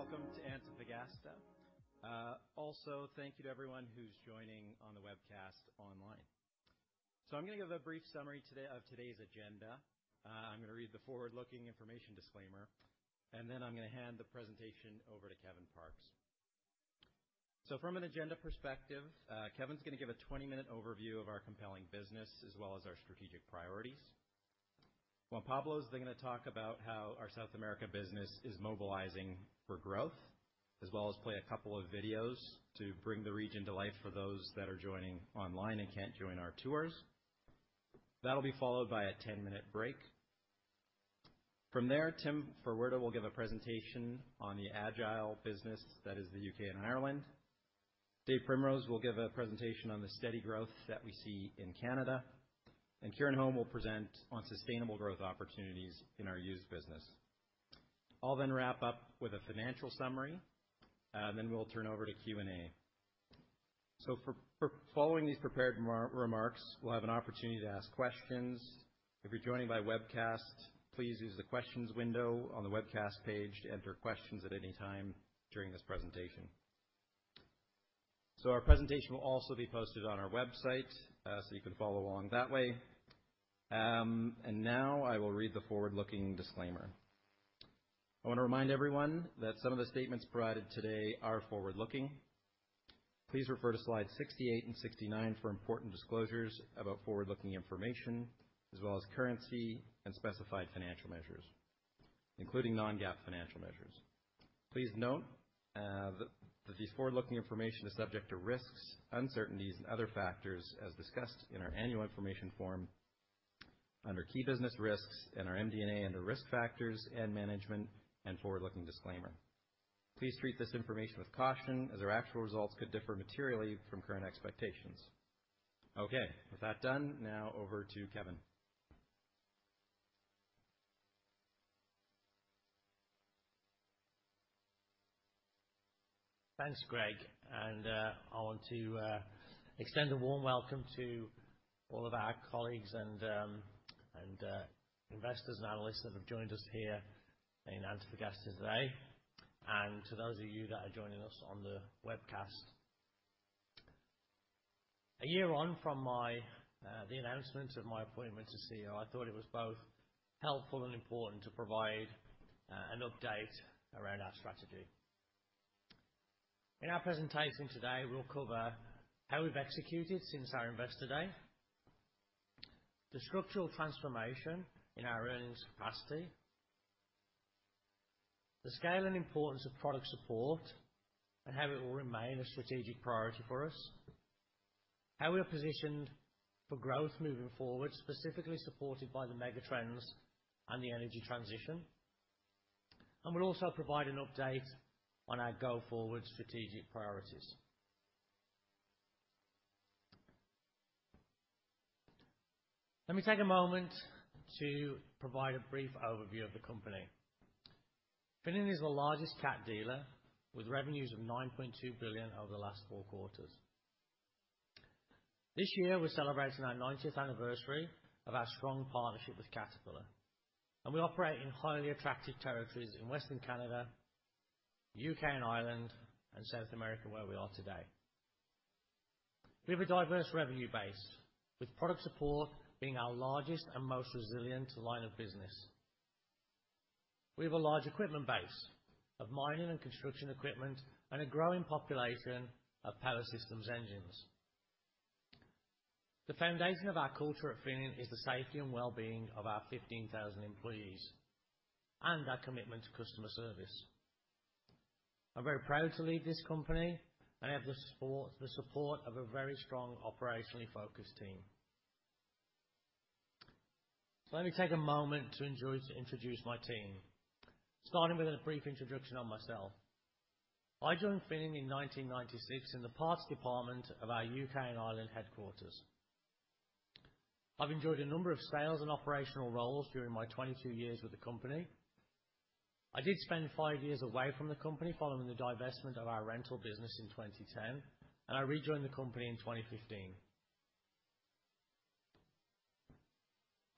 Hello, everyone, and welcome to Antofagasta. Also, thank you to everyone who's joining on the webcast online. So I'm gonna give a brief summary today of today's agenda. I'm gonna read the forward-looking information disclaimer, and then I'm gonna hand the presentation over to Kevin Parkes. So from an agenda perspective, Kevin's gonna give a 20-minute overview of our compelling business as well as our strategic priorities. Juan Pablo is then gonna talk about how our South America business is mobilizing for growth, as well as play a couple of videos to bring the region to life for those that are joining online and can't join our tours. That'll be followed by a 10-minute break. From there, Tim Ferwerda will give a presentation on the agile business that is the U.K. and Ireland. Dave Primrose will give a presentation on the steady growth that we see in Canada, and Kieran Holm will present on sustainable growth opportunities in our used business. I'll then wrap up with a financial summary, then we'll turn over to Q&A. So for following these prepared remarks, we'll have an opportunity to ask questions. If you're joining by webcast, please use the questions window on the webcast page to enter questions at any time during this presentation. So our presentation will also be posted on our website, so you can follow along that way. And now I will read the forward-looking disclaimer. I want to remind everyone that some of the statements provided today are forward-looking. Please refer to slides 68 and 69 for important disclosures about forward-looking information, as well as currency and specified financial measures, including non-GAAP financial measures. Please note that this forward-looking information is subject to risks, uncertainties and other factors as discussed in our annual information form under Key Business Risks and our MD&A under Risk Factors and Management and forward-looking disclaimer. Please treat this information with caution, as our actual results could differ materially from current expectations. Okay, with that done, now over to Kevin. Thanks, Greg, and I want to extend a warm welcome to all of our colleagues and investors and analysts that have joined us here in Antofagasta today, and to those of you that are joining us on the webcast. A year on from my, the announcement of my appointment to CEO, I thought it was both helpful and important to provide an update around our strategy. In our presentation today, we'll cover how we've executed since our Investor Day, the structural transformation in our earnings capacity, the scale and importance of product support, and how it will remain a strategic priority for us. How we are positioned for growth moving forward, specifically supported by the mega trends and the energy transition, and we'll also provide an update on our go-forward strategic priorities. Let me take a moment to provide a brief overview of the company. Finning is the largest Cat dealer, with revenues of 9.2 billion over the last four quarters. This year, we're celebrating our ninetieth anniversary of our strong partnership with Caterpillar, and we operate in highly attractive territories in Western Canada, U.K. and Ireland, and South America, where we are today. We have a diverse revenue base, with product support being our largest and most resilient line of business. We have a large equipment base of mining and construction equipment and a growing population of power systems engines. The foundation of our culture at Finning is the safety and wellbeing of our 15,000 employees and our commitment to customer service. I'm very proud to lead this company, and I have the support of a very strong, operationally focused team. So let me take a moment to introduce my team, starting with a brief introduction of myself. I joined Finning in 1996 in the parts department of our U.K. and Ireland headquarters. I've enjoyed a number of sales and operational roles during my 22 years with the company. I did spend five years away from the company following the divestment of our rental business in 2010, and I rejoined the company in 2015.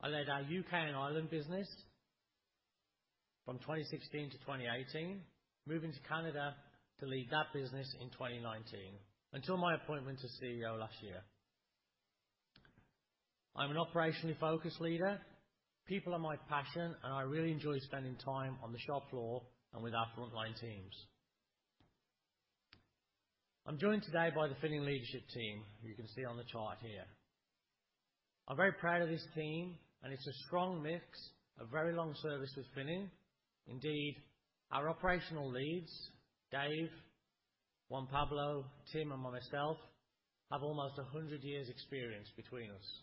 I led our U.K. and Ireland business from 2016 to 2018, moving to Canada to lead that business in 2019, until my appointment as CEO last year. I'm an operationally focused leader. People are my passion, and I really enjoy spending time on the shop floor and with our frontline teams. I'm joined today by the Finning leadership team, who you can see on the chart here. I'm very proud of this team, and it's a strong mix of very long service with Finning. Indeed, our operational leads, Dave, Juan Pablo, Tim, and myself, have almost 100 years experience between us.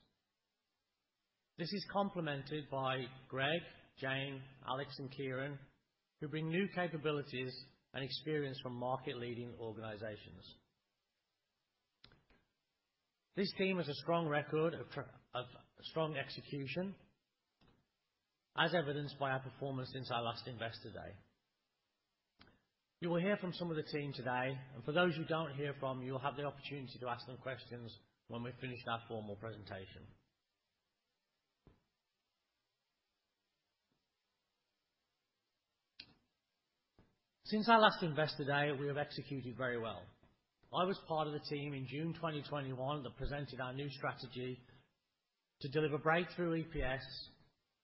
This is complemented by Greg, Jane, Alex, and Kieran, who bring new capabilities and experience from market-leading organizations. This team has a strong record of strong execution, as evidenced by our performance since our last Investor Day. You will hear from some of the team today, and for those you don't hear from, you'll have the opportunity to ask them questions when we finish our formal presentation. Since our last Investor Day, we have executed very well. I was part of the team in June 2021 that presented our new strategy to deliver breakthrough EPS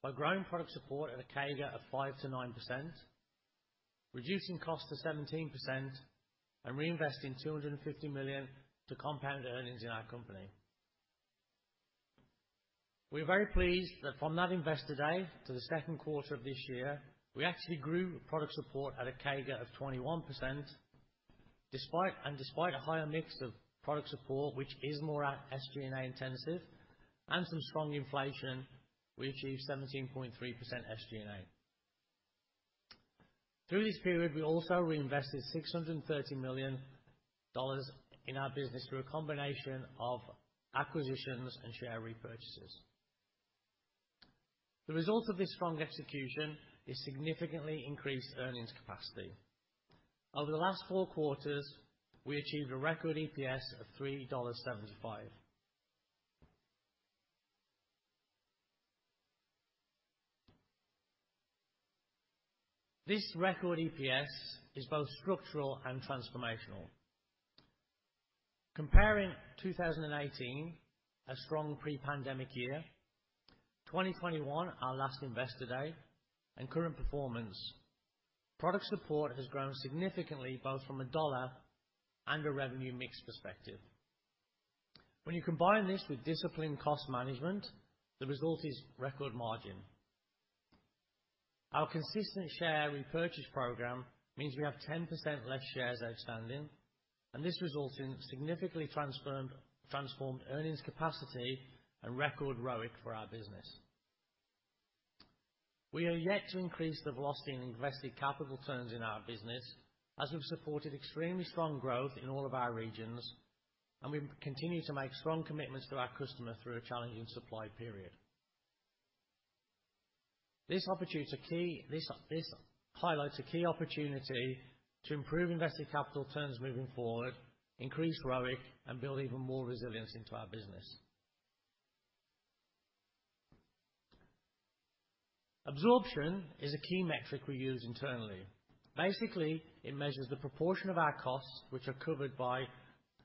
by growing product support at a CAGR of 5%-9%, reducing costs to 17%, and reinvesting 250 million to compound earnings in our company. We're very pleased that from that Investor Day to the second quarter of this year, we actually grew product support at a CAGR of 21%, despite a higher mix of product support, which is more SG&A intensive and some strong inflation, we achieved 17.3% SG&A. Through this period, we also reinvested 630 million dollars in our business through a combination of acquisitions and share repurchases. The result of this strong execution is significantly increased earnings capacity. Over the last four quarters, we achieved a record EPS of 3.75 dollars. This record EPS is both structural and transformational. Comparing 2018, a strong pre-pandemic year, 2021, our last Investor Day, and current performance, product support has grown significantly, both from a dollar and a revenue mix perspective. When you combine this with disciplined cost management, the result is record margin. Our consistent share repurchase program means we have 10% less shares outstanding, and this results in significantly transformed earnings capacity and record ROIC for our business. We are yet to increase the velocity in invested capital turns in our business, as we've supported extremely strong growth in all of our regions, and we continue to make strong commitments to our customer through a challenging supply period. This highlights a key opportunity to improve invested capital turns moving forward, increase ROIC, and build even more resilience into our business. Absorption is a key metric we use internally. Basically, it measures the proportion of our costs which are covered by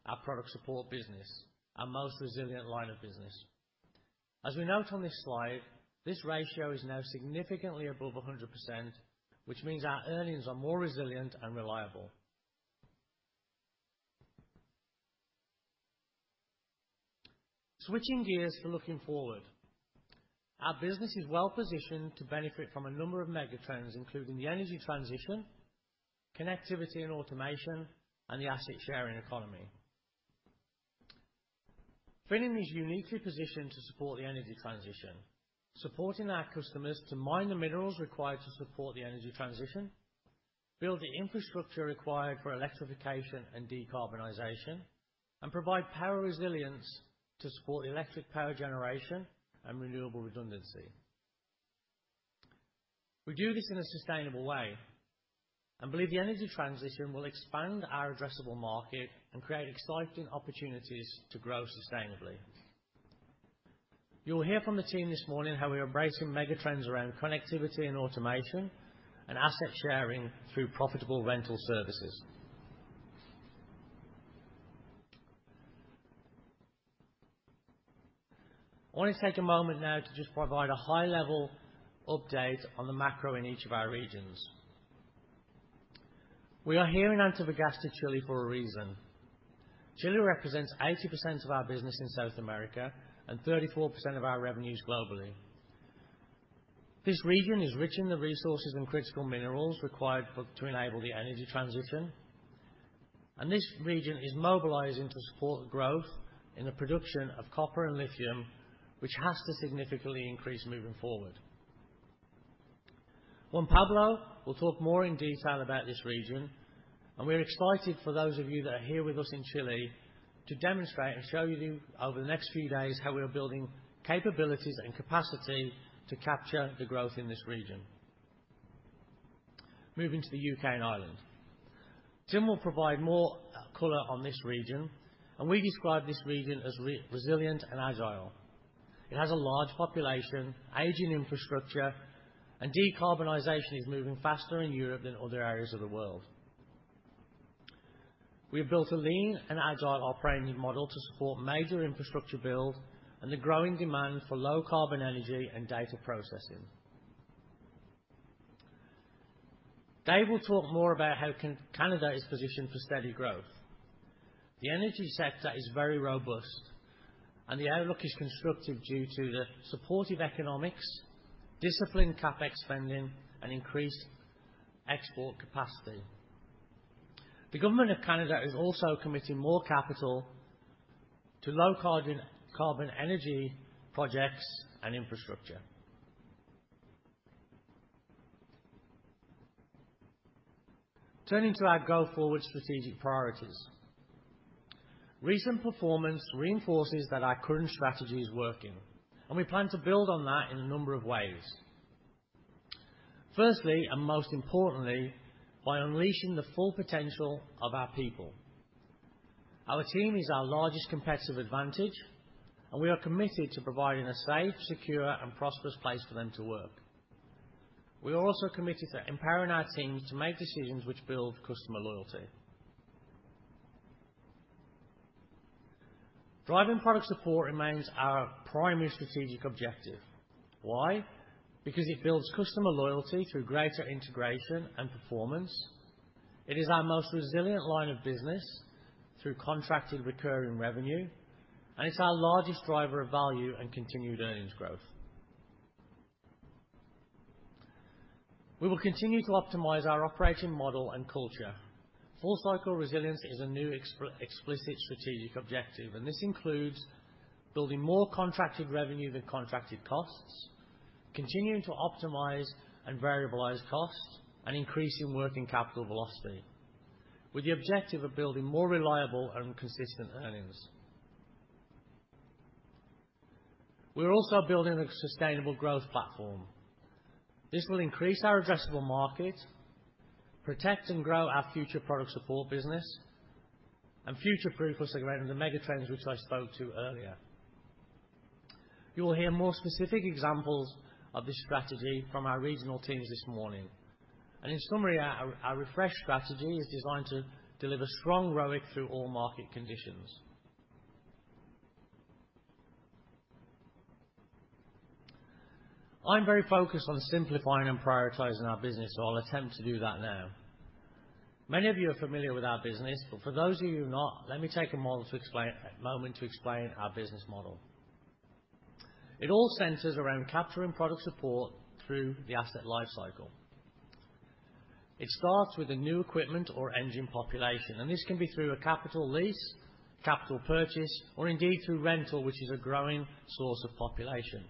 our product support business, our most resilient line of business. As we note on this slide, this ratio is now significantly above 100%, which means our earnings are more resilient and reliable. Switching gears to looking forward. Our business is well positioned to benefit from a number of mega trends, including the energy transition, connectivity and automation, and the asset sharing economy. Finning is uniquely positioned to support the energy transition, supporting our customers to mine the minerals required to support the energy transition, build the infrastructure required for electrification and decarbonization, and provide power resilience to support electric power generation and renewable redundancy. We do this in a sustainable way and believe the energy transition will expand our addressable market and create exciting opportunities to grow sustainably. You will hear from the team this morning how we are embracing mega trends around connectivity and automation and asset sharing through profitable rental services. I want to take a moment now to just provide a high-level update on the macro in each of our regions. We are here in Antofagasta, Chile, for a reason. Chile represents 80% of our business in South America and 34% of our revenues globally. This region is rich in the resources and critical minerals required to enable the energy transition, and this region is mobilizing to support the growth in the production of copper and lithium, which has to significantly increase moving forward. Juan Pablo will talk more in detail about this region, and we're excited for those of you that are here with us in Chile to demonstrate and show you over the next few days how we are building capabilities and capacity to capture the growth in this region. Moving to the U.K. and Ireland. Tim will provide more, color on this region, and we describe this region as resilient and agile. It has a large population, aging infrastructure, and decarbonization is moving faster in Europe than other areas of the world. We have built a lean and agile operating model to support major infrastructure build and the growing demand for low carbon energy and data processing. Dave will talk more about how Canada is positioned for steady growth. The energy sector is very robust, and the outlook is constructive due to the supportive economics, disciplined CapEx spending, and increased export capacity. The government of Canada is also committing more capital to low carbon, carbon energy projects and infrastructure. Turning to our go-forward strategic priorities. Recent performance reinforces that our current strategy is working, and we plan to build on that in a number of ways. Firstly, and most importantly, by unleashing the full potential of our people. Our team is our largest competitive advantage, and we are committed to providing a safe, secure, and prosperous place for them to work. We are also committed to empowering our team to make decisions which build customer loyalty. Driving product support remains our primary strategic objective. Why? Because it builds customer loyalty through greater integration and performance. It is our most resilient line of business through contracted recurring revenue, and it's our largest driver of value and continued earnings growth. We will continue to optimize our operating model and culture. Full cycle resilience is a new explicit strategic objective, and this includes building more contracted revenue than contracted costs, continuing to optimize and variabilize costs, and increasing working capital velocity, with the objective of building more reliable and consistent earnings. We are also building a sustainable growth platform. This will increase our addressable market, protect and grow our future product support business, and future-proof us against the mega trends which I spoke to earlier. You will hear more specific examples of this strategy from our regional teams this morning, and in summary, our refreshed strategy is designed to deliver strong ROIC through all market conditions. I'm very focused on simplifying and prioritizing our business, so I'll attempt to do that now. Many of you are familiar with our business, but for those of you who've not, let me take a moment to explain our business model. It all centers around capturing product support through the asset life cycle. It starts with a new equipment or engine population, and this can be through a capital lease, capital purchase, or indeed through rental, which is a growing source of population.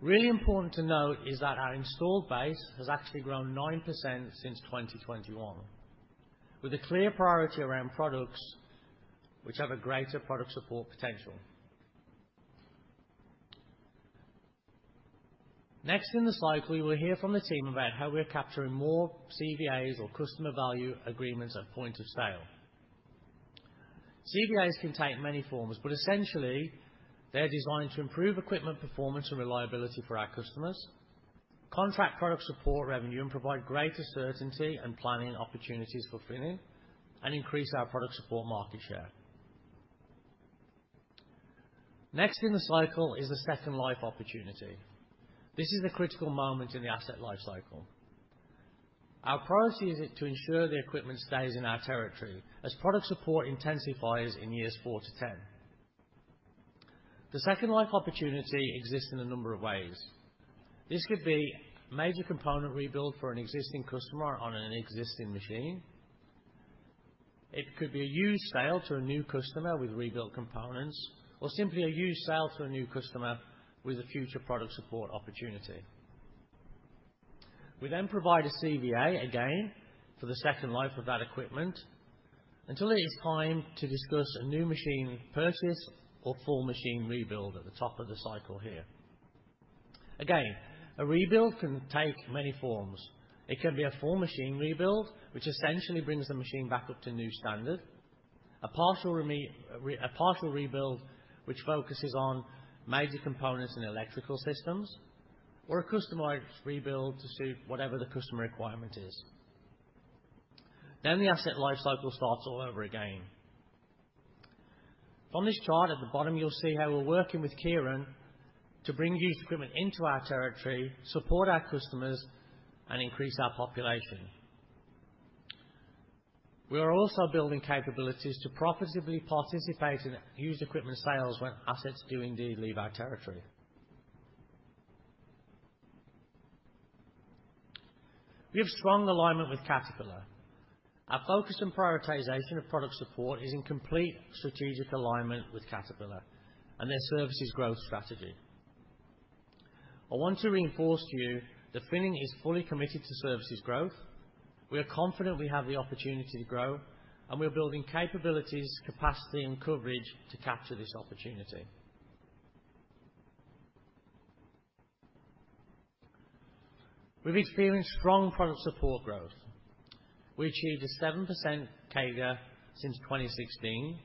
Really important to note is that our installed base has actually grown 9% since 2021, with a clear priority around products which have a greater product support potential. Next in the cycle, we will hear from the team about how we are capturing more CVAs or customer value agreements at point of sale. CVAs can take many forms, but essentially, they're designed to improve equipment, performance, and reliability for our customers, contract product support revenue, and provide greater certainty and planning opportunities for Finning, and increase our product support market share. Next in the cycle is the second life opportunity. This is the critical moment in the asset life cycle. Our priority is to ensure the equipment stays in our territory as product support intensifies in years 4-10. The second life opportunity exists in a number of ways. This could be a major component rebuild for an existing customer on an existing machine. It could be a used sale to a new customer with rebuilt components, or simply a used sale to a new customer with a future product support opportunity. We then provide a CVA again for the second life of that equipment, until it is time to discuss a new machine purchase or full machine rebuild at the top of the cycle here. Again, a rebuild can take many forms. It can be a full machine rebuild, which essentially brings the machine back up to new standard, a partial rebuild, which focuses on major components and electrical systems, or a customized rebuild to suit whatever the customer requirement is. Then the asset life cycle starts all over again. On this chart at the bottom, you'll see how we're working with Kieran to bring used equipment into our territory, support our customers, and increase our population. We are also building capabilities to profitably participate in used equipment sales when assets do indeed leave our territory. We have strong alignment with Caterpillar. Our focus and prioritization of product support is in complete strategic alignment with Caterpillar and their services growth strategy. I want to reinforce to you that Finning is fully committed to services growth. We are confident we have the opportunity to grow, and we are building capabilities, capacity, and coverage to capture this opportunity. We've experienced strong product support growth. We achieved a 7% CAGR since 2016,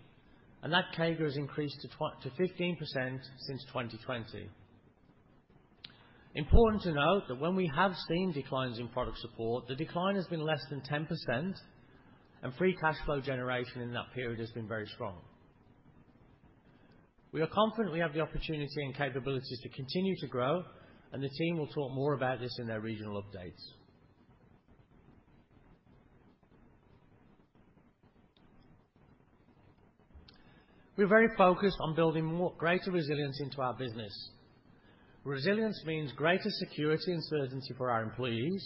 and that CAGR has increased to 15% since 2020. Important to note that when we have seen declines in product support, the decline has been less than 10%, and free cash flow generation in that period has been very strong. We are confident we have the opportunity and capabilities to continue to grow, and the team will talk more about this in their regional updates. We're very focused on building more greater resilience into our business. Resilience means greater security and certainty for our employees,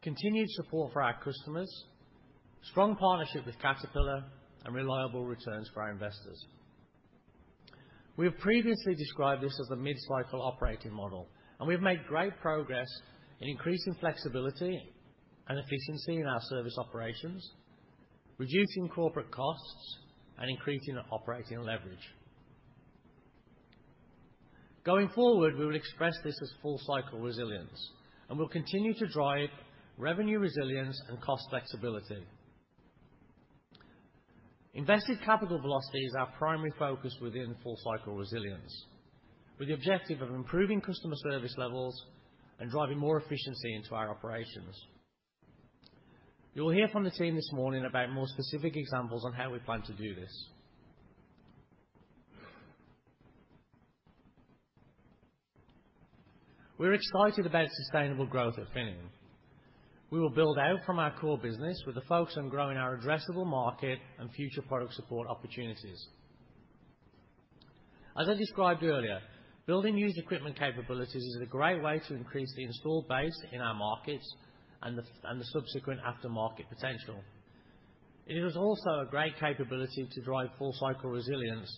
continued support for our customers, strong partnership with Caterpillar, and reliable returns for our investors. We have previously described this as a mid-cycle operating model, and we've made great progress in increasing flexibility and efficiency in our service operations, reducing corporate costs, and increasing our operating leverage. Going forward, we will express this as full-cycle resilience, and we'll continue to drive revenue resilience and cost flexibility. Invested capital velocity is our primary focus within full cycle resilience, with the objective of improving customer service levels and driving more efficiency into our operations. You will hear from the team this morning about more specific examples on how we plan to do this. We're excited about sustainable growth at Finning. We will build out from our core business with a focus on growing our addressable market and future product support opportunities. As I described earlier, building used equipment capabilities is a great way to increase the installed base in our markets and the subsequent aftermarket potential. It is also a great capability to drive full cycle resilience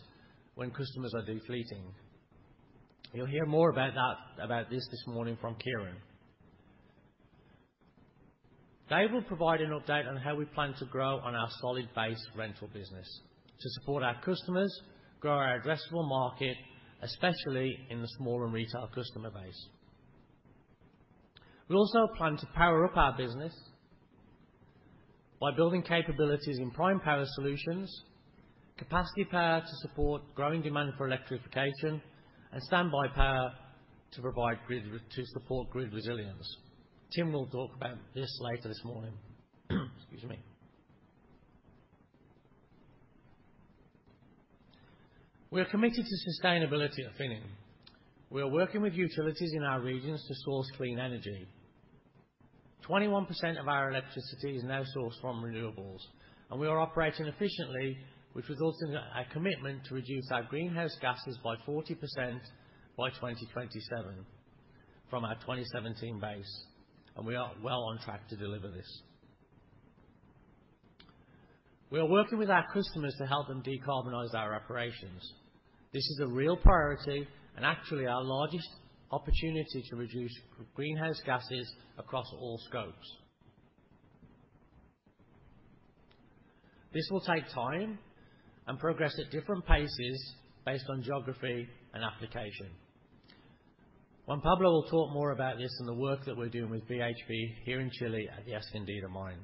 when customers are de-fleeting. You'll hear more about that, about this, this morning from Kieran. Dave will provide an update on how we plan to grow on our solid base rental business to support our customers, grow our addressable market, especially in the small and retail customer base. We also plan to power up our business by building capabilities in prime power solutions, capacity power to support growing demand for electrification, and standby power to provide grid relief to support grid resilience. Tim will talk about this later this morning. Excuse me. We are committed to sustainability at Finning. We are working with utilities in our regions to source clean energy. 21% of our electricity is now sourced from renewables, and we are operating efficiently, which results in a commitment to reduce our greenhouse gases by 40% by 2027 from our 2017 base, and we are well on track to deliver this. We are working with our customers to help them decarbonize their operations. This is a real priority and actually our largest opportunity to reduce greenhouse gases across all scopes. This will take time and progress at different paces based on geography and application. Juan Pablo will talk more about this and the work that we're doing with BHP here in Chile at the Escondida mine.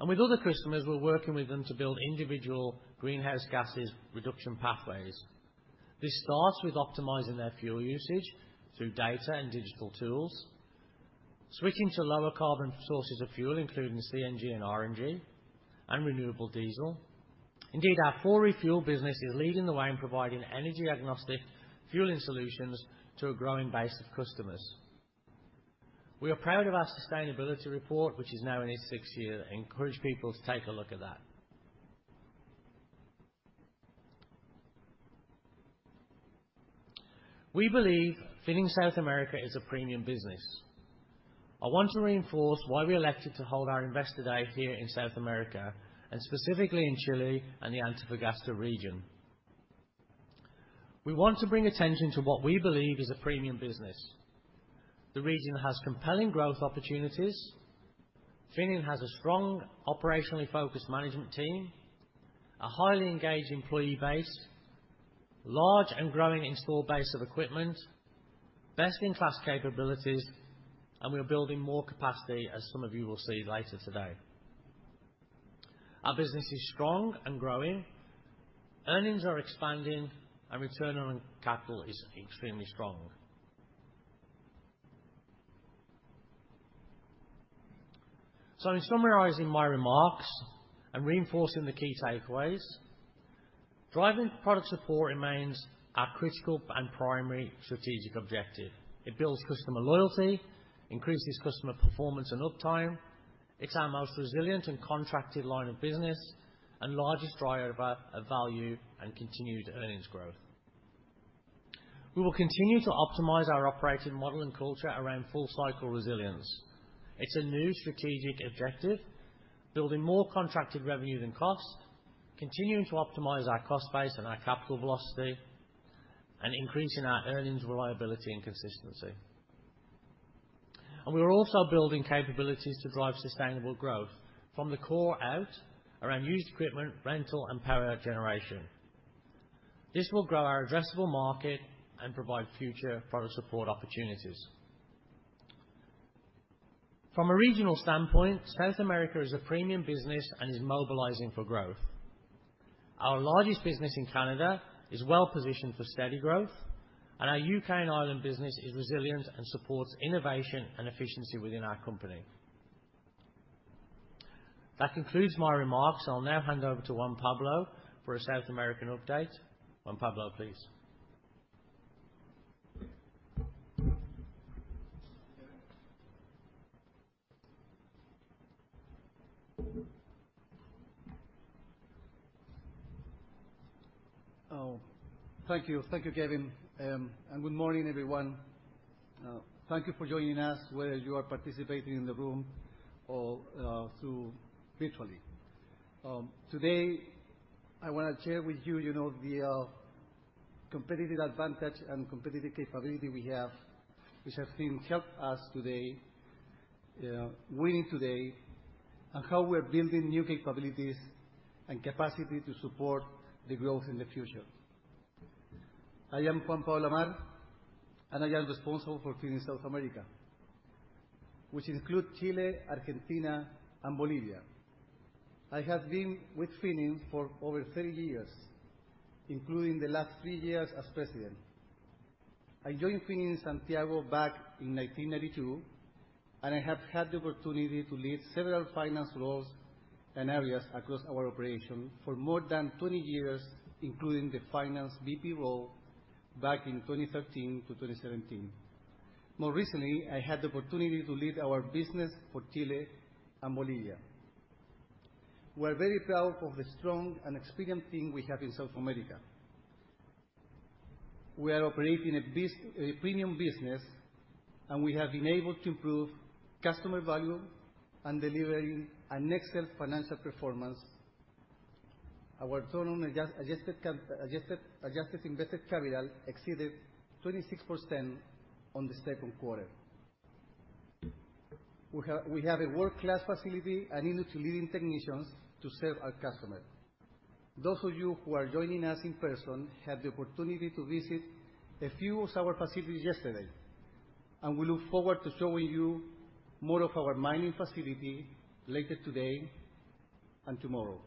And with other customers, we're working with them to build individual greenhouse gases reduction pathways. This starts with optimizing their fuel usage through data and digital tools, switching to lower carbon sources of fuel, including CNG and RNG and renewable diesel. Indeed, our 4Refuel business is leading the way in providing energy-agnostic fueling solutions to a growing base of customers. We are proud of our sustainability report, which is now in its sixth year, and encourage people to take a look at that. We believe Finning South America is a premium business. I want to reinforce why we elected to hold our Investor Day here in South America, and specifically in Chile and the Antofagasta region. We want to bring attention to what we believe is a premium business. The region has compelling growth opportunities. Finning has a strong, operationally focused management team, a highly engaged employee base, large and growing installed base of equipment, best-in-class capabilities, and we are building more capacity, as some of you will see later today. Our business is strong and growing, earnings are expanding, and return on capital is extremely strong. In summarizing my remarks and reinforcing the key takeaways, driving product support remains our critical and primary strategic objective. It builds customer loyalty, increases customer performance and uptime, it's our most resilient and contracted line of business, and largest driver of value and continued earnings growth. We will continue to optimize our operating model and culture around full cycle resilience. It's a new strategic objective, building more contracted revenue than costs, continuing to optimize our cost base and our capital velocity, and increasing our earnings, reliability, and consistency. We are also building capabilities to drive sustainable growth from the core out around used equipment, rental, and power generation. This will grow our addressable market and provide future product support opportunities. From a regional standpoint, South America is a premium business and is mobilizing for growth. Our largest business in Canada is well positioned for steady growth, and our U.K. and Ireland business is resilient and supports innovation and efficiency within our company. That concludes my remarks. I'll now hand over to Juan Pablo for a South American update. Juan Pablo, please. Oh, thank you. Thank you, Kevin, and good morning, everyone. Thank you for joining us, whether you are participating in the room or through virtually. Today, I wanna share with you, you know, the competitive advantage and competitive capability we have, which have been helped us today, winning today, and how we're building new capabilities and capacity to support the growth in the future. I am Juan Pablo Amar, and I am responsible for Finning South America, which include Chile, Argentina, and Bolivia. I have been with Finning for over 30 years, including the last 3 years as President. I joined Finning Santiago back in 1992, and I have had the opportunity to lead several finance roles and areas across our operation for more than 20 years, including the finance VP role back in 2013-2017. More recently, I had the opportunity to lead our business for Chile and Bolivia. We're very proud of the strong and experienced team we have in South America. We are operating a premium business, and we have been able to improve customer value and delivering an excellent financial performance. Our total on adjust, adjusted cap, adjusted invested capital exceeded 26% in the second quarter. We have a world-class facility and industry-leading technicians to serve our customer. Those of you who are joining us in person had the opportunity to visit a few of our facilities yesterday, and we look forward to showing you more of our mining facility later today and tomorrow.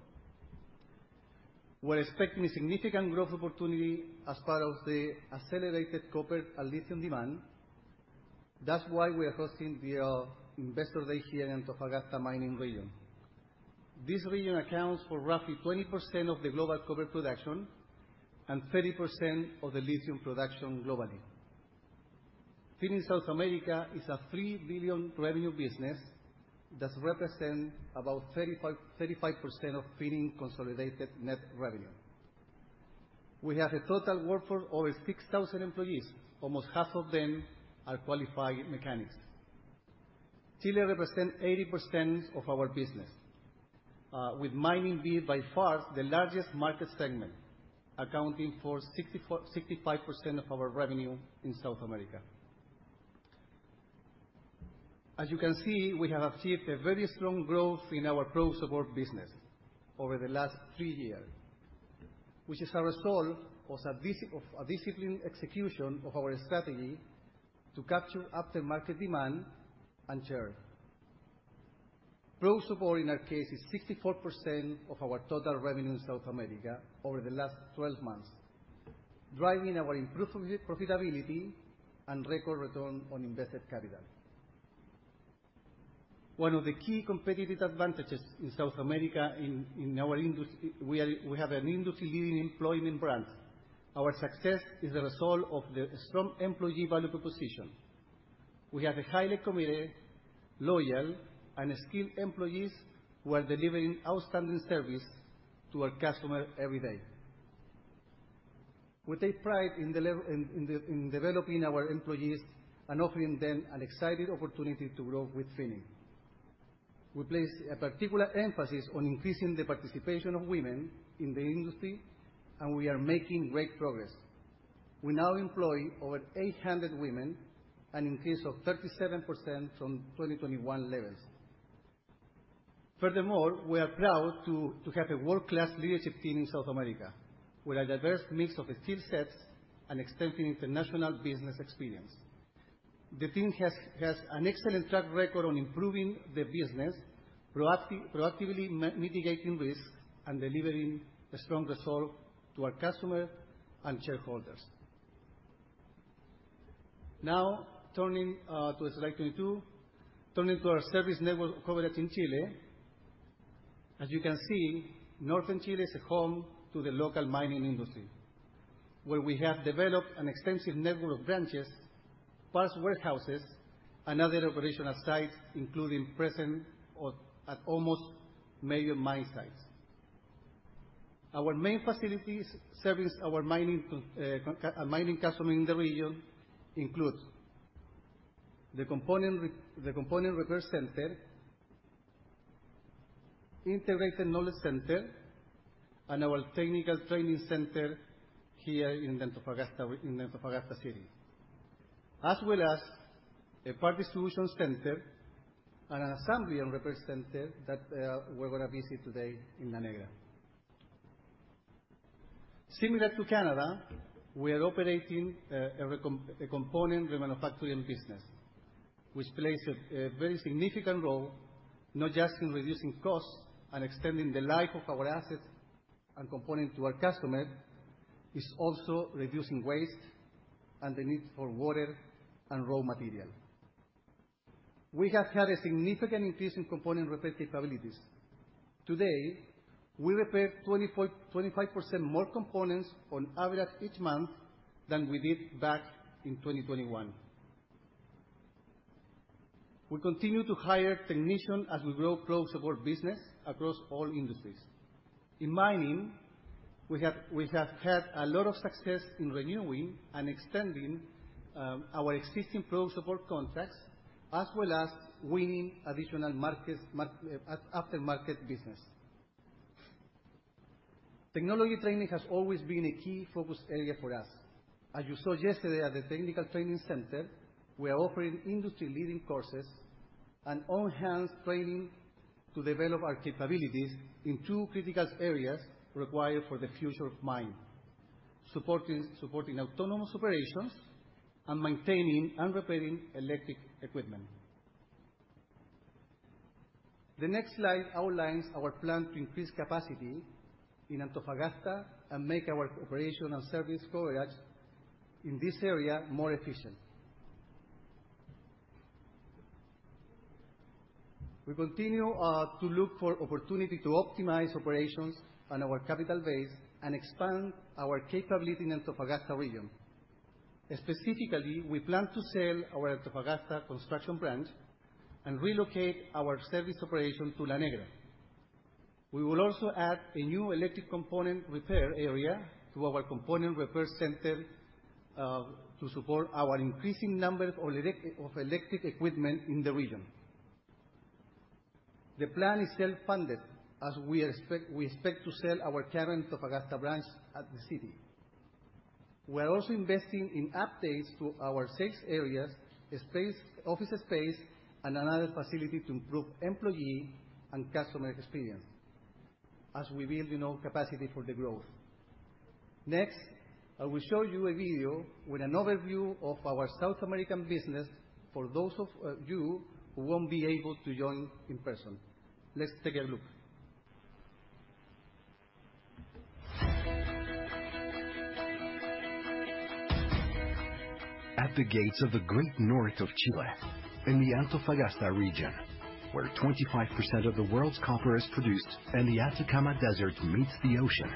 We're expecting a significant growth opportunity as part of the accelerated copper and lithium demand. That's why we are hosting the Investor Day here in Antofagasta mining region. This region accounts for roughly 20% of the global copper production and 30% of the lithium production globally. Finning South America is a 3 billion revenue business that represent about 35, 35% of Finning consolidated net revenue. We have a total workforce over 6,000 employees. Almost half of them are qualified mechanics. Chile represent 80% of our business, with mining being by far the largest market segment, accounting for 64-65% of our revenue in South America. As you can see, we have achieved a very strong growth in our growth support business over the last three years, which is a result of a disciplined execution of our strategy to capture after-market demand and share. Growth support, in our case, is 54% of our total revenue in South America over the last twelve months, driving our improved profitability and record return on invested capital. One of the key competitive advantages in South America, in our industry, we have an industry-leading employment brand. Our success is a result of the strong employee value proposition. We have a highly committed, loyal, and skilled employees who are delivering outstanding service to our customer every day. We take pride in developing our employees and offering them an exciting opportunity to grow with Finning. We place a particular emphasis on increasing the participation of women in the industry, and we are making great progress. We now employ over 800 women, an increase of 37% from 2021 levels. Furthermore, we are proud to have a world-class leadership team in South America, with a diverse mix of skill sets and extensive international business experience. The team has an excellent track record on improving the business, proactively mitigating risks, and delivering a strong result to our customer and shareholders. Now, turning to slide 22. Turning to our service network coverage in Chile. As you can see, northern Chile is home to the local mining industry, where we have developed an extensive network of branches, parts warehouses, and other operational sites, including present or at almost major mine sites. Our main facilities servicing our mining customers in the region includes the Component Repair Center, Integrated Knowledge Center, and our Technical Training Center here in Antofagasta, in Antofagasta City, as well as a Parts Solutions Center and an Assembly and Repair Center that we're gonna visit today in La Negra. Similar to Canada, we are operating a component remanufacturing business, which plays a very significant role, not just in reducing costs and extending the life of our assets and component to our customer, it's also reducing waste and the need for water and raw material. We have had a significant increase in component repair capabilities. Today, we repair 24-25% more components on average each month than we did back in 2021. We continue to hire technicians as we grow product support business across all industries. In mining, we have had a lot of success in renewing and extending our existing product support contracts, as well as winning additional markets at aftermarket business. Technology training has always been a key focus area for us. As you saw yesterday at the technical training center, we are offering industry-leading courses and enhanced training to develop our capabilities in two critical areas required for the future of mining: supporting autonomous operations and maintaining and repairing electric equipment. The next slide outlines our plan to increase capacity in Antofagasta and make our operational service coverage in this area more efficient. We continue to look for opportunity to optimize operations and our capital base and expand our capability in Antofagasta region. Specifically, we plan to sell our Antofagasta construction branch and relocate our service operation to La Negra. We will also add a new electric component repair area to our component repair center to support our increasing number of electric equipment in the region. The plan is self-funded, as we expect, we expect to sell our current Antofagasta branch at the city. We're also investing in updates to our sales areas, space, office space, and another facility to improve employee and customer experience as we build enough capacity for the growth. Next, I will show you a video with an overview of our South American business for those of you who won't be able to join in person. Let's take a look. At the gates of the Great North of Chile, in the Antofagasta region, where 25% of the world's copper is produced and the Atacama Desert meets the ocean,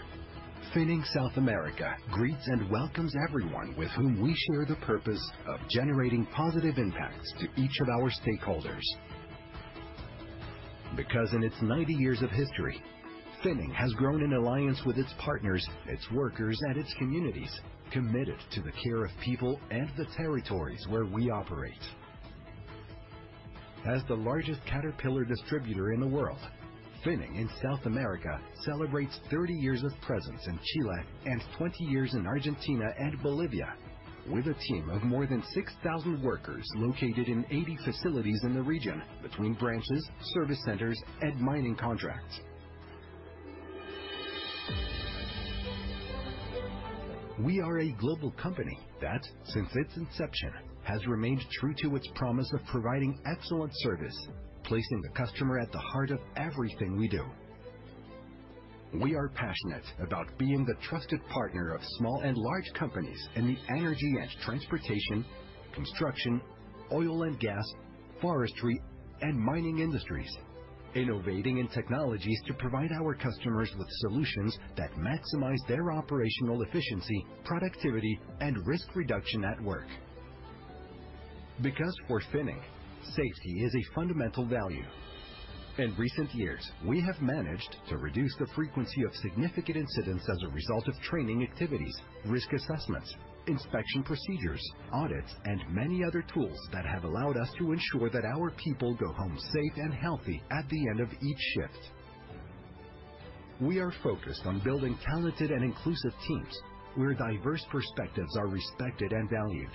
Finning South America greets and welcomes everyone with whom we share the purpose of generating positive impacts to each of our stakeholders. Because in its 90 years of history, Finning has grown in alliance with its partners, its workers, and its communities, committed to the care of people and the territories where we operate. As the largest Caterpillar distributor in the world, Finning in South America celebrates 30 years of presence in Chile and 20 years in Argentina and Bolivia, with a team of more than 6,000 workers located in 80 facilities in the region between branches, service centers, and mining contracts. We are a global company that, since its inception, has remained true to its promise of providing excellent service, placing the customer at the heart of everything we do. We are passionate about being the trusted partner of small and large companies in the energy and transportation, construction, oil and gas, forestry, and mining industries. Innovating in technologies to provide our customers with solutions that maximize their operational efficiency, productivity, and risk reduction at work. Because for Finning, safety is a fundamental value. In recent years, we have managed to reduce the frequency of significant incidents as a result of training activities, risk assessments, inspection procedures, audits, and many other tools that have allowed us to ensure that our people go home safe and healthy at the end of each shift. We are focused on building talented and inclusive teams, where diverse perspectives are respected and valued.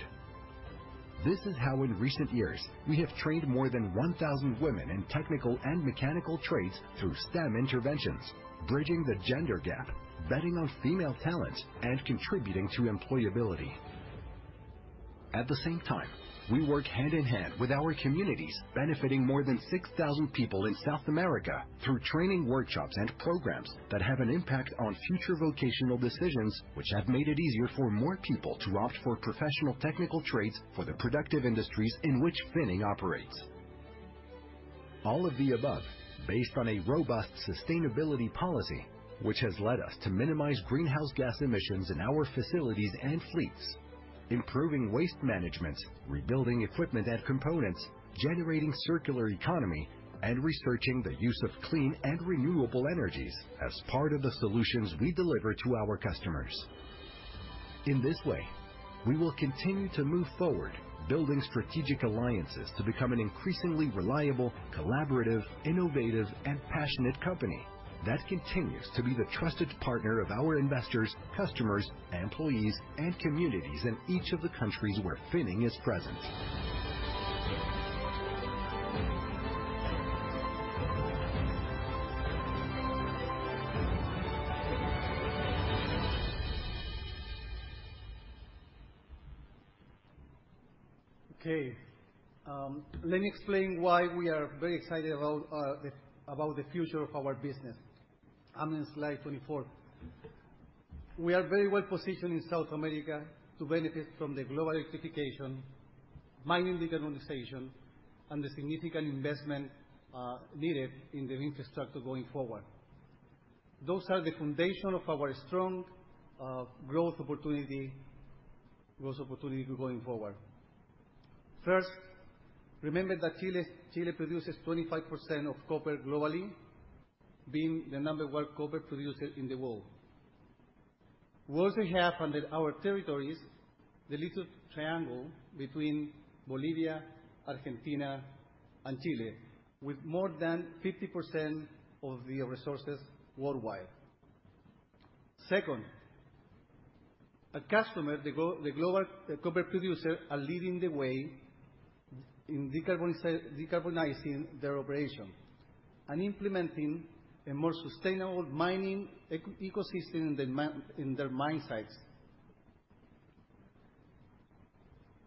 This is how, in recent years, we have trained more than 1,000 women in technical and mechanical trades through STEM interventions, bridging the gender gap, betting on female talent, and contributing to employability. At the same time, we work hand in hand with our communities, benefiting more than 6,000 people in South America through training workshops and programs that have an impact on future vocational decisions, which have made it easier for more people to opt for professional technical trades for the productive industries in which Finning operates. All of the above, based on a robust sustainability policy, which has led us to minimize greenhouse gas emissions in our facilities and fleets, improving waste management, rebuilding equipment and components, generating circular economy, and researching the use of clean and renewable energies as part of the solutions we deliver to our customers. In this way, we will continue to move forward, building strategic alliances to become an increasingly reliable, collaborative, innovative, and passionate company that continues to be the trusted partner of our investors, customers, employees, and communities in each of the countries where Finning is present. Okay, let me explain why we are very excited about the future of our business. I'm in slide 24. We are very well positioned in South America to benefit from the global electrification, mining digitalization, and the significant investment needed in the infrastructure going forward. Those are the foundation of our strong growth opportunity going forward. First, remember that Chile produces 25% of copper globally, being the number one copper producer in the world. We also have under our territories the little triangle between Bolivia, Argentina, and Chile, with more than 50% of the resources worldwide. Second, our customer, the global copper producer, are leading the way in decarbonizing their operation and implementing a more sustainable mining ecosystem in their mine sites.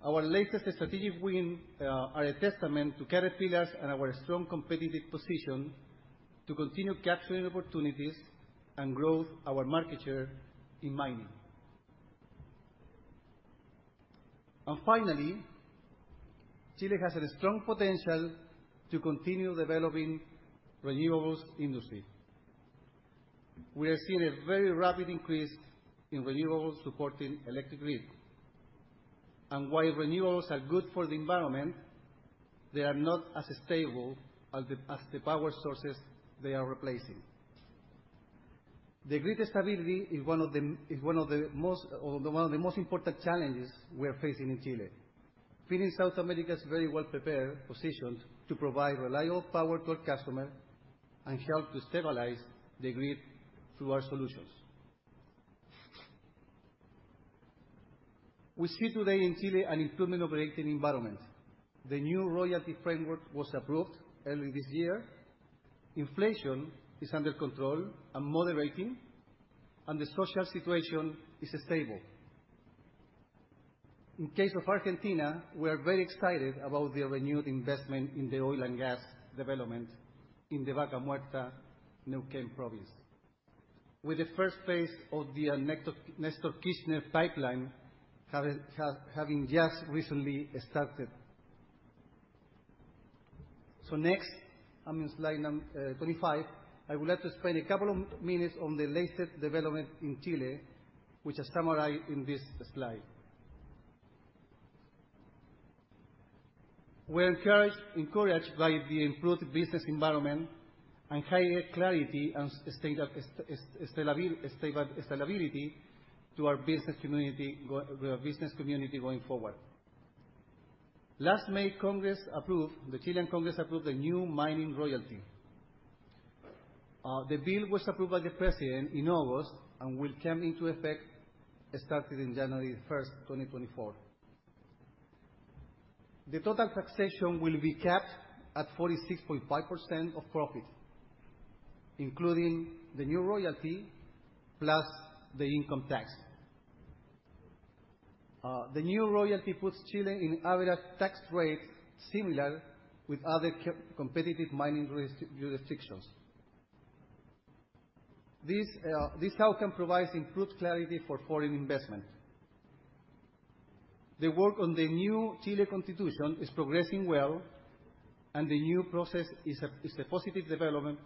Our latest strategic win are a testament to Caterpillar's and our strong competitive position to continue capturing opportunities and growth our market share in mining. And finally, Chile has a strong potential to continue developing renewables industry. We are seeing a very rapid increase in renewables supporting electric grid. And while renewables are good for the environment, they are not as stable as the, as the power sources they are replacing. The grid stability is one of the, is one of the most, or one of the most important challenges we are facing in Chile. Finning South America is very well prepared, positioned to provide reliable power to our customer and help to stabilize the grid through our solutions. We see today in Chile an improvement operating environment. The new royalty framework was approved early this year. Inflation is under control and moderating, and the social situation is stable. In case of Argentina, we are very excited about the renewed investment in the oil and gas development in the Vaca Muerta, Neuquén Province, with the first phase of the Néstor Kirchner pipeline having just recently started. So next, I'm in slide number 25. I would like to spend a couple of minutes on the latest development in Chile, which are summarized in this slide. We are encouraged by the improved business environment and higher clarity and stability to our business community going forward. Last May, Congress approved, the Chilean Congress approved a new mining royalty. The bill was approved by the President in August and will come into effect starting in January 1, 2024. The total taxation will be capped at 46.5% of profit, including the new royalty plus the income tax. The new royalty puts Chile in average tax rate, similar with other competitive mining jurisdictions. This, this outcome provides improved clarity for foreign investment. The work on the new Chile Constitution is progressing well, and the new process is a, is a positive development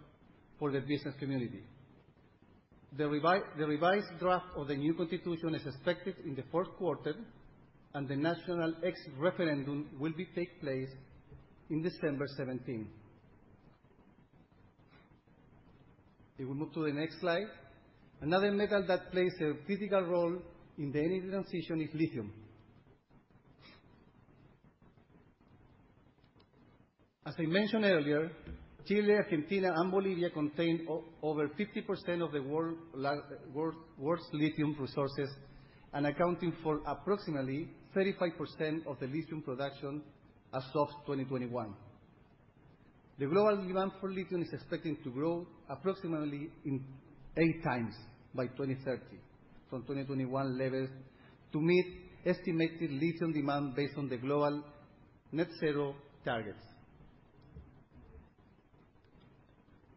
for the business community. The revised draft of the new constitution is expected in the fourth quarter, and the national exit referendum will be take place in December seventeenth. We will move to the next slide. Another metal that plays a critical role in the energy transition is lithium. As I mentioned earlier, Chile, Argentina and Bolivia contain over 50% of the world's lithium resources and accounting for approximately 35% of the lithium production as of 2021. The global demand for lithium is expected to grow approximately 8 times by 2030 from 2021 levels, to meet estimated lithium demand based on the global net zero targets.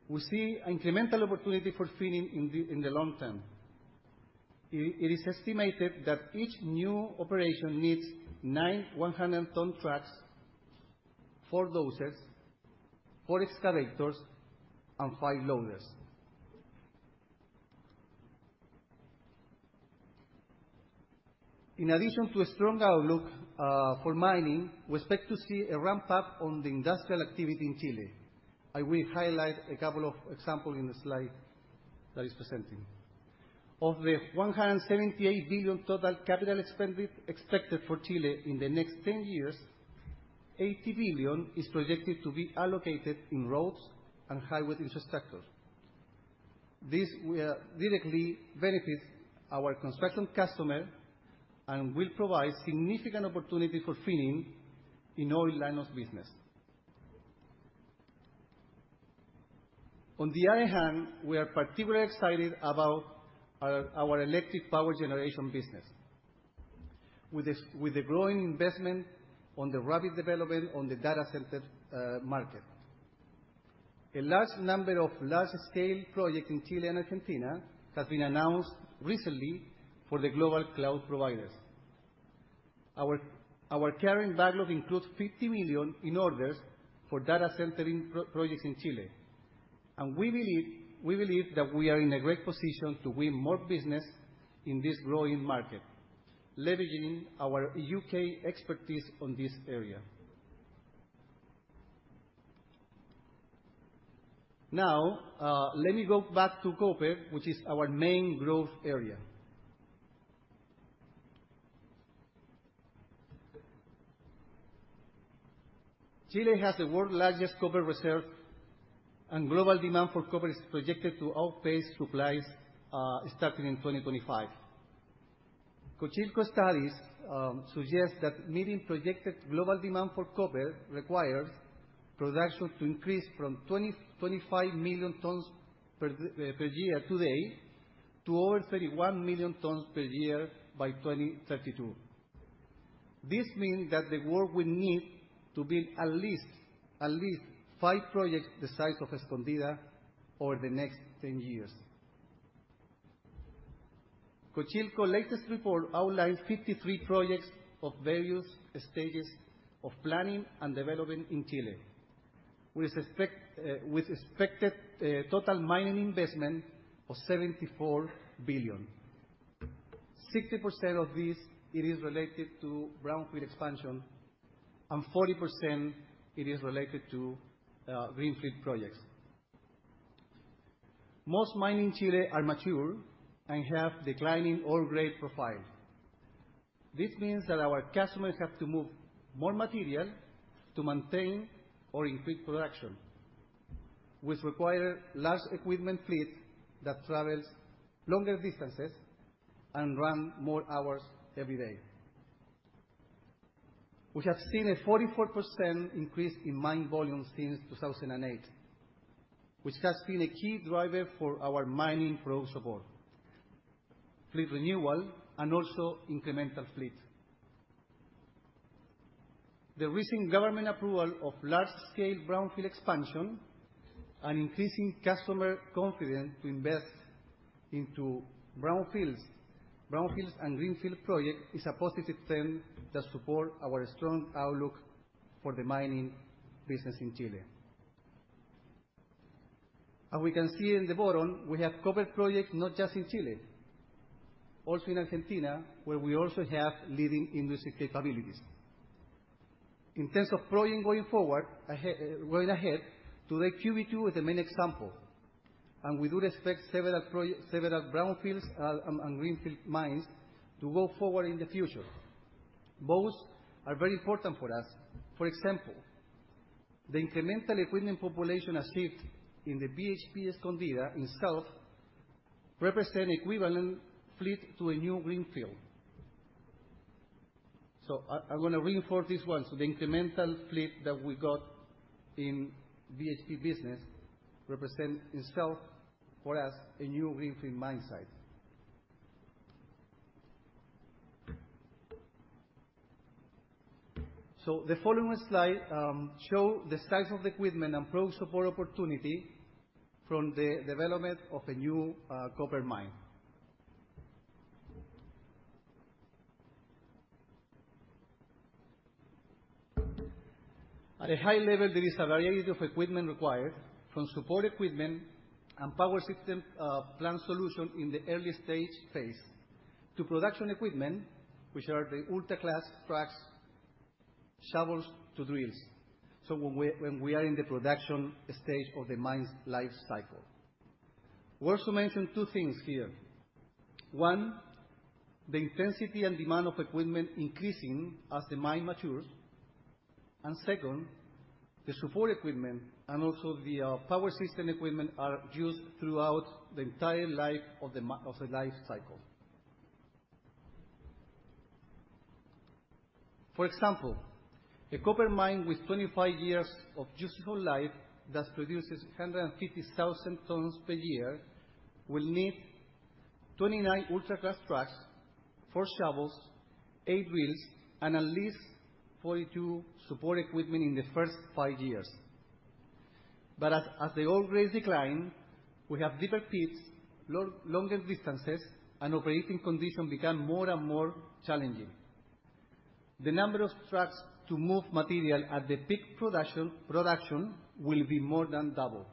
We see incremental opportunity for Finning in the, in the long term. It is estimated that each new operation needs 9 100-ton trucks, 4 dozers, 4 excavators, and 5 loaders. In addition to a strong outlook for mining, we expect to see a ramp up on the industrial activity in Chile. I will highlight a couple of examples in the slide that is presenting. Of the 178 billion total capital expenditure expected for Chile in the next 10 years, $80 billion is projected to be allocated in roads and highway infrastructure. This will directly benefit our construction customer and will provide significant opportunity for Finning in all lines of business. On the other hand, we are particularly excited about our electric power generation business. With the growing investment in the rapid development in the data center market. A large number of large-scale projects in Chile and Argentina has been announced recently for the global cloud providers. Our current backlog includes $50 million in orders for data center projects in Chile. And we believe that we are in a great position to win more business in this growing market, leveraging our U.K. expertise in this area. Now, let me go back to copper, which is our main growth area. Chile has the world's largest copper reserve, and global demand for copper is projected to outpace supplies, starting in 2025. Codelco's studies suggest that meeting projected global demand for copper requires production to increase from 25 million tons per year today, to over 31 million tons per year by 2032. This means that the world will need to build at least 5 projects the size of Escondida over the next ten years. Codelco's latest report outlines 53 projects of various stages of planning and development in Chile, with expected total mining investment of $74 billion. 60% of this, it is related to brownfield expansion, and 40% it is related to greenfield projects. Most mines in Chile are mature and have declining ore grade profile. This means that our customers have to move more material to maintain or increase production, which require large equipment fleet that travels longer distances and run more hours every day. We have seen a 44% increase in mine volumes since 2008, which has been a key driver for our mining product support, fleet renewal and also incremental fleet. The recent government approval of large-scale brownfield expansion and increasing customer confidence to invest into brownfields and greenfield project is a positive trend that support our strong outlook for the mining business in Chile. As we can see in the bottom, we have copper projects, not just in Chile, also in Argentina, where we also have leading industry capabilities. In terms of projects going forward, going ahead, today, Q2 is the main example, and we do expect several brownfields, and greenfield mines to go forward in the future. Both are very important for us. For example, the incremental equipment population achieved in the BHP Escondida in itself represent equivalent fleet to a new greenfield. So I'm gonna reinforce this one. So the following slide show the size of the equipment and pro support opportunity from the development of a new copper mine. At a high level, there is a variety of equipment required, from support equipment and power system plant solution in the early stage phase, to production equipment, which are the ultra-class trucks, shovels to drills. So when we are in the production stage of the mine's life cycle. We also mention two things here. One, the intensity and demand of equipment increasing as the mine matures. And second, the support equipment and also the power system equipment are used throughout the entire life of the life cycle. For example, a copper mine with 25 years of useful life that produces 150,000 tons per year, will need 29 ultra-class trucks, four shovels, eight wheels, and at least 42 support equipment in the first five years. But as the ore grades decline, we have deeper pits, longer distances, and operating conditions become more and more challenging. The number of trucks to move material at the peak production will be more than double.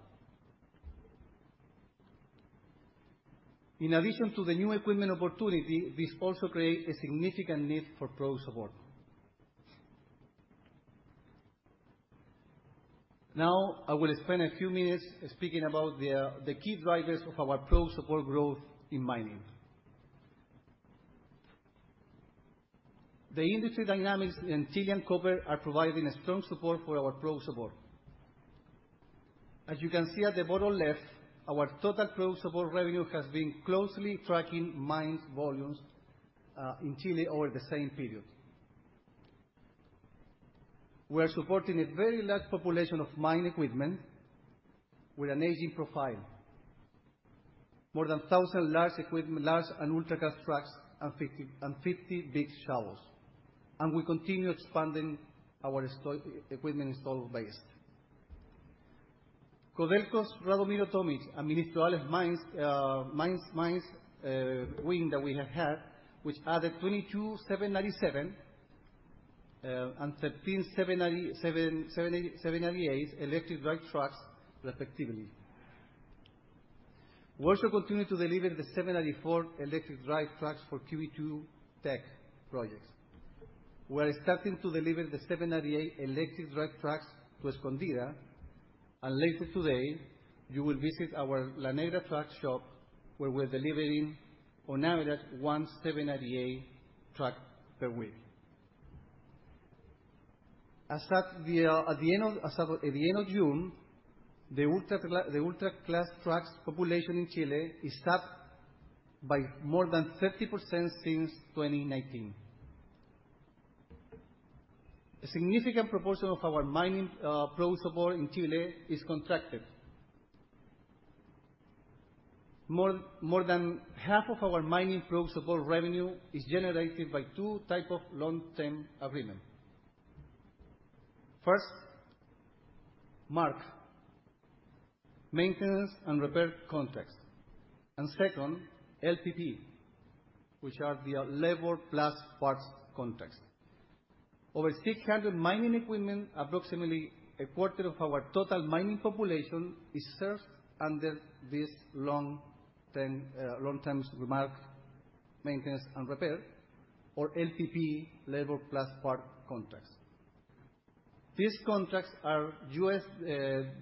In addition to the new equipment opportunity, this also create a significant need for product support. Now, I will spend a few minutes speaking about the key drivers of our product support growth in mining. The industry dynamics in Chilean copper are providing a strong support for our product support. As you can see at the bottom left, our total product support revenue has been closely tracking mining volumes in Chile over the same period. We are supporting a very large population of mine equipment with an aging profile, more than 1,000 large equipment, large and ultra-class trucks, and 50, and 50 big shovels, and we continue expanding our installed equipment installed base. Codelco's Radomiro Tomic and Ministro Hales mines, mines, wins that we have had, which added 22 797, and 13 797, 798 electric drive trucks, respectively. We also continue to deliver the 794 electric drive trucks for QB2 Teck projects. We are starting to deliver the 798 electric drive trucks to Escondida, and later today, you will visit our La Negra truck shop, where we're delivering on average one 798 truck per week. As at the end of June, the ultra-class trucks population in Chile is up by more than 30% since 2019. A significant proportion of our mining product support in Chile is contracted. More than half of our mining product support revenue is generated by two type of long-term agreement. First, MARC, maintenance and repair contracts, and second, LPP, which are the labor plus parts contracts. Over 600 mining equipment, approximately a quarter of our total mining population, is served under this long-term, long-term MARC, maintenance and repair, or LPP, labor plus part contracts. These contracts are U.S.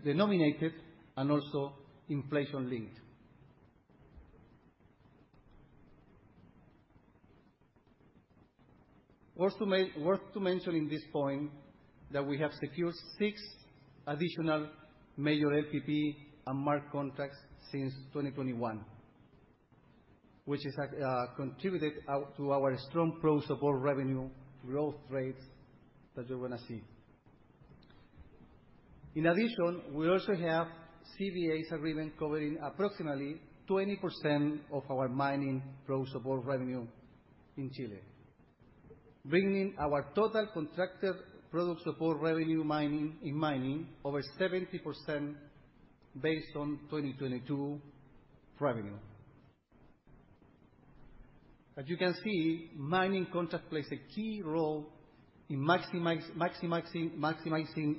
denominated and also inflation-linked. Worth to mention in this point, that we have secured 6 additional major LPP and MARC contracts since 2021, which is, contributed out to our strong product support revenue growth rates that you're gonna see. In addition, we also have CVAs agreement covering approximately 20% of our mining product support revenue in Chile, bringing our total contracted product support revenue mining, in mining, over 70% based on 2022 revenue. As you can see, mining contracts play a key role in maximizing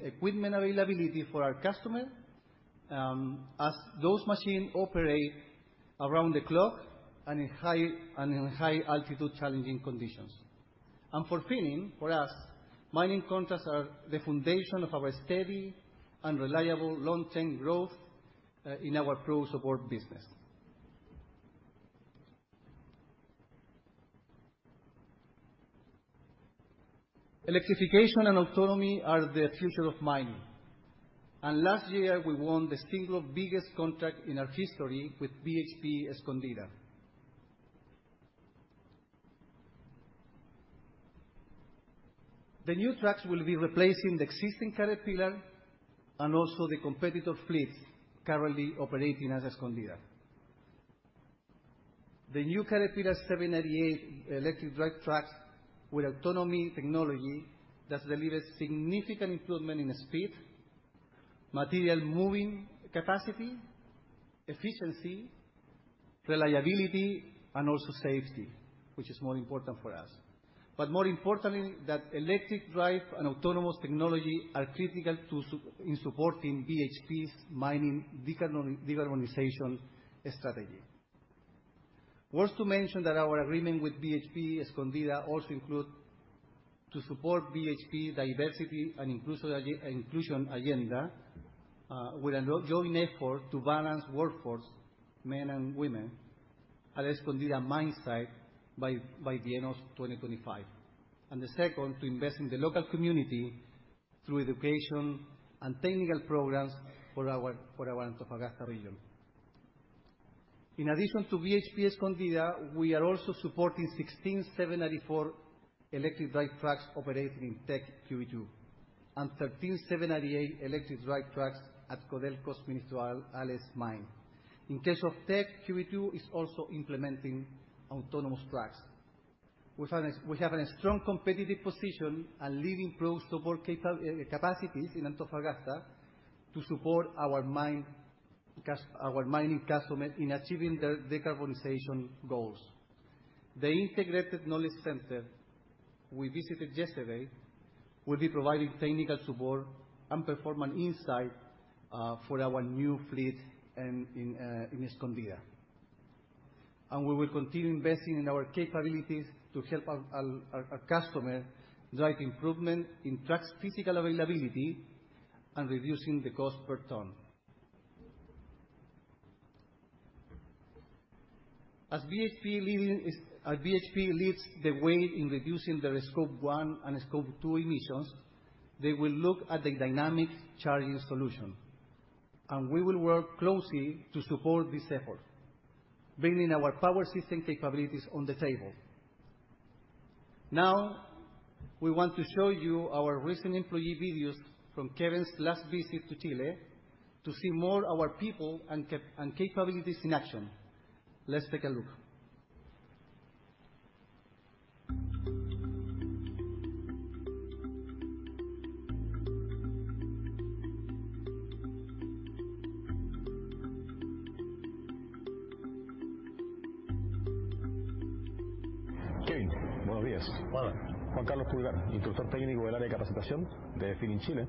equipment availability for our customer, as those machines operate around the clock and in high-altitude challenging conditions. Fulfilling, for us, mining contracts are the foundation of our steady and reliable long-term growth in our product support business. Electrification and autonomy are the future of mining, and last year, we won the single biggest contract in our history with BHP Escondida. The new trucks will be replacing the existing Caterpillar and also the competitor fleet currently operating at Escondida. The new Caterpillar 798 electric drive trucks with autonomy technology does deliver significant improvement in speed, material moving capacity, efficiency, reliability, and also safety, which is more important for us. But more importantly, that electric drive and autonomous technology are critical in supporting BHP's mining decarbonization strategy. Worth to mention that our agreement with BHP Escondida also include to support BHP diversity and inclusion agenda, with a joint effort to balance workforce, men and women, at Escondida mine site by the end of 2025. And the second, to invest in the local community through education and technical programs for our Antofagasta region. In addition to BHP Escondida, we are also supporting 16 794 electric drive trucks operating in Teck QB2, and 13 798 electric drive trucks at Codelco's Ministro Hales mine. In case of Teck, QB2 is also implementing autonomous trucks. We have a strong competitive position and leading product support capabilities in Antofagasta to support our mining customer in achieving their decarbonization goals. The Integrated Knowledge Center we visited yesterday will be providing technical support and performance insight for our new fleet and in Escondida. We will continue investing in our capabilities to help our customer drive improvement in trucks' physical availability and reducing the cost per ton. As BHP leads the way in reducing their Scope 1 and Scope 2 emissions, they will look at the dynamic charging solution, and we will work closely to support this effort, bringing our power system capabilities on the table. Now, we want to show you our recent employee videos from Kevin's last visit to Chile, to see more of our people and capabilities in action. Let's take a look. Kevin, buenos días. Hola. Juan Carlos Pulgar, instructor técnico del área de capacitación de Finning Chile.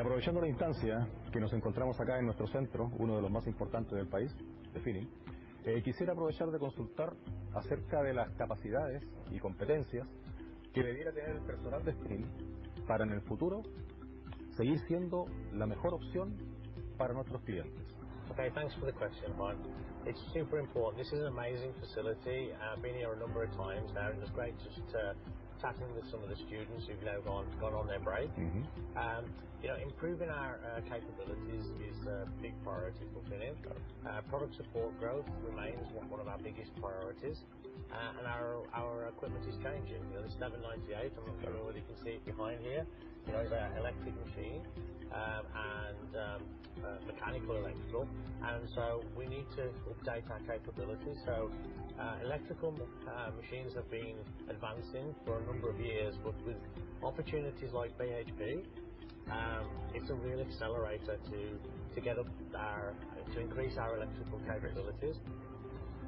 Aprovechando la instancia que nos encontramos acá en nuestro centro, uno de los más importantes del país, de Finning, quisiera aprovechar de consultar acerca de las capacidades y competencias que debiera tener el personal de Finning para, en el futuro, seguir siendo la mejor opción para nuestros clientes. Okay, thanks for the question, Juan. It's super important. This is an amazing facility. I've been here a number of times now, and it's great just to, talking with some of the students who've now gone on their break. Mm-hmm. You know, improving our capabilities is a big priority for Finning. Product support growth remains one of our biggest priorities. And our equipment is changing. The 798, I don't know whether you can see it behind here- Yes. is an electric machine, and mechanical, electrical. And so we need to update our capabilities. So, electrical machines have been advancing for a number of years, but with opportunities like BHP, it's a real accelerator to, to get up our—to increase our electrical capabilities.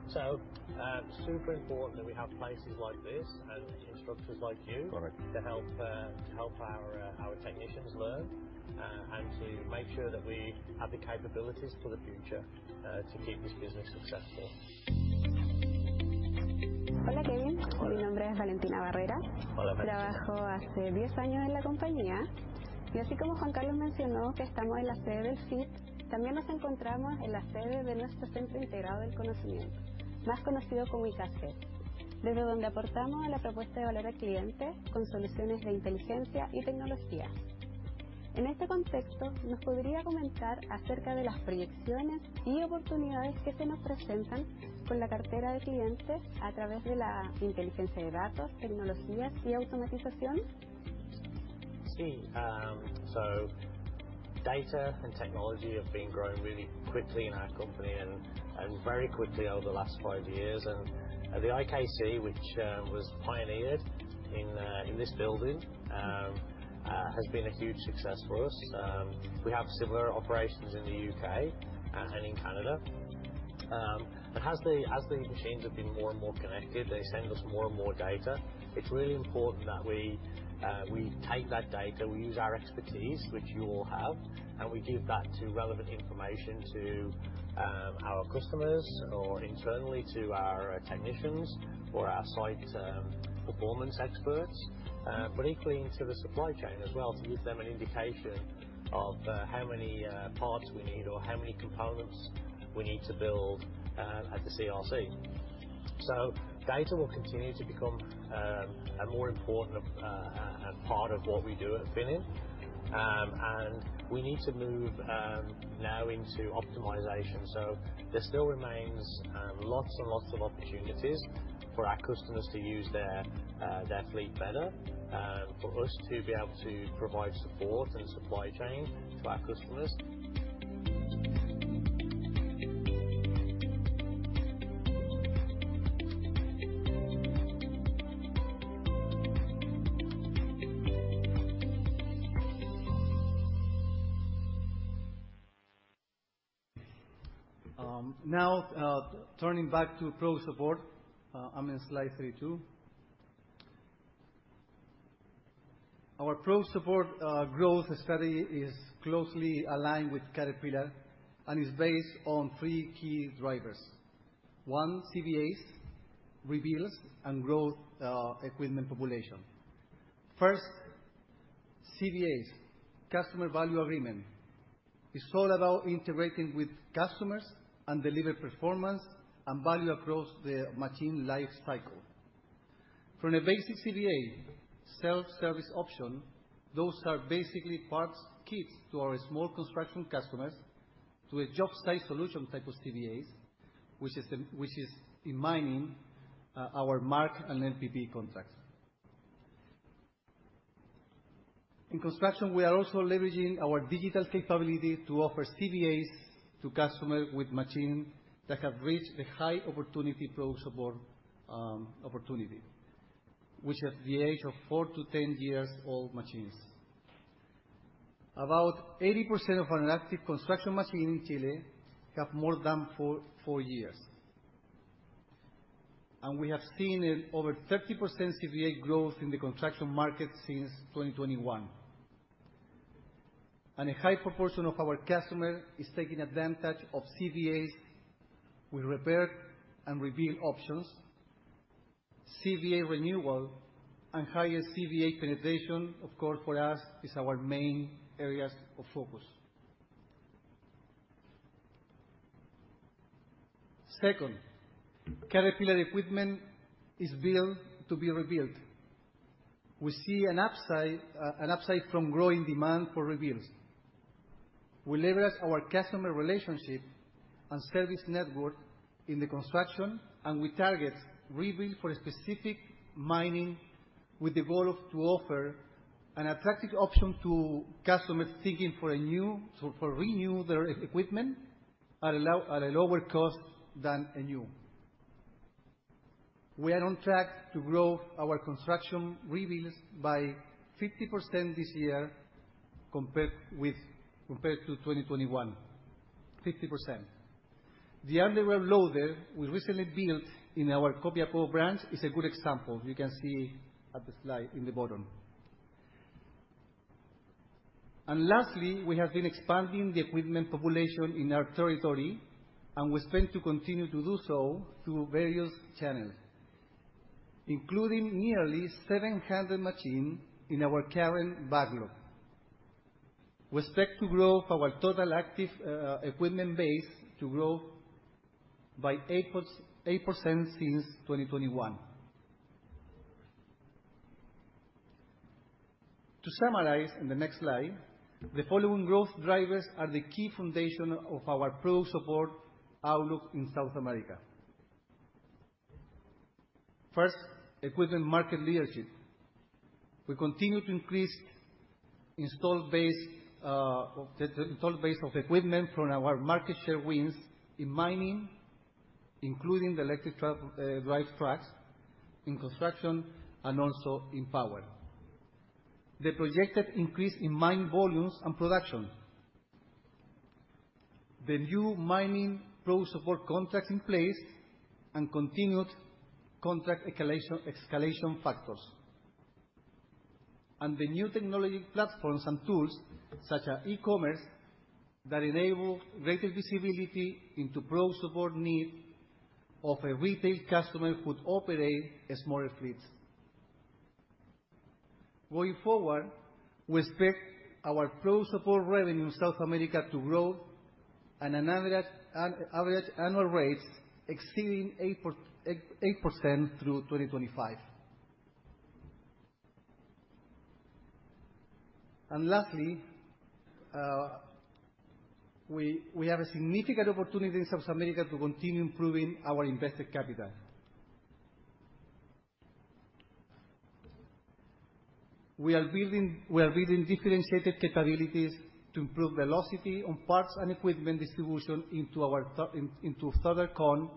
So, super important that we have places like this and instructors like you- Correct. to help our technicians learn, and to make sure that we have the capabilities for the future, to keep this business successful. Hola, Kevin. Hola. Mi nombre es Valentina Barrera. Hola, Valentina. Trabajo hace 10 años en la compañía, y así como Juan Carlos mencionó que estamos en la sede del FIT, también nos encontramos en la sede de nuestro Centro Integrado del Conocimiento, más conocido como IKC, desde donde aportamos a la propuesta de valor al cliente con soluciones de inteligencia y tecnología. En este contexto, ¿nos podría comentar acerca de las proyecciones y oportunidades que se nos presentan con la cartera de clientes a través de la inteligencia de datos, tecnologías y automatización? Sí, so data and technology have been growing really quickly in our company and very quickly over the last five years. And the IKC, which was pioneered in this building, has been a huge success for us. We have similar operations in the U.K. and in Canada. But as the machines have been more and more connected, they send us more and more data. It's really important that we take that data, we use our expertise, which you all have, and we give that to relevant information to our customers, or internally to our technicians or our site performance experts, but equally to the supply chain as well, to give them an indication of how many parts we need or how many components we need to build at the CRC. Data will continue to become a more important part of what we do at Finning. We need to move now into optimization. There still remains lots and lots of opportunities for our customers to use their fleet better, for us to be able to provide support and supply chain to our customers. Now, turning back to pro support, I'm in slide 32. Our pro support growth strategy is closely aligned with Caterpillar and is based on three key drivers. One, CVAs, rebuilds, and growth equipment population. First, CVAs, Customer Value Agreement, is all about integrating with customers and deliver performance and value across the machine life cycle. From a basic CVA self-service option, those are basically parts kits to our small construction customers, to a job site solution type of CVAs, which is in mining, our MARC and LPP contracts. In construction, we are also leveraging our digital capabilities to offer CVAs to customers with machine that have reached the high opportunity pro support opportunity, which is the age of 4-10 years old machines. About 80% of our active construction machines in Chile have more than 4 years, and we have seen over 30% CVA growth in the construction market since 2021. A high proportion of our customers is taking advantage of CVAs with repair and rebuild options. CVA renewal and higher CVA penetration, of course, for us, is our main areas of focus. Second, Caterpillar equipment is built to be rebuilt. We see an upside, an upside from growing demand for rebuilds. We leverage our customer relationship and service network in the construction, and we target rebuild for a specific mining, with the goal of-- to offer an attractive option to customers looking for a new-- so to renew their equipment at a low, at a lower cost than a new. We are on track to grow our construction revenues by 50% this year compared with, compared to 2021. 50%. The wheel loader we recently built in our Copiapó branch is a good example. You can see at the slide in the bottom. And lastly, we have been expanding the equipment population in our territory, and we expect to continue to do so through various channels, including nearly 700 machines in our current backlog. We expect to grow our total active equipment base to grow by 8%, 8% since 2021. To summarize, in the next slide, the following growth drivers are the key foundation of our product support outlook in South America. First, equipment market leadership. We continue to increase install base, the install base of equipment from our market share wins in mining, including the electric drive trucks, in construction, and also in power. The projected increase in mine volumes and production, the new mining product support contracts in place, and continued contract escalation factors, and the new technology platforms and tools, such as e-commerce, that enable greater visibility into product support need of a retail customer who operate a small fleets. Going forward, we expect our product support revenue in South America to grow at an average annual rate exceeding 8% through 2025. And lastly, we have a significant opportunity in South America to continue improving our invested capital. We are building differentiated capabilities to improve velocity on parts and equipment distribution into Southern Cone,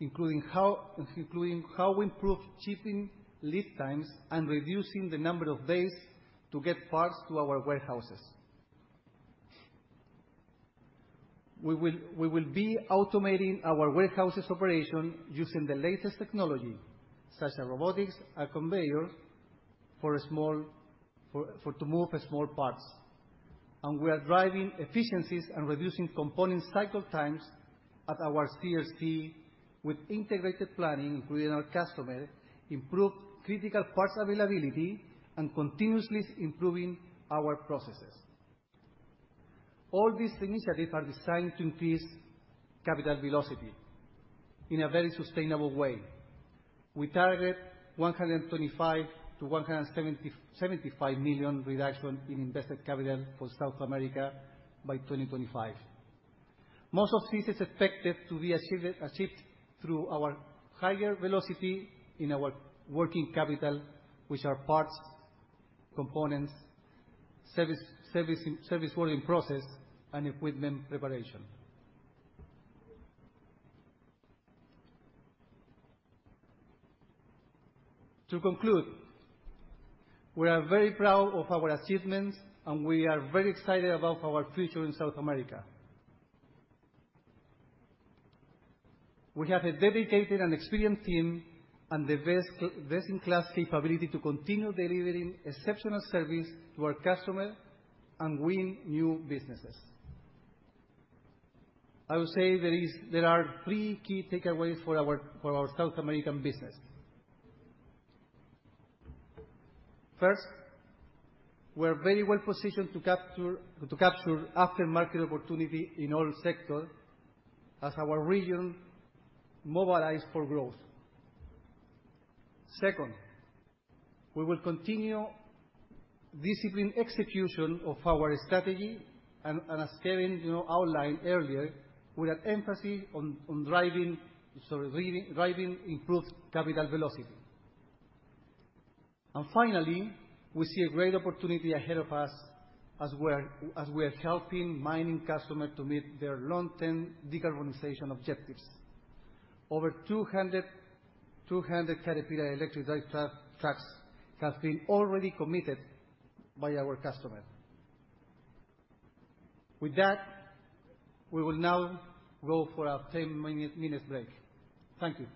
including how improve shipping lead times and reducing the number of days to get parts to our warehouses. We will be automating our warehouses operation using the latest technology, such as robotics and conveyor for to move small parts. And we are driving efficiencies and reducing component cycle times at our CRCs with integrated planning, including our customer, improved critical parts availability, and continuously improving our processes. All these initiatives are designed to increase capital velocity in a very sustainable way. We target 125 million-175 million reduction in invested capital for South America by 2025. Most of this is expected to be achieved through our higher velocity in our working capital, which are parts, components, service ordering process, and equipment preparation. To conclude, we are very proud of our achievements, and we are very excited about our future in South America. We have a dedicated and experienced team and the best-in-class capability to continue delivering exceptional service to our customer and win new businesses. I would say there are three key takeaways for our South American business. First, we're very well positioned to capture aftermarket opportunity in all sectors as our region mobilize for growth. Second, we will continue disciplined execution of our strategy, and as Kevin, you know, outlined earlier, with an emphasis on driving improved capital velocity. And finally, we see a great opportunity ahead of us as we're helping mining customers to meet their long-term decarbonization objectives. Over 200 Caterpillar electric drive trucks have been already committed by our customers. With that, we will now go for a 10-minute break. Thank you.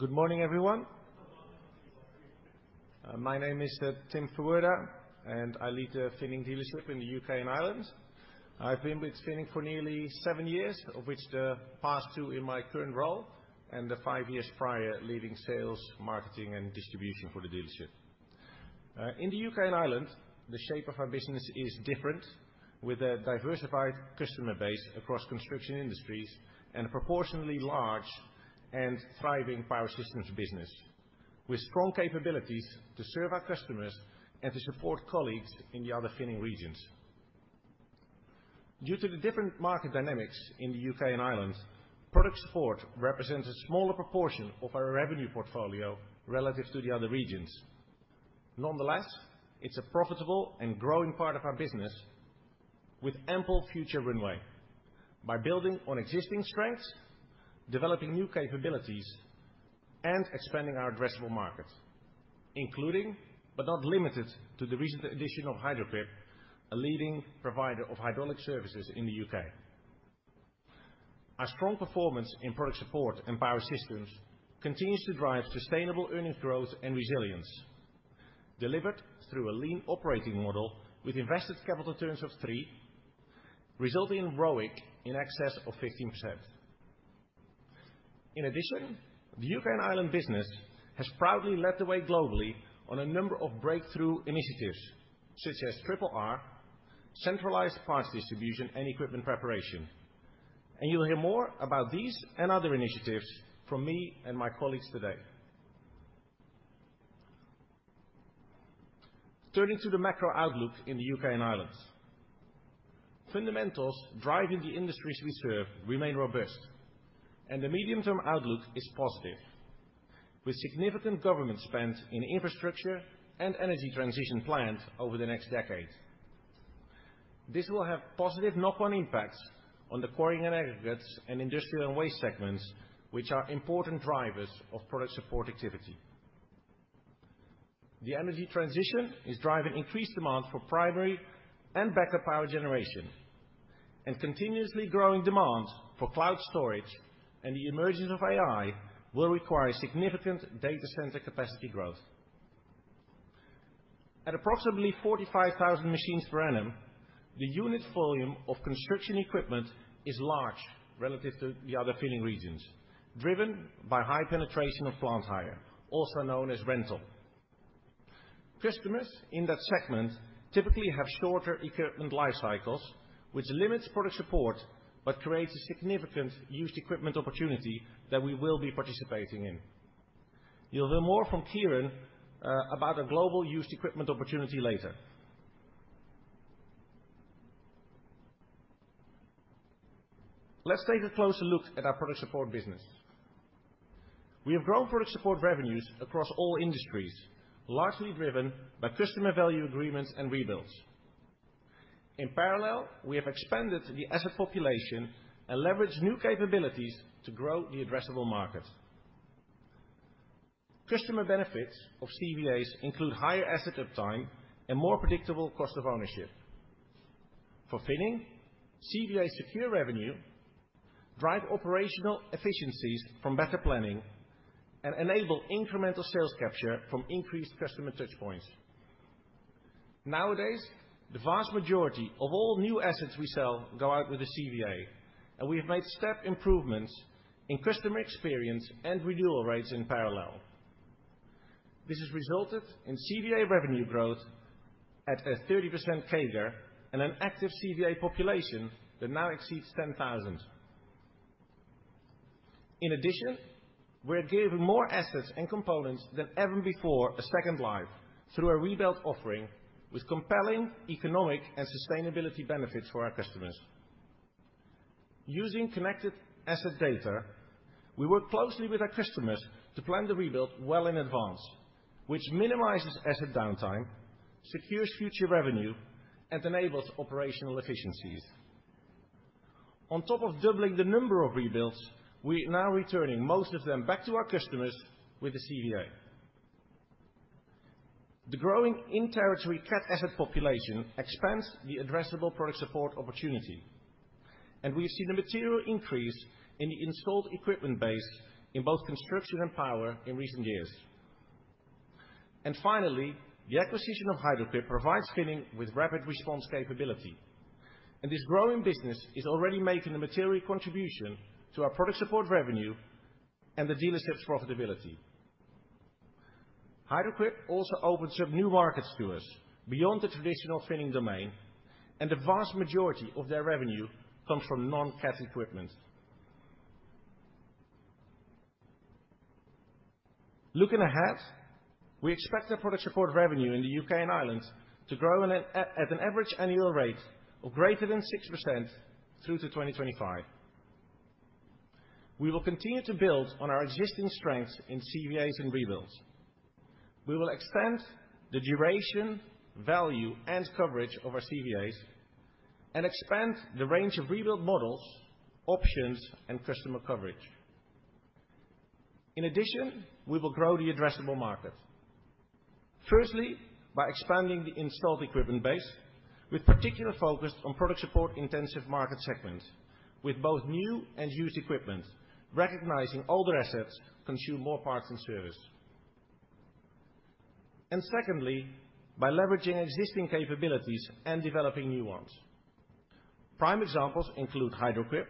Good morning, everyone. My name is Tim Ferwerda, and I lead the Finning dealership in the U.K. and Ireland. I've been with Finning for nearly seven years, of which the past two in my current role and the five years prior, leading sales, marketing, and distribution for the dealership. In the U.K. and Ireland, the shape of our business is different, with a diversified customer base across construction industries and a proportionately large and thriving power systems business, with strong capabilities to serve our customers and to support colleagues in the other Finning regions. Due to the different market dynamics in the U.K. and Ireland, product support represents a smaller proportion of our revenue portfolio relative to the other regions. Nonetheless, it's a profitable and growing part of our business with ample future runway. By building on existing strengths, developing new capabilities, and expanding our addressable markets, including, but not limited to, the recent addition of Hydraulic, a leading provider of hydraulic services in the U.K. Our strong performance in product support and power systems continues to drive sustainable earning growth and resilience, delivered through a lean operating model with invested capital terms of three, resulting in ROIC in excess of 15%. In addition, the U.K. and Ireland business has proudly led the way globally on a number of breakthrough initiatives, such as Triple R, centralized parts distribution, and equipment preparation. You'll hear more about these and other initiatives from me and my colleagues today. Turning to the macro outlook in the U.K. and Ireland. Fundamentals driving the industries we serve remain robust, and the medium-term outlook is positive, with significant government spend in infrastructure and energy transition planned over the next decade. This will have positive knock-on impacts on the quarrying and aggregates and industrial and waste segments, which are important drivers of product support activity. The energy transition is driving increased demand for primary and backup power generation, and continuously growing demand for cloud storage and the emergence of AI will require significant data center capacity growth. At approximately 45,000 machines per annum, the unit volume of construction equipment is large relative to the other Finning regions, driven by high penetration of plant hire, also known as rental. Customers in that segment typically have shorter equipment life cycles, which limits product support, but creates a significant used equipment opportunity that we will be participating in. You'll hear more from Kieran about the global used equipment opportunity later. Let's take a closer look at our product support business. We have grown product support revenues across all industries, largely driven by customer value agreements and rebuilds. In parallel, we have expanded the asset population and leveraged new capabilities to grow the addressable market. Customer benefits of CVAs include higher uptime and more predictable cost of ownership. For Finning, CVAs secure revenue, drive operational efficiencies from better planning, and enable incremental sales capture from increased customer touchpoints. Nowadays, the vast majority of all new assets we sell go out with a CVA, and we have made step improvements in customer experience and renewal rates in parallel. This has resulted in CVA revenue growth at a 30% CAGR and an active CVA population that now exceeds 10,000. In addition, we're giving more assets and components than ever before, a second life through our rebuild offering with compelling economic and sustainability benefits for our customers. Using connected asset data, we work closely with our customers to plan the rebuild well in advance, which minimizes asset downtime, secures future revenue, and enables operational efficiencies. On top of doubling the number of rebuilds, we are now returning most of them back to our customers with the CVA. The growing in-territory Cat asset population expands the addressable product support opportunity, and we have seen a material increase in the installed equipment base in both construction and power in recent years. And finally, the acquisition of Hydraulic provides Finning with rapid response capability, and this growing business is already making a material contribution to our product support revenue and the dealership's profitability. Hydraquip also opens up new markets to us beyond the traditional Finning domain, and the vast majority of their revenue comes from non-Cat equipment. Looking ahead, we expect our product support revenue in the U.K. and Ireland to grow at an average annual rate of greater than 6% through to 2025. We will continue to build on our existing strengths in CVAs and rebuilds. We will extend the duration, value, and coverage of our CVAs and expand the range of rebuild models, options, and customer coverage. In addition, we will grow the addressable market. Firstly, by expanding the installed equipment base, with particular focus on product support-intensive market segments with both new and used equipment, recognizing older assets consume more parts and service. And secondly, by leveraging existing capabilities and developing new ones. Prime examples include Hydraulic,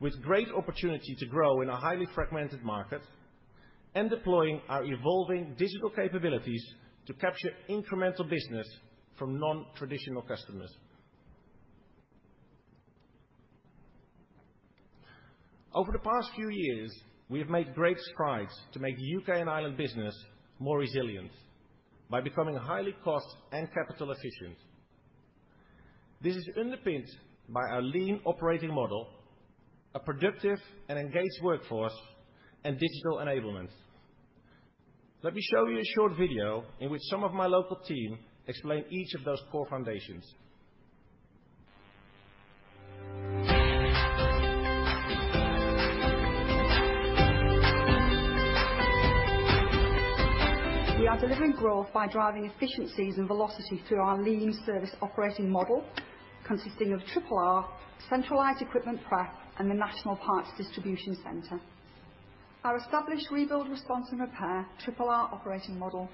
with great opportunity to grow in a highly fragmented market, and deploying our evolving digital capabilities to capture incremental business from non-traditional customers. Over the past few years, we have made great strides to make the U.K. and Ireland business more resilient by becoming highly cost and capital efficient. This is underpinned by our lean operating model, a productive and engaged workforce, and digital enablement. Let me show you a short video in which some of my local team explain each of those core foundations. We are delivering growth by driving efficiencies and velocity through our leading service operating model, consisting of Triple R, centralized equipment prep, and the National Parts Distribution Center. Our established rebuild, response, and repair, Triple R operating model,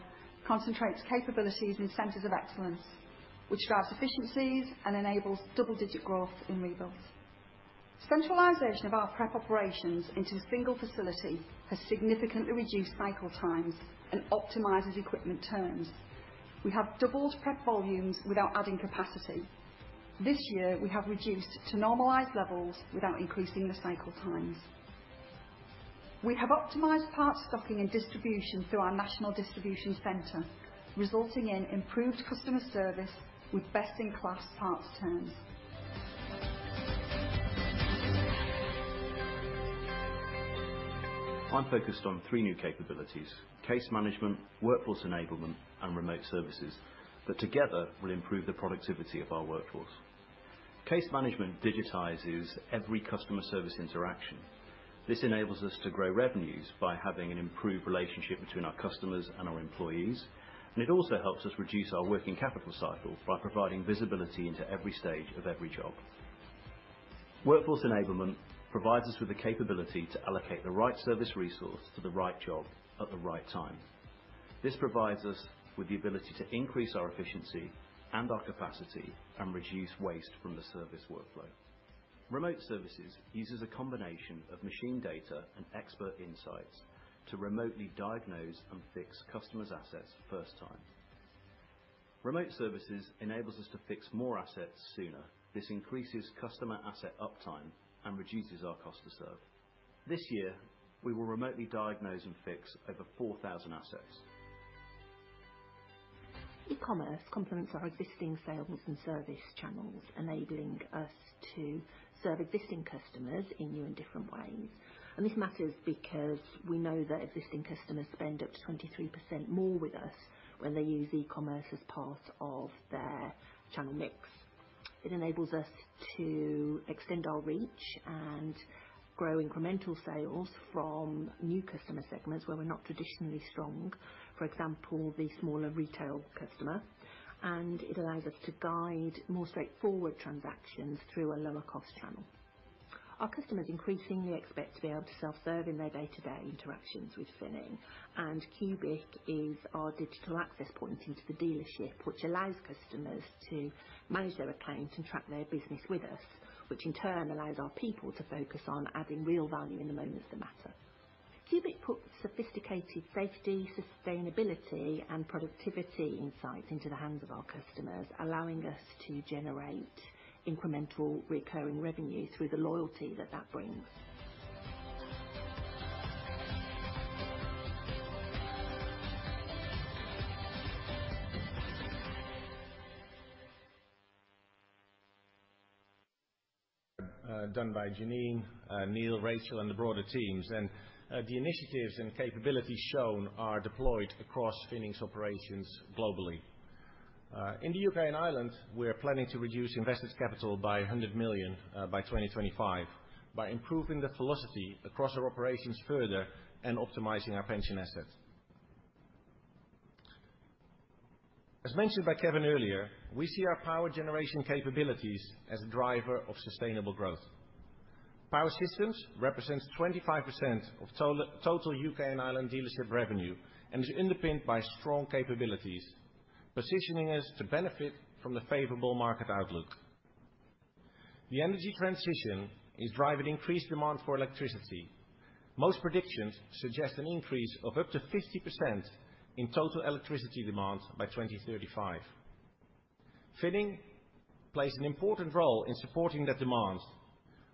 concentrates capabilities in centers of excellence, which drives efficiencies and enables double-digit growth in rebuilds. Centralization of our prep operations into a single facility has significantly reduced cycle times and optimizes equipment turns. We have doubled prep volumes without adding capacity. This year, we have reduced to normalized levels without increasing the cycle times. We have optimized parts stocking and distribution through our national distribution center, resulting in improved customer service with best-in-class parts turns. I'm focused on three new capabilities: case management, workforce enablement, and remote services, that together will improve the productivity of our workforce. Case management digitizes every customer service interaction. This enables us to grow revenues by having an improved relationship between our customers and our employees, and it also helps us reduce our working capital cycle by providing visibility into every stage of every job. Workforce enablement provides us with the capability to allocate the right service resource to the right job at the right time. This provides us with the ability to increase our efficiency and our capacity and reduce waste from the service workflow. Remote services uses a combination of machine data and expert insights to remotely diagnose and fix customers' assets the first time. Remote services enables us to fix more assets sooner. This increases customer asset uptime and reduces our cost to serve. This year, we will remotely diagnose and fix over 4,000 assets e-commerce complements our existing sales and service channels, enabling us to serve existing customers in new and different ways. This matters because we know that existing customers spend up to 23% more with us when they use e-commerce as part of their channel mix. It enables us to extend our reach and grow incremental sales from new customer segments where we're not traditionally strong, for example, the smaller retail customer, and it allows us to guide more straightforward transactions through a lower cost channel. Our customers increasingly expect to be able to self-serve in their day-to-day interactions with Finning, and CUBIQ is our digital access point into the dealership, which allows customers to manage their accounts and track their business with us, which in turn allows our people to focus on adding real value in the moments that matter. CUBIQ puts sophisticated safety, sustainability, and productivity insights into the hands of our customers, allowing us to generate incremental recurring revenue through the loyalty that that brings. Done by Janine, Neil, Rachel, and the broader teams. The initiatives and capabilities shown are deployed across Finning's operations globally. In the U.K. and Ireland, we are planning to reduce invested capital by 100 million by 2025, by improving the velocity across our operations further and optimizing our pension assets. As mentioned by Kevin earlier, we see our power generation capabilities as a driver of sustainable growth. Power Systems represents 25% of total U.K. and Ireland dealership revenue and is underpinned by strong capabilities, positioning us to benefit from the favorable market outlook. The energy transition is driving increased demand for electricity. Most predictions suggest an increase of up to 50% in total electricity demand by 2035. Finning plays an important role in supporting that demand,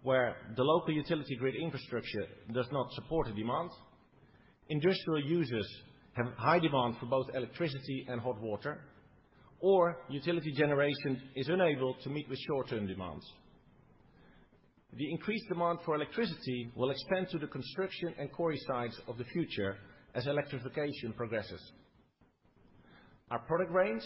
where the local utility grid infrastructure does not support the demand, industrial users have high demand for both electricity and hot water, or utility generation is unable to meet with short-term demands. The increased demand for electricity will expand to the construction and quarry sites of the future as electrification progresses. Our product range,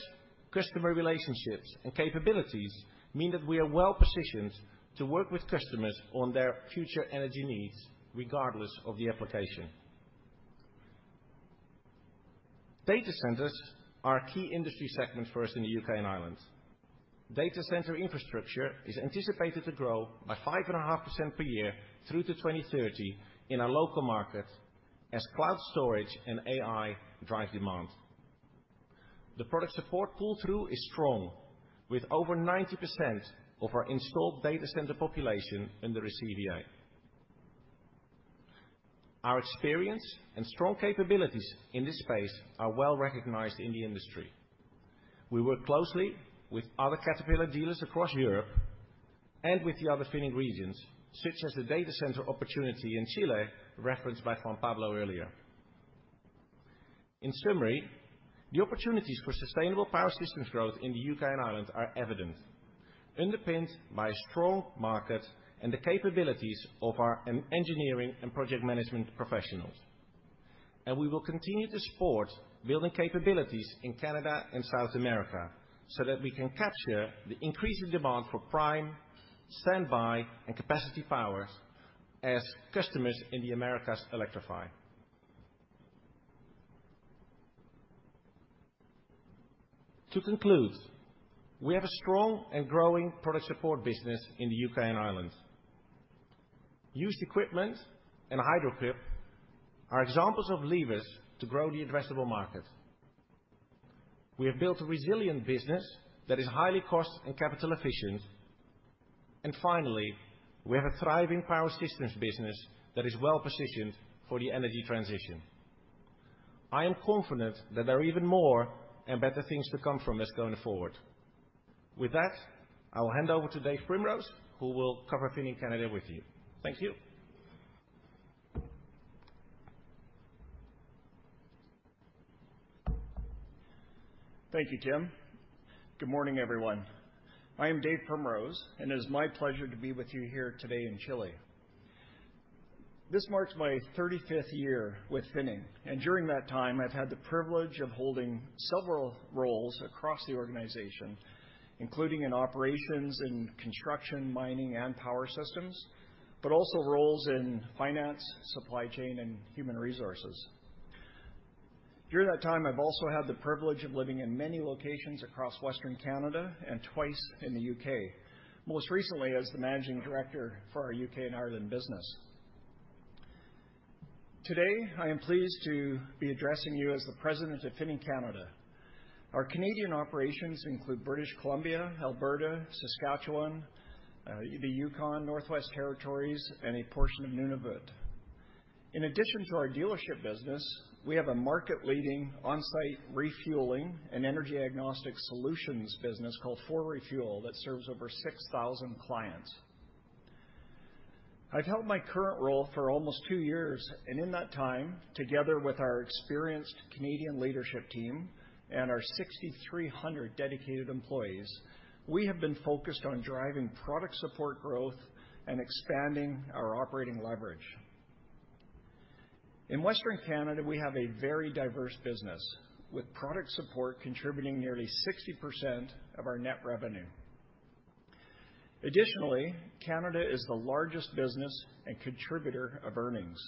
customer relationships, and capabilities mean that we are well-positioned to work with customers on their future energy needs, regardless of the application. Data centers are a key industry segment for us in the U.K. and Ireland. Data center infrastructure is anticipated to grow by 5.5% per year through to 2030 in our local market as cloud storage and AI drive demand. The product support pull-through is strong, with over 90% of our installed data center population under receiving. Our experience and strong capabilities in this space are well-recognized in the industry. We work closely with other Caterpillar dealers across Europe and with the other Finning regions, such as the data center opportunity in Chile, referenced by Juan Pablo earlier. In summary, the opportunities for sustainable power systems growth in the U.K. and Ireland are evident, underpinned by a strong market and the capabilities of our engineering and project management professionals. And we will continue to support building capabilities in Canada and South America, so that we can capture the increasing demand for prime, standby, and capacity power as customers in the Americas electrify. To conclude, we have a strong and growing product support business in the U.K. and Ireland. Used equipment and Hydraulic are examples of levers to grow the addressable market. We have built a resilient business that is highly cost and capital efficient. Finally, we have a thriving power systems business that is well-positioned for the energy transition. I am confident that there are even more and better things to come from this going forward. With that, I will hand over to Dave Primrose, who will cover Finning Canada with you. Thank you. Thank you, Tim. Good morning, everyone. I am Dave Primrose, and it is my pleasure to be with you here today in Chile. This marks my 35th year with Finning, and during that time, I've had the privilege of holding several roles across the organization, including in operations and construction, mining and power systems, but also roles in finance, supply chain, and human resources. During that time, I've also had the privilege of living in many locations across Western Canada and twice in the U.K., most recently as the managing director for our U.K. and Ireland business. Today, I am pleased to be addressing you as the President of Finning Canada. Our Canadian operations include British Columbia, Alberta, Saskatchewan, the Yukon, Northwest Territories, and a portion of Nunavut. In addition to our dealership business, we have a market-leading on-site refueling and energy agnostic solutions business called 4Refuel, that serves over 6,000 clients. I've held my current role for almost 2 years, and in that time, together with our experienced Canadian leadership team and our 6,300 dedicated employees, we have been focused on driving product support growth and expanding our operating leverage. In Western Canada, we have a very diverse business, with product support contributing nearly 60% of our net revenue. Additionally, Canada is the largest business and contributor of earnings,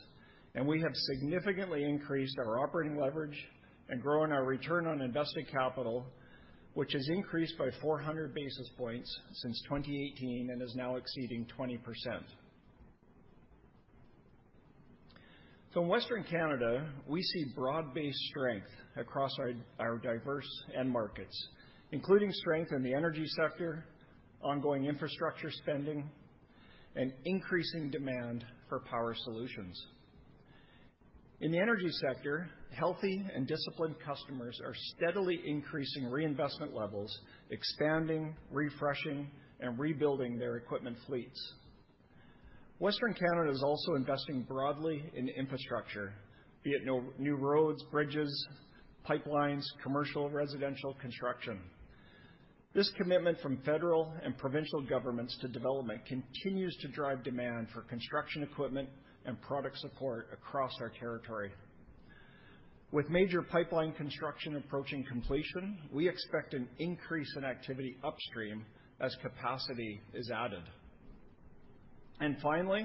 and we have significantly increased our operating leverage and grown our return on invested capital, which has increased by 400 basis points since 2018 and is now exceeding 20%. So in Western Canada, we see broad-based strength across our diverse end markets, including strength in the energy sector, ongoing infrastructure spending, and increasing demand for power solutions. In the energy sector, healthy and disciplined customers are steadily increasing reinvestment levels, expanding, refreshing, and rebuilding their equipment fleets. Western Canada is also investing broadly in infrastructure, be it new roads, bridges, pipelines, commercial, residential construction. This commitment from federal and provincial governments to development continues to drive demand for construction equipment and product support across our territory. With major pipeline construction approaching completion, we expect an increase in activity upstream as capacity is added. And finally,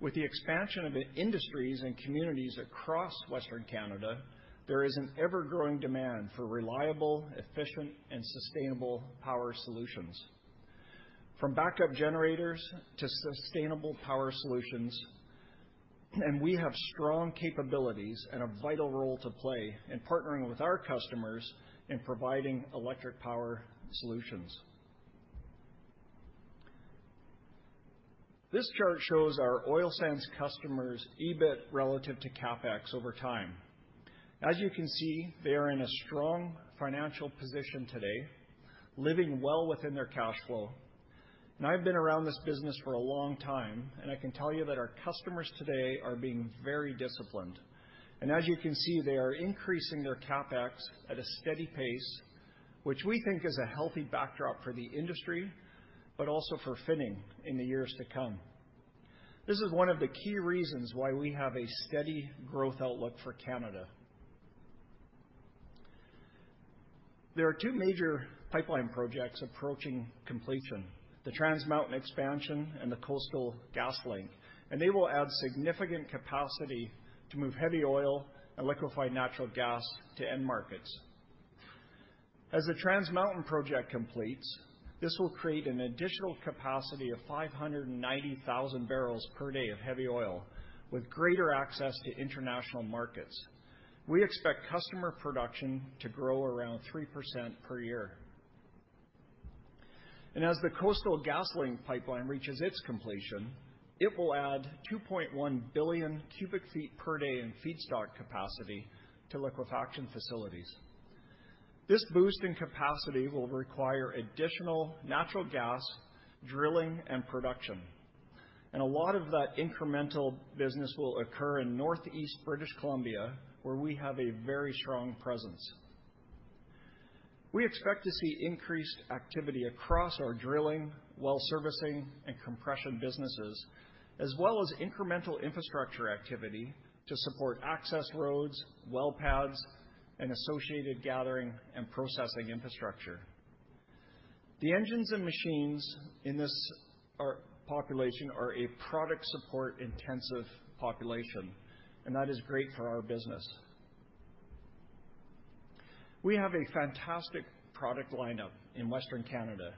with the expansion of the industries and communities across western Canada, there is an ever-growing demand for reliable, efficient, and sustainable power solutions, from backup generators to sustainable power solutions, and we have strong capabilities and a vital role to play in partnering with our customers in providing electric power solutions. This chart shows our oil sands customers' EBIT relative to CapEx over time. As you can see, they are in a strong financial position today, living well within their cash flow. I've been around this business for a long time, and I can tell you that our customers today are being very disciplined. As you can see, they are increasing their CapEx at a steady pace, which we think is a healthy backdrop for the industry, but also for Finning in the years to come. This is one of the key reasons why we have a steady growth outlook for Canada. There are two major pipeline projects approaching completion, the Trans Mountain Expansion and the Coastal GasLink, and they will add significant capacity to move heavy oil and liquefied natural gas to end markets. As the Trans Mountain project completes, this will create an additional capacity of 590,000 barrels per day of heavy oil, with greater access to international markets. We expect customer production to grow around 3% per year. As the Coastal GasLink pipeline reaches its completion, it will add 2.1 billion cubic feet per day in feedstock capacity to liquefaction facilities. This boost in capacity will require additional natural gas, drilling, and production, and a lot of that incremental business will occur in northeast British Columbia, where we have a very strong presence. We expect to see increased activity across our drilling, well servicing, and compression businesses, as well as incremental infrastructure activity to support access roads, well pads, and associated gathering and processing infrastructure. The engines and machines in this population are a product support-intensive population, and that is great for our business. We have a fantastic product lineup in Western Canada,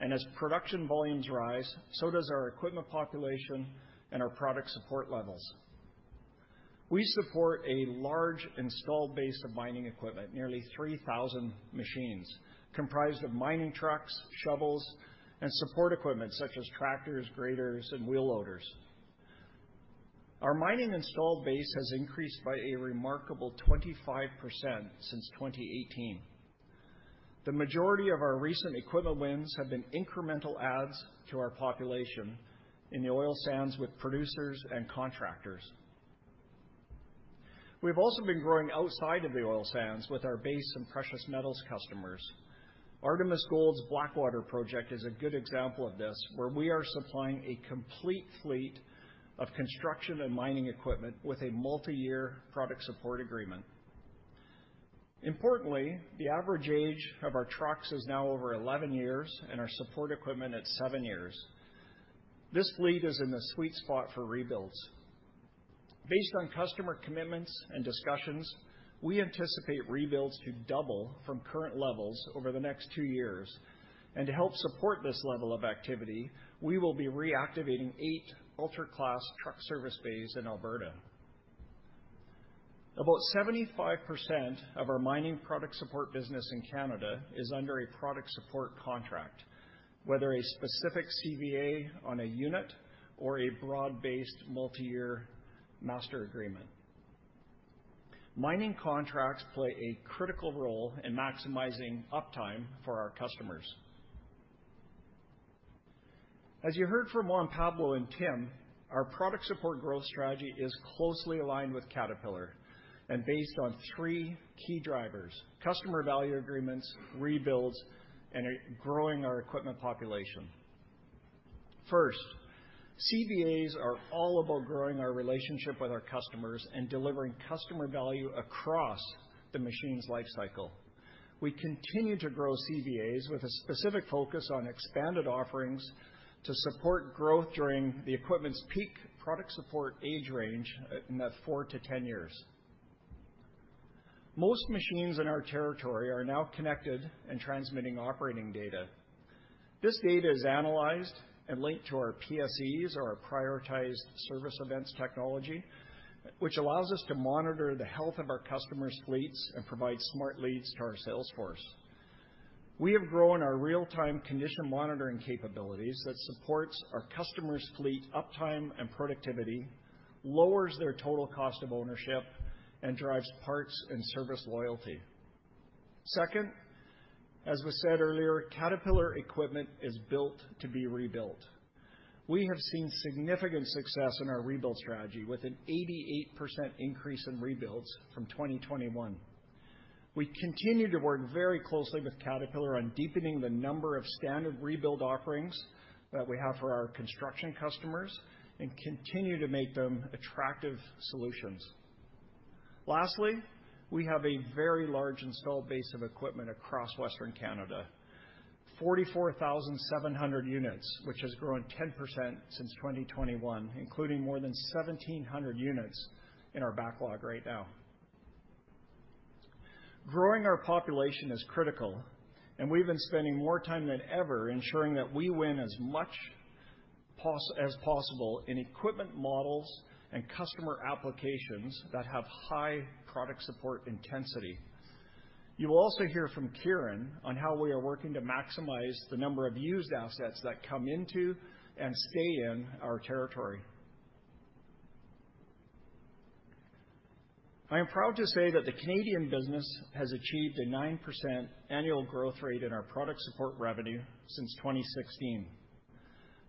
and as production volumes rise, so does our equipment population and our product support levels. We support a large installed base of mining equipment, nearly 3,000 machines, comprised of mining trucks, shovels, and support equipment such as tractors, graders, and wheel loaders. Our mining installed base has increased by a remarkable 25% since 2018. The majority of our recent equipment wins have been incremental adds to our population in the oil sands with producers and contractors. We've also been growing outside of the oil sands with our base and precious metals customers. Artemis Gold's Blackwater project is a good example of this, where we are supplying a complete fleet of construction and mining equipment with a multiyear product support agreement. Importantly, the average age of our trucks is now over 11 years and our support equipment at 7 years. This fleet is in the sweet spot for rebuilds. Based on customer commitments and discussions, we anticipate rebuilds to double from current levels over the next 2 years, and to help support this level of activity, we will be reactivating 8 ultra-class truck service bays in Alberta. About 75% of our mining product support business in Canada is under a product support contract, whether a specific CVA on a unit or a broad-based multiyear master agreement. Mining contracts play a critical role in maximizing uptime for our customers. As you heard from Juan Pablo and Tim, our product support growth strategy is closely aligned with Caterpillar and based on three key drivers: customer value agreements, rebuilds, and growing our equipment population. First, CVAs are all about growing our relationship with our customers and delivering customer value across the machine's life cycle. We continue to grow CVAs with a specific focus on expanded offerings to support growth during the equipment's peak product support age range in that four to 10 years. Most machines in our territory are now connected and transmitting operating data. This data is analyzed and linked to our PSEs, or our Prioritized Service Events technology, which allows us to monitor the health of our customers' fleets and provide smart leads to our sales force. We have grown our real-time condition monitoring capabilities that supports our customers' fleet uptime and productivity, lowers their total cost of ownership, and drives parts and service loyalty. Second, as was said earlier, Caterpillar equipment is built to be rebuilt. We have seen significant success in our rebuild strategy, with an 88% increase in rebuilds from 2021. We continue to work very closely with Caterpillar on deepening the number of standard rebuild offerings that we have for our construction customers and continue to make them attractive solutions. Lastly, we have a very large installed base of equipment across Western Canada, 44,700 units, which has grown 10% since 2021, including more than 1,700 units in our backlog right now. Growing our population is critical, and we've been spending more time than ever ensuring that we win as much as possible in equipment models and customer applications that have high product support intensity. You will also hear from Kieran on how we are working to maximize the number of used assets that come into and stay in our territory. I am proud to say that the Canadian business has achieved a 9% annual growth rate in our product support revenue since 2016.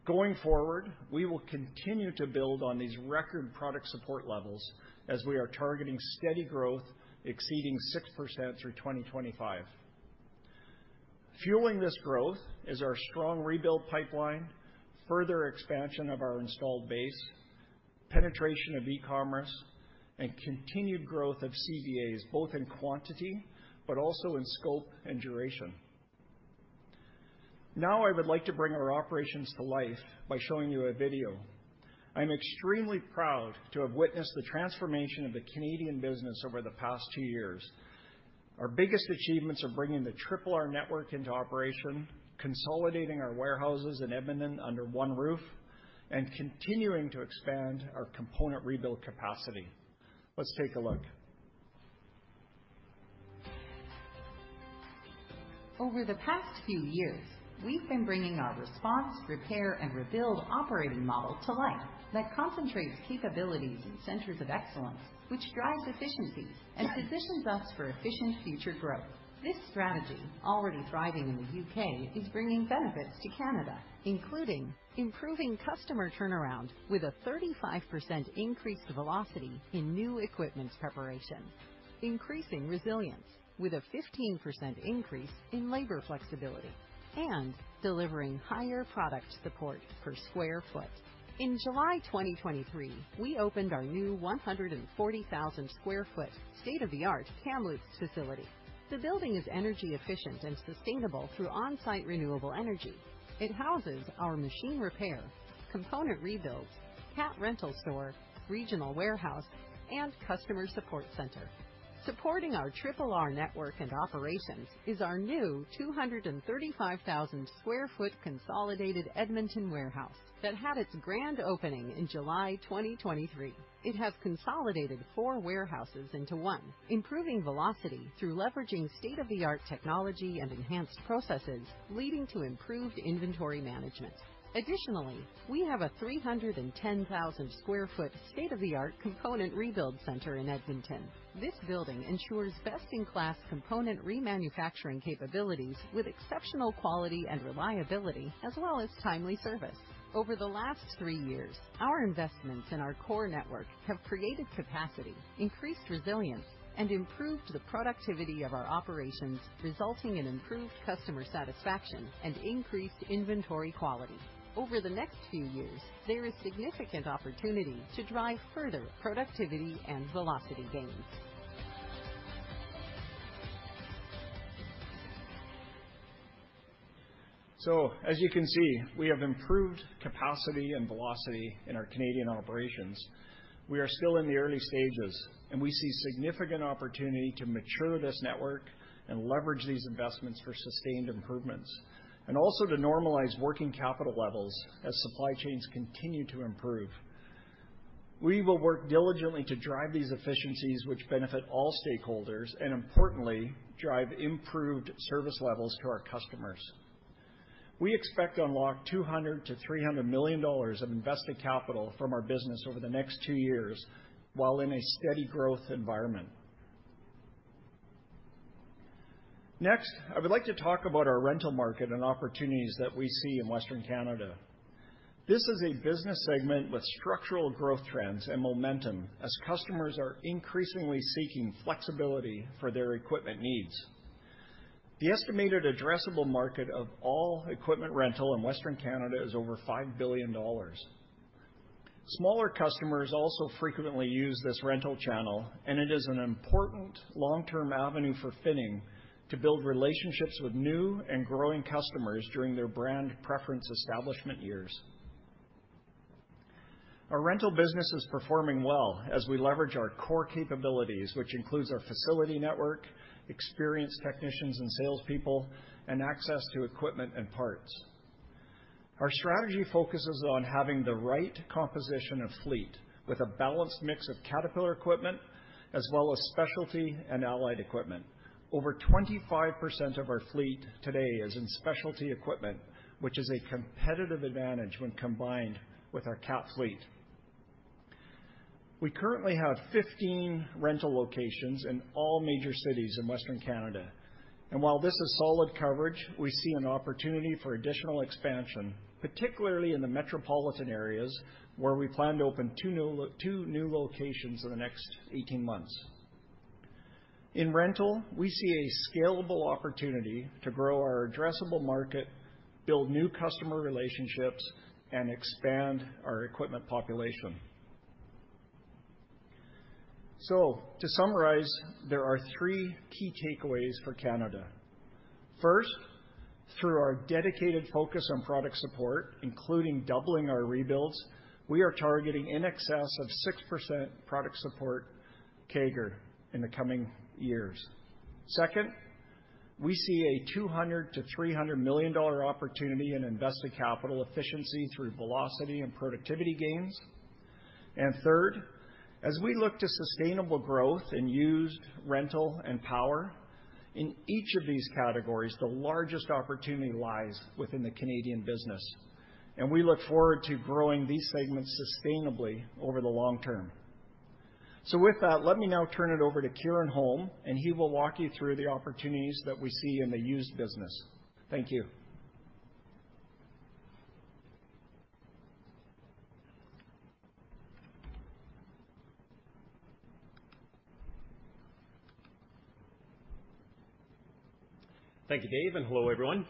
Going forward, we will continue to build on these record product support levels as we are targeting steady growth exceeding 6% through 2025. Fueling this growth is our strong rebuild pipeline, further expansion of our installed base, penetration of e-commerce, and continued growth of CVAs, both in quantity but also in scope and duration. Now, I would like to bring our operations to life by showing you a video. I'm extremely proud to have witnessed the transformation of the Canadian business over the past two years. Our biggest achievements are bringing the RRR network into operation, consolidating our warehouses in Edmonton under one roof, and continuing to expand our component rebuild capacity. Let's take a look. Over the past few years, we've been bringing our response, repair, and rebuild operating model to life that concentrates capabilities in centers of excellence, which drives efficiencies and positions us for efficient future growth. This strategy, already thriving in the U.K., is bringing benefits to Canada, including improving customer turnaround with a 35% increase to velocity in new equipment preparation, increasing resilience with a 15% increase in labor flexibility, and delivering higher product support per sq ft. In July 2023, we opened our new 140,000 sq ft, state-of-the-art Kamloops facility. The building is energy efficient and sustainable through on-site renewable energy. It houses our machine repair, component rebuilds, Cat rental store, regional warehouse, and customer support center. Supporting our triple R network and operations is our new 235,000 sq ft consolidated Edmonton warehouse that had its grand opening in July 2023. It has consolidated four warehouses into one, improving velocity through leveraging state-of-the-art technology and enhanced processes, leading to improved inventory management. Additionally, we have a 310,000 sq ft state-of-the-art component rebuild center in Edmonton. This building ensures best-in-class component remanufacturing capabilities with exceptional quality and reliability, as well as timely service. Over the last three years, our investments in our core network have created capacity, increased resilience, and improved the productivity of our operations, resulting in improved customer satisfaction and increased inventory quality. Over the next few years, there is significant opportunity to drive further productivity and velocity gains. So as you can see, we have improved capacity and velocity in our Canadian operations. We are still in the early stages, and we see significant opportunity to mature this network and leverage these investments for sustained improvements, and also to normalize working capital levels as supply chains continue to improve. We will work diligently to drive these efficiencies, which benefit all stakeholders, and importantly, drive improved service levels to our customers. We expect to unlock 200 million-300 million dollars of invested capital from our business over the next two years, while in a steady growth environment. Next, I would like to talk about our rental market and opportunities that we see in Western Canada. This is a business segment with structural growth trends and momentum, as customers are increasingly seeking flexibility for their equipment needs. The estimated addressable market of all equipment rental in Western Canada is over 5 billion dollars. Smaller customers also frequently use this rental channel, and it is an important long-term avenue for Finning to build relationships with new and growing customers during their brand preference establishment years. Our rental business is performing well as we leverage our core capabilities, which includes our facility network, experienced technicians and salespeople, and access to equipment and parts. Our strategy focuses on having the right composition of fleet, with a balanced mix of Caterpillar equipment, as well as specialty and allied equipment. Over 25% of our fleet today is in specialty equipment, which is a competitive advantage when combined with our Cat fleet. We currently have 15 rental locations in all major cities in Western Canada, and while this is solid coverage, we see an opportunity for additional expansion, particularly in the metropolitan areas, where we plan to open two new locations in the next 18 months. In rental, we see a scalable opportunity to grow our addressable market, build new customer relationships, and expand our equipment population. So to summarize, there are three key takeaways for Canada. First, through our dedicated focus on product support, including doubling our rebuilds, we are targeting in excess of 6% product support CAGR in the coming years. Second, we see a 200 million-300 million dollar opportunity in invested capital efficiency through velocity and productivity gains. Third, as we look to sustainable growth in used, rental, and power, in each of these categories, the largest opportunity lies within the Canadian business, and we look forward to growing these segments sustainably over the long term. So with that, let me now turn it over to Kieran Holm, and he will walk you through the opportunities that we see in the used business. Thank you. Thank you, Dave, and hello, everyone.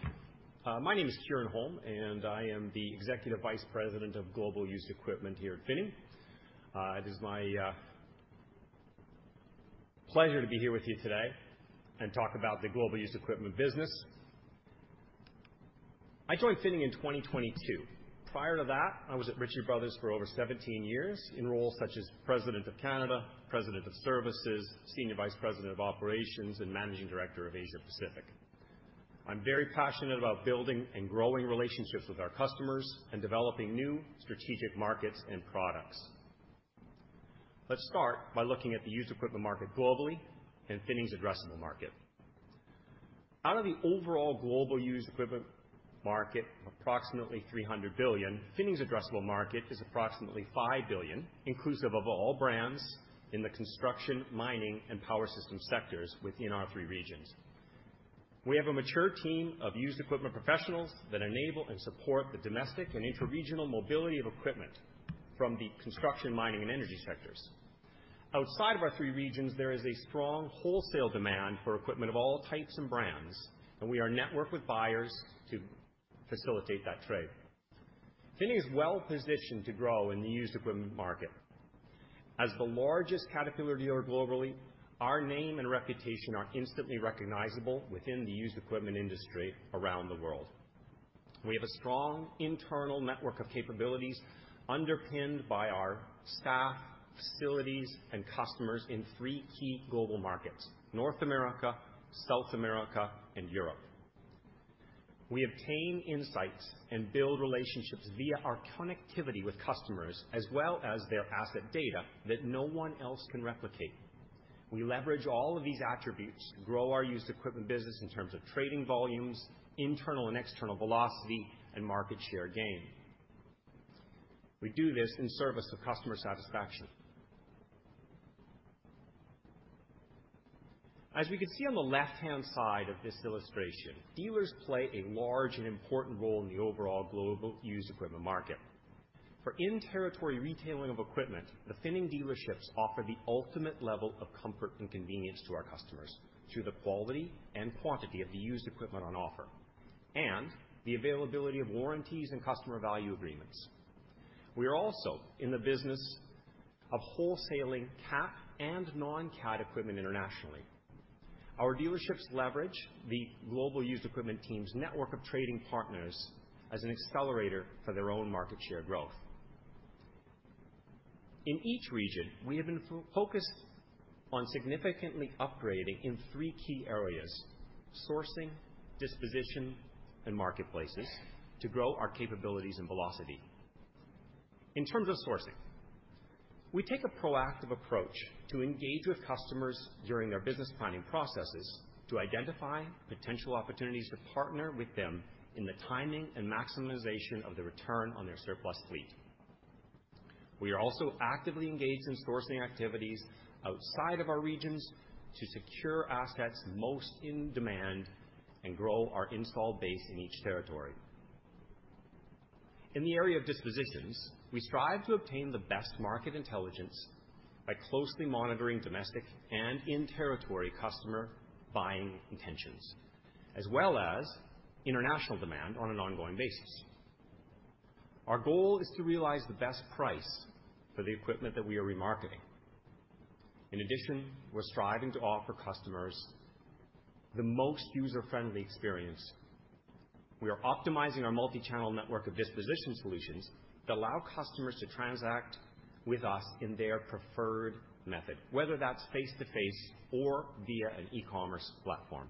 My name is Kieran Holm, and I am the Executive Vice President of Global Used Equipment here at Finning. It is my pleasure to be here with you today and talk about the global used equipment business. I joined Finning in 2022. Prior to that, I was at Ritchie Brothers for over 17 years in roles such as President of Canada, President of Services, Senior Vice President of Operations, and Managing Director of Asia Pacific. I'm very passionate about building and growing relationships with our customers and developing new strategic markets and products. Let's start by looking at the used equipment market globally and Finning's addressable market. Out of the overall global used equipment market, approximately $300 billion, Finning's addressable market is approximately $5 billion, inclusive of all brands in the construction, mining, and power system sectors within our three regions. We have a mature team of used equipment professionals that enable and support the domestic and interregional mobility of equipment from the construction, mining, and energy sectors. Outside of our three regions, there is a strong wholesale demand for equipment of all types and brands, and we are networked with buyers to facilitate that trade. Finning is well-positioned to grow in the used equipment market. As the largest Caterpillar dealer globally, our name and reputation are instantly recognizable within the used equipment industry around the world. We have a strong internal network of capabilities underpinned by our staff, facilities, and customers in three key global markets: North America, South America, and Europe. We obtain insights and build relationships via our connectivity with customers, as well as their asset data that no one else can replicate. We leverage all of these attributes to grow our used equipment business in terms of trading volumes, internal and external velocity, and market share gain. We do this in service of customer satisfaction. As we can see on the left-hand side of this illustration, dealers play a large and important role in the overall global used equipment market. For in-territory retailing of equipment, the Finning dealerships offer the ultimate level of comfort and convenience to our customers through the quality and quantity of the used equipment on offer, and the availability of warranties and customer value agreements. We are also in the business of wholesaling Cat and non-Cat equipment internationally. Our dealerships leverage the global used equipment team's network of trading partners as an accelerator for their own market share growth. In each region, we have been focused on significantly upgrading in three key areas: sourcing, disposition, and marketplaces to grow our capabilities and velocity. In terms of sourcing, we take a proactive approach to engage with customers during their business planning processes to identify potential opportunities to partner with them in the timing and maximization of the return on their surplus fleet. We are also actively engaged in sourcing activities outside of our regions to secure assets most in demand and grow our installed base in each territory. In the area of dispositions, we strive to obtain the best market intelligence by closely monitoring domestic and in-territory customer buying intentions, as well as international demand on an ongoing basis. Our goal is to realize the best price for the equipment that we are remarketing. In addition, we're striving to offer customers the most user-friendly experience. We are optimizing our multi-channel network of disposition solutions that allow customers to transact with us in their preferred method, whether that's face-to-face or via an e-commerce platform.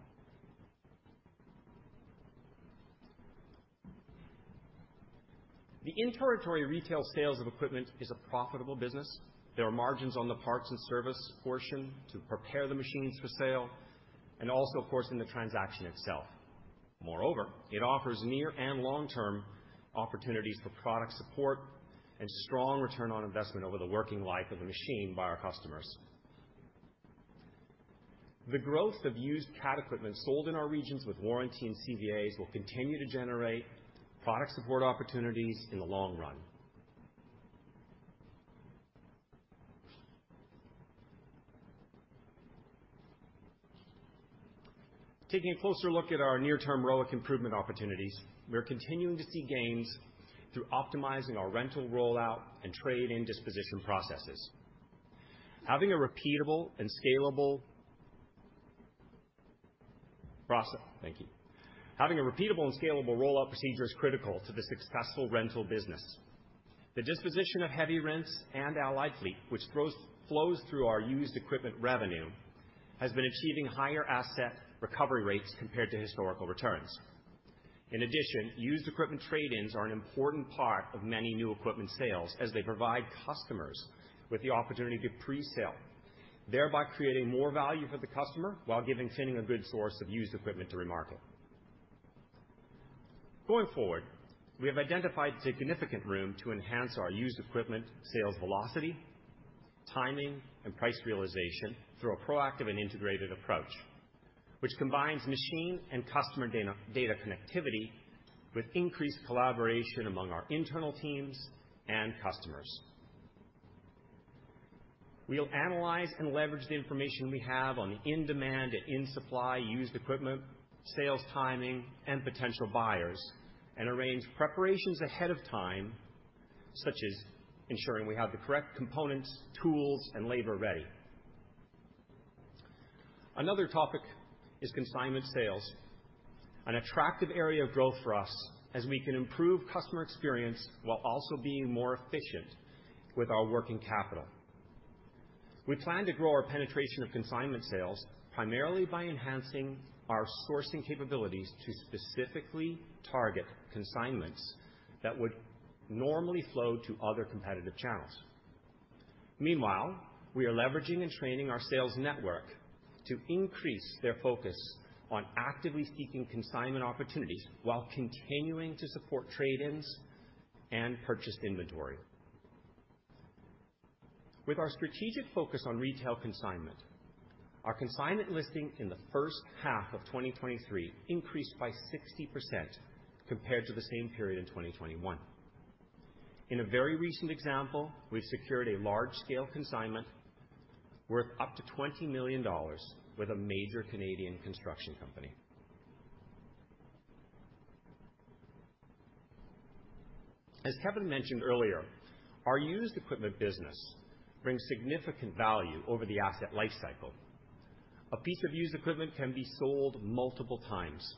The in-territory retail sales of equipment is a profitable business. There are margins on the parts and service portion to prepare the machines for sale, and also, of course, in the transaction itself. Moreover, it offers near and long-term opportunities for product support and strong return on investment over the working life of a machine by our customers. The growth of used Cat equipment sold in our regions with warranty and CVAs will continue to generate product support opportunities in the long run. Taking a closer look at our near-term ROIC improvement opportunities, we are continuing to see gains through optimizing our rental rollout and trade-in disposition processes. Having a repeatable and scalable process. Having a repeatable and scalable rollout procedure is critical to the successful rental business. The disposition of heavy rents and allied fleet, which flows through our used equipment revenue, has been achieving higher asset recovery rates compared to historical returns. In addition, used equipment trade-ins are an important part of many new equipment sales as they provide customers with the opportunity to pre-sale, thereby creating more value for the customer while giving Finning a good source of used equipment to remarket. Going forward, we have identified significant room to enhance our used equipment sales velocity, timing, and price realization through a proactive and integrated approach, which combines machine and customer data, data connectivity with increased collaboration among our internal teams and customers. We'll analyze and leverage the information we have on in-demand and in-supply used equipment, sales, timing, and potential buyers, and arrange preparations ahead of time, such as ensuring we have the correct components, tools, and labor ready. Another topic is consignment sales, an attractive area of growth for us as we can improve customer experience while also being more efficient with our working capital. We plan to grow our penetration of consignment sales primarily by enhancing our sourcing capabilities to specifically target consignments that would normally flow to other competitive channels. Meanwhile, we are leveraging and training our sales network to increase their focus on actively seeking consignment opportunities while continuing to support trade-ins and purchased inventory. With our strategic focus on retail consignment, our consignment listing in the first half of 2023 increased by 60% compared to the same period in 2021. In a very recent example, we've secured a large-scale consignment worth up to 20 million dollars with a major Canadian construction company. As Kevin mentioned earlier, our used equipment business brings significant value over the asset lifecycle. A piece of used equipment can be sold multiple times,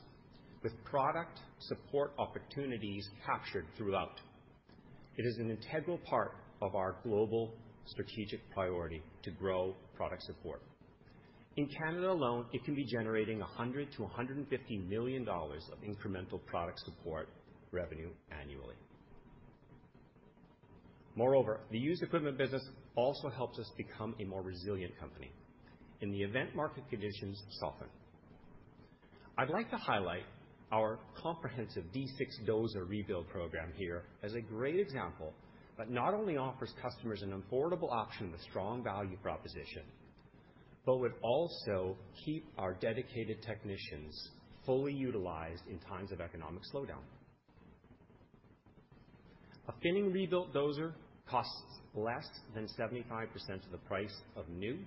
with product support opportunities captured throughout. It is an integral part of our global strategic priority to grow product support. In Canada alone, it can be generating 100 million-150 million dollars of incremental product support revenue annually. Moreover, the used equipment business also helps us become a more resilient company in the event market conditions soften. I'd like to highlight our comprehensive D6 Dozer rebuild program here as a great example, that not only offers customers an affordable option with strong value proposition, but would also keep our dedicated technicians fully utilized in times of economic slowdown. A Finning rebuilt Dozer costs less than 75% of the price of new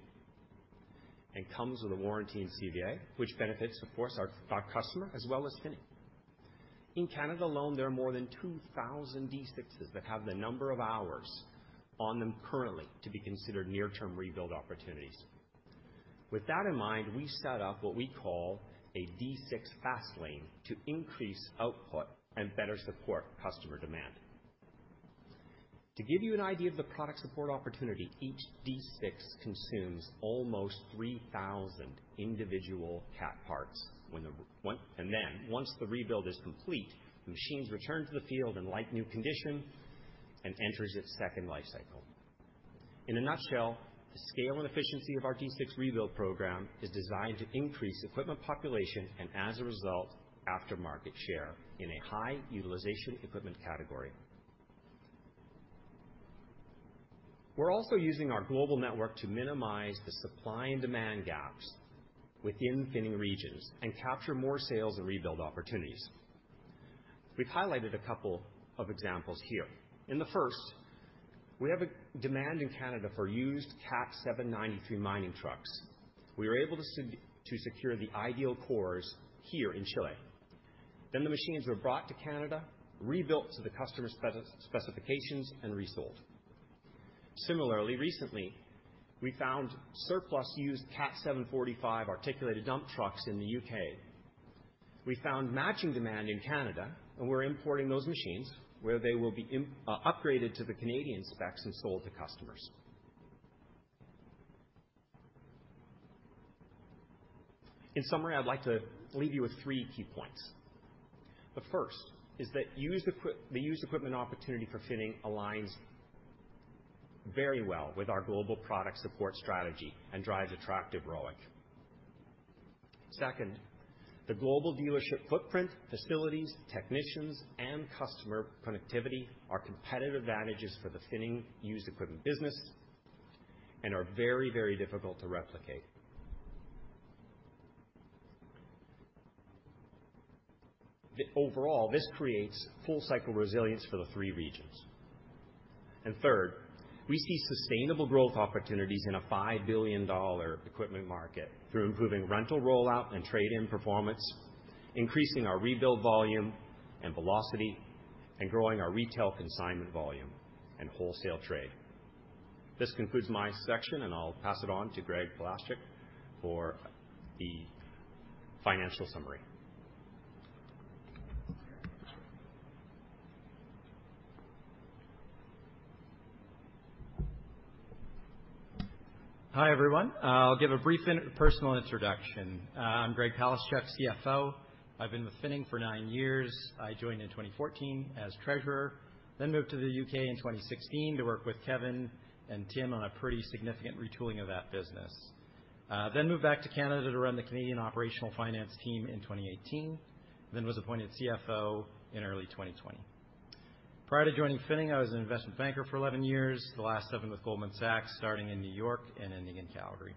and comes with a warranty and CVA, which benefits, of course, our, our customer, as well as Finning. In Canada alone, there are more than 2,000 D6s that have the number of hours on them currently to be considered near-term rebuild opportunities. With that in mind, we set up what we call a D6 fast lane to increase output and better support customer demand. To give you an idea of the product support opportunity, each D6 consumes almost 3,000 individual Cat parts when and then once the rebuild is complete, the machines return to the field in like-new condition and enters its second lifecycle. In a nutshell, the scale and efficiency of our D6 rebuild program is designed to increase equipment population and, as a result, aftermarket share in a high-utilization equipment category. We're also using our global network to minimize the supply and demand gaps within Finning regions and capture more sales and rebuild opportunities. We've highlighted a couple of examples here. In the first, we have a demand in Canada for used Cat 793 mining trucks. We were able to to secure the ideal cores here in Chile. Then the machines were brought to Canada, rebuilt to the customer's specifications, and resold. Similarly, recently, we found surplus used Cat 745 articulated dump trucks in the U.K. We found matching demand in Canada, and we're importing those machines, where they will be upgraded to the Canadian specs and sold to customers. In summary, I'd like to leave you with three key points. The first is that the used equipment opportunity for Finning aligns very well with our global product support strategy and drives attractive ROIC. Second, the global dealership footprint, facilities, technicians, and customer connectivity are competitive advantages for the Finning used equipment business and are very, very difficult to replicate. Overall, this creates full-cycle resilience for the three regions. And third, we see sustainable growth opportunities in a $5 billion equipment market through improving rental rollout and trade-in performance, increasing our rebuild volume and velocity, and growing our retail consignment volume and wholesale trade. This concludes my section, and I'll pass it on to Greg Palaschuk for the financial summary. Hi, everyone. I'll give a brief personal introduction. I'm Greg Palaschuk, CFO. I've been with Finning for nine years. I joined in 2014 as treasurer, then moved to the U.K. in 2016 to work with Kevin and Tim on a pretty significant retooling of that business. Then moved back to Canada to run the Canadian operational finance team in 2018, then was appointed CFO in early 2020. Prior to joining Finning, I was an investment banker for 11 years, the last seven with Goldman Sachs, starting in New York and ending in Calgary.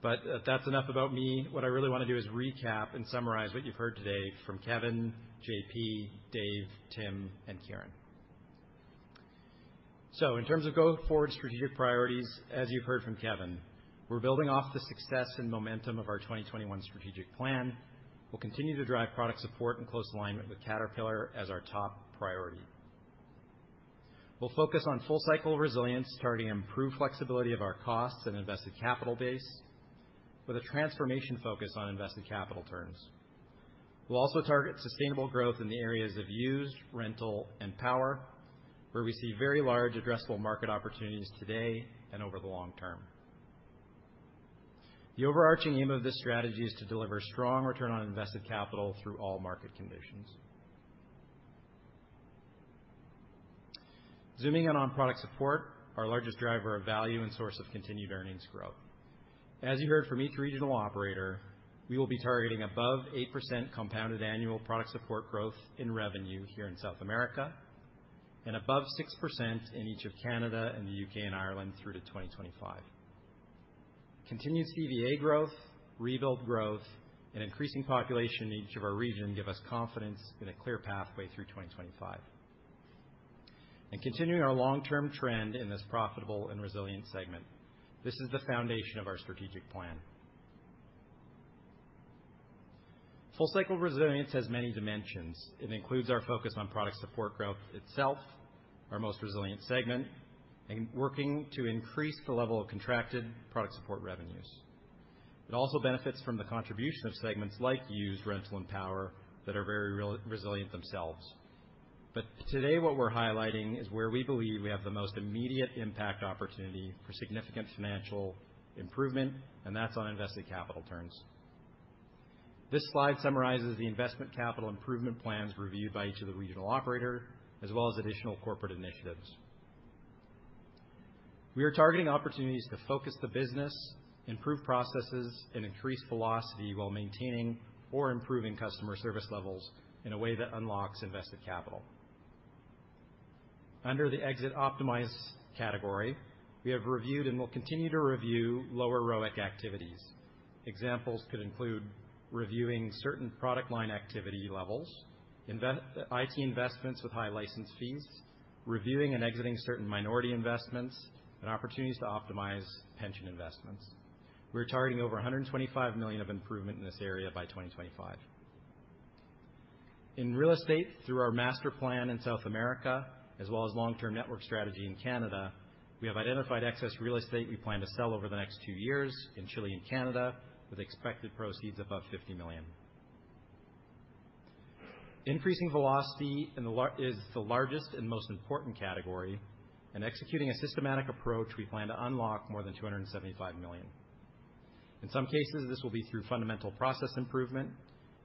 But, that's enough about me. What I really want to do is recap and summarize what you've heard today from Kevin, JP, Dave, Tim, and Kieran. In terms of going forward strategic priorities, as you've heard from Kevin, we're building off the success and momentum of our 2021 strategic plan. We'll continue to drive product support and close alignment with Caterpillar as our top priority. We'll focus on full-cycle resilience, targeting improved flexibility of our costs and invested capital base with a transformation focus on invested capital terms. We'll also target sustainable growth in the areas of used, rental, and power, where we see very large addressable market opportunities today and over the long term. The overarching aim of this strategy is to deliver strong return on invested capital through all market conditions. Zooming in on product support, our largest driver of value and source of continued earnings growth. As you heard from each regional operator, we will be targeting above 8% compounded annual product support growth in revenue here in South America and above 6% in each of Canada and the U.K. and Ireland through to 2025. Continued CVA growth, rebuild growth, and increasing population in each of our region give us confidence in a clear pathway through 2025. And continuing our long-term trend in this profitable and resilient segment, this is the foundation of our strategic plan. Full-cycle resilience has many dimensions. It includes our focus on product support growth itself, our most resilient segment, and working to increase the level of contracted product support revenues. It also benefits from the contribution of segments like used, rental, and power that are very resilient themselves. Today, what we're highlighting is where we believe we have the most immediate impact opportunity for significant financial improvement, and that's on invested capital terms. This slide summarizes the investment capital improvement plans reviewed by each of the regional operator, as well as additional corporate initiatives. We are targeting opportunities to focus the business, improve processes, and increase velocity while maintaining or improving customer service levels in a way that unlocks invested capital. Under the exit optimize category, we have reviewed and will continue to review lower ROIC activities. Examples could include reviewing certain product line activity levels, IT investments with high license fees, reviewing and exiting certain minority investments, and opportunities to optimize pension investments. We're targeting over 125 million of improvement in this area by 2025. In real estate, through our master plan in South America, as well as long-term network strategy in Canada, we have identified excess real estate we plan to sell over the next two years in Chile and Canada, with expected proceeds above 50 million. Increasing velocity in the large is the largest and most important category, and executing a systematic approach, we plan to unlock more than 275 million. In some cases, this will be through fundamental process improvement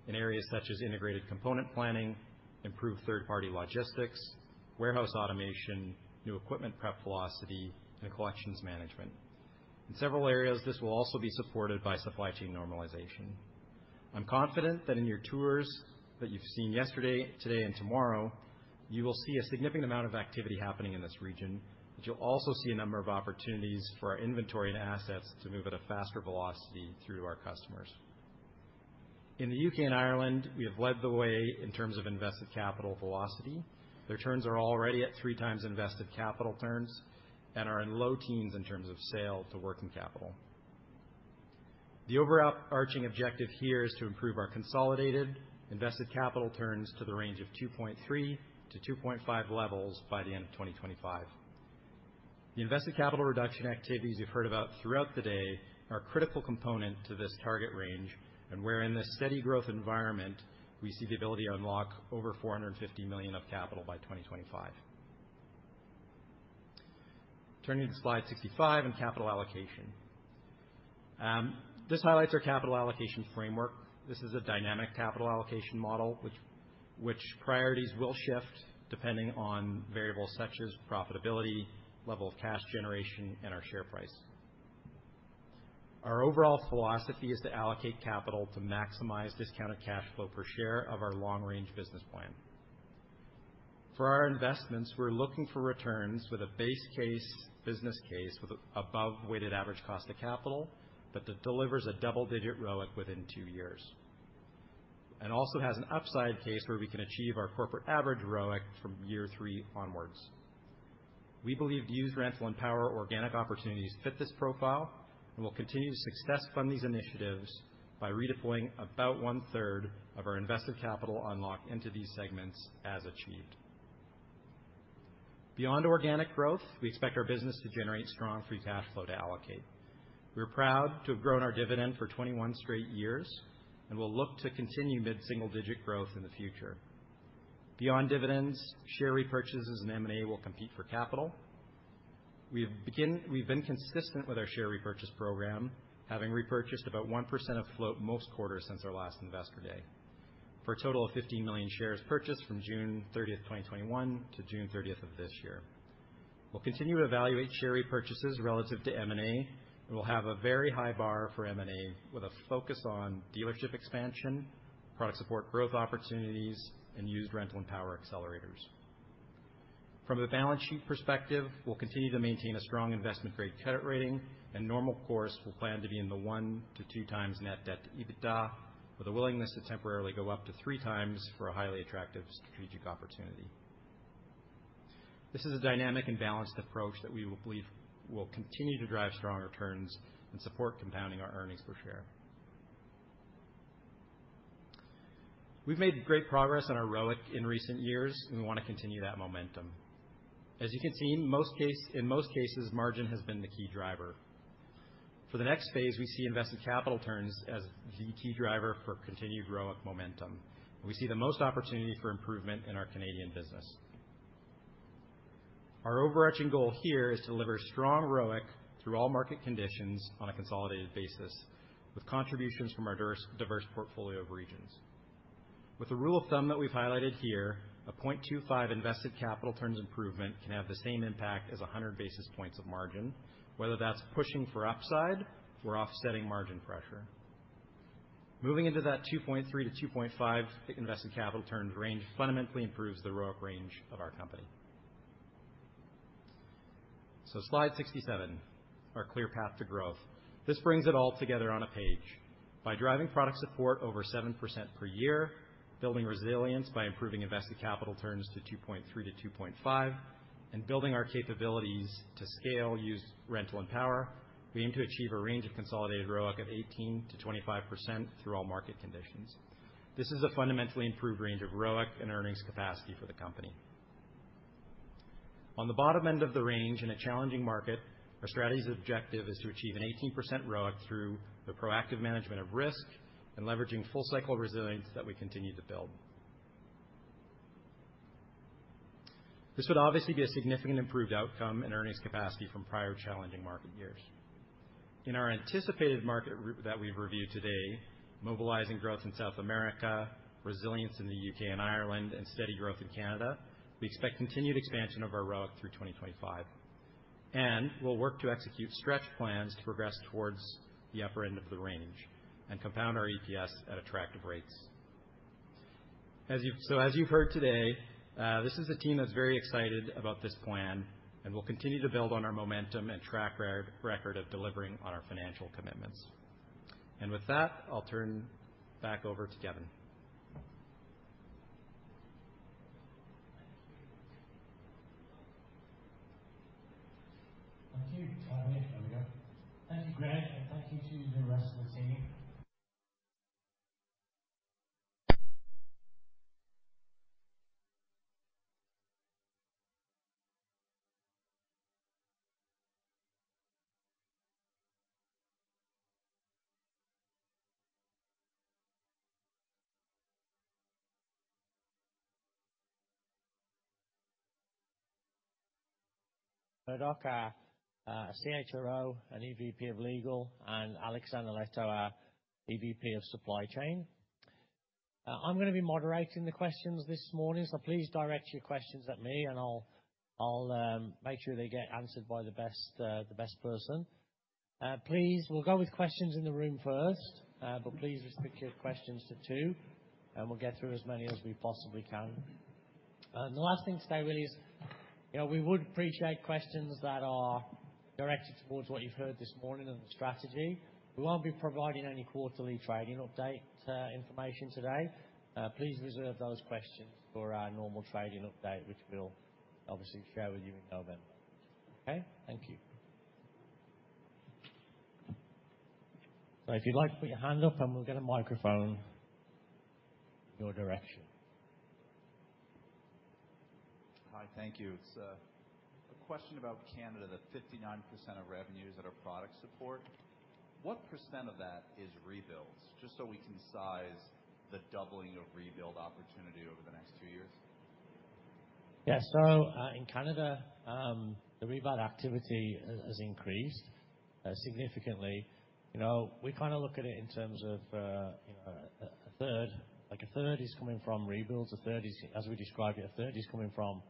in areas such as integrated component planning, improved third-party logistics, warehouse automation, new equipment prep velocity, and collections management. In several areas, this will also be supported by supply chain normalization. I'm confident that in your tours that you've seen yesterday, today, and tomorrow, you will see a significant amount of activity happening in this region, but you'll also see a number of opportunities for our inventory and assets to move at a faster velocity through our customers. In the U.K. and Ireland, we have led the way in terms of invested capital velocity. Their turns are already at 3 times invested capital turns and are in low teens in terms of sale to working capital. The overarching objective here is to improve our consolidated invested capital turns to the range of 2.3-2.5 levels by the end of 2025. The invested capital reduction activities you've heard about throughout the day are a critical component to this target range, and, in this steady growth environment, we see the ability to unlock over 450 million of capital by 2025. Turning to slide 65 in capital allocation. This highlights our capital allocation framework. This is a dynamic capital allocation model, which priorities will shift depending on variables such as profitability, level of cash generation, and our share price. Our overall philosophy is to allocate capital to maximize discounted cash flow per share of our long-range business plan. For our investments, we're looking for returns with a base case business case with above weighted average cost of capital, but that delivers a double-digit ROIC within two years. And also has an upside case where we can achieve our corporate average ROIC from year three onwards. We believe used rental and power organic opportunities fit this profile, and we'll continue to success fund these initiatives by redeploying about one-third of our invested capital unlock into these segments as achieved. Beyond organic growth, we expect our business to generate strong free cash flow to allocate. We're proud to have grown our dividend for 21 straight years, and we'll look to continue mid-single-digit growth in the future. Beyond dividends, share repurchases and M&A will compete for capital. We've been consistent with our share repurchase program, having repurchased about 1% of float most quarters since our last Investor Day, for a total of 15 million shares purchased from June 30th, 2021 to June 30th of this year. We'll continue to evaluate share repurchases relative to M&A, and we'll have a very high bar for M&A, with a focus on dealership expansion, product support growth opportunities, and used rental and power accelerators. From a balance sheet perspective, we'll continue to maintain a strong investment-grade credit rating, and normal course will plan to be in the 1-2 times net debt to EBITDA, with a willingness to temporarily go up to 3 times for a highly attractive strategic opportunity. This is a dynamic and balanced approach that we will believe will continue to drive strong returns and support compounding our earnings per share. We've made great progress on our ROIC in recent years, and we want to continue that momentum. As you can see, in most cases, margin has been the key driver. For the next phase, we see invested capital turns as the key driver for continued ROIC momentum. We see the most opportunity for improvement in our Canadian business. Our overarching goal here is to deliver strong ROIC through all market conditions on a consolidated basis, with contributions from our diverse portfolio of regions. With the rule of thumb that we've highlighted here, a 0.25 invested capital turns improvement can have the same impact as 100 basis points of margin, whether that's pushing for upside or offsetting margin pressure. Moving into that 2.3-2.5 invested capital turns range fundamentally improves the ROIC range of our company. So slide 67, our clear path to growth. This brings it all together on a page. By driving product support over 7% per year, building resilience by improving invested capital turns to 2.3-2.5, and building our capabilities to scale, use rental and power, we aim to achieve a range of consolidated ROIC of 18%-25% through all market conditions. This is a fundamentally improved range of ROIC and earnings capacity for the company. On the bottom end of the range, in a challenging market, our strategy's objective is to achieve an 18% ROIC through the proactive management of risk and leveraging full cycle resilience that we continue to build. This would obviously be a significant improved outcome in earnings capacity from prior challenging market years. In our anticipated market recovery that we've reviewed today, mobilizing growth in South America, resilience in the U.K. and Ireland, and steady growth in Canada, we expect continued expansion of our ROIC through 2025. We'll work to execute stretch plans to progress towards the upper end of the range and compound our EPS at attractive rates. As you've. So as you've heard today, this is a team that's very excited about this plan, and we'll continue to build on our momentum and track our record of delivering on our financial commitments. With that, I'll turn back over to Kevin. Thank you. Thank you, Greg, and thank you to the rest of the team our CHRO and EVP of Legal, and Alex Andersson, our EVP of Supply Chain. I'm gonna be moderating the questions this morning, so please direct your questions at me, and I'll make sure they get answered by the best person. Please, we'll go with questions in the room first, but please restrict your questions to two, and we'll get through as many as we possibly can. The last thing today really is, you know, we would appreciate questions that are directed towards what you've heard this morning on the strategy. We won't be providing any quarterly trading update information today. Please reserve those questions for our normal trading update, which we'll obviously share with you in November. Okay? Thank you. So if you'd like to put your hand up, and we'll get a microphone your direction. Hi, thank you. It's a question about Canada, the 59% of revenues that are product support. What percentage of that is rebuilds? Just so we can size the doubling of rebuild opportunity over the next two years. Yeah. So, in Canada, the rebuild activity has increased significantly. You know, we kind of look at it in terms of, you know, a third, like, a third is coming from rebuilds, a third is, as we describe it, a third is coming from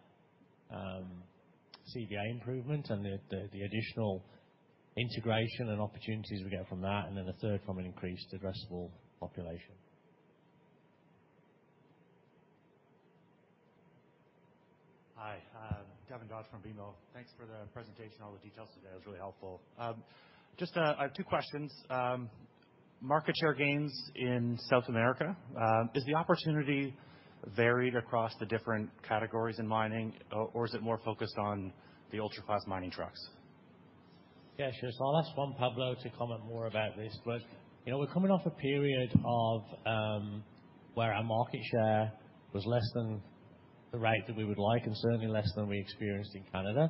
CVA improvement and the additional integration and opportunities we get from that, and then a third from an increased addressable population. Hi, Devin Dodge from BMO. Thanks for the presentation. All the details today was really helpful. Just, I have two questions. Market share gains in South America, is the opportunity varied across the different categories in mining, or, or is it more focused on the ultra-class mining trucks? Yeah, sure. So I'll ask Juan Pablo to comment more about this, but, you know, we're coming off a period of, where our market share was less than the rate that we would like, and certainly less than we experienced in Canada.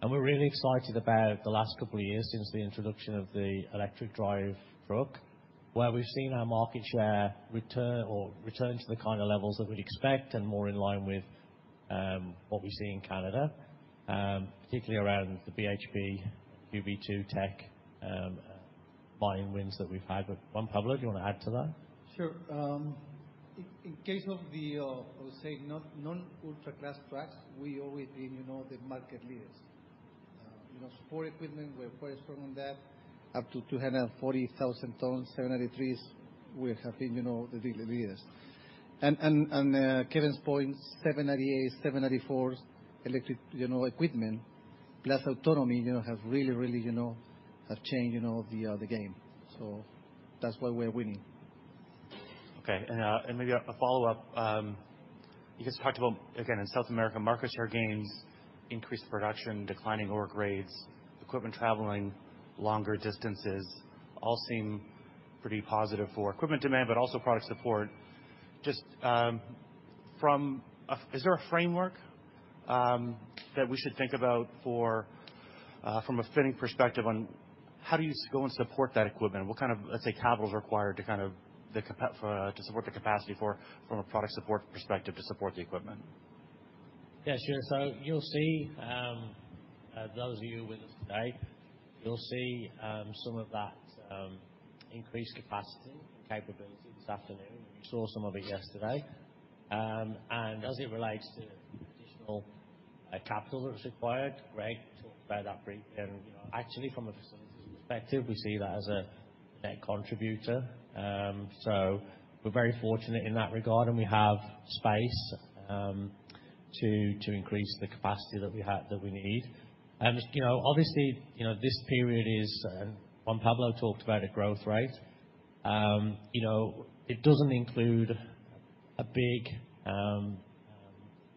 And we're really excited about the last couple of years since the introduction of the electric drive truck, where we've seen our market share return or return to the kind of levels that we'd expect and more in line with, what we see in Canada, particularly around the BHP QB2 Teck buying wins that we've had. But, Juan Pablo, do you want to add to that? Sure. In case of the, I would say, not non-ultra class trucks, we always been, you know, the market leaders. You know, support equipment, we're very strong on that, up to 240,000 tons, 793s. We have been, you know, the real leaders. And Kevin's point, 798s, 794s, electric, you know, equipment, plus autonomy, you know, have really, really, you know, have changed, you know, the, the game. So that's why we're winning. Okay. And maybe a follow-up. You just talked about, again, in South America, market share gains, increased production, declining ore grades, equipment traveling longer distances, all seem pretty positive for equipment demand, but also product support. Just from a Is there a framework that we should think about for from a Finning perspective on how do you go and support that equipment? What kind of, let's say, capital is required to kind of to support the capacity for from a product support perspective to support the equipment? Yeah, sure. So you'll see, those of you with us today, you'll see some of that increased capacity and capability this afternoon. You saw some of it yesterday. And as it relates to additional capital that's required, Greg talked about that briefly. And, you know, actually, from a facilities perspective, we see that as a net contributor. So we're very fortunate in that regard, and we have space to increase the capacity that we have, that we need. And, you know, obviously, you know, this period is, Juan Pablo talked about a growth rate. You know, it doesn't include a big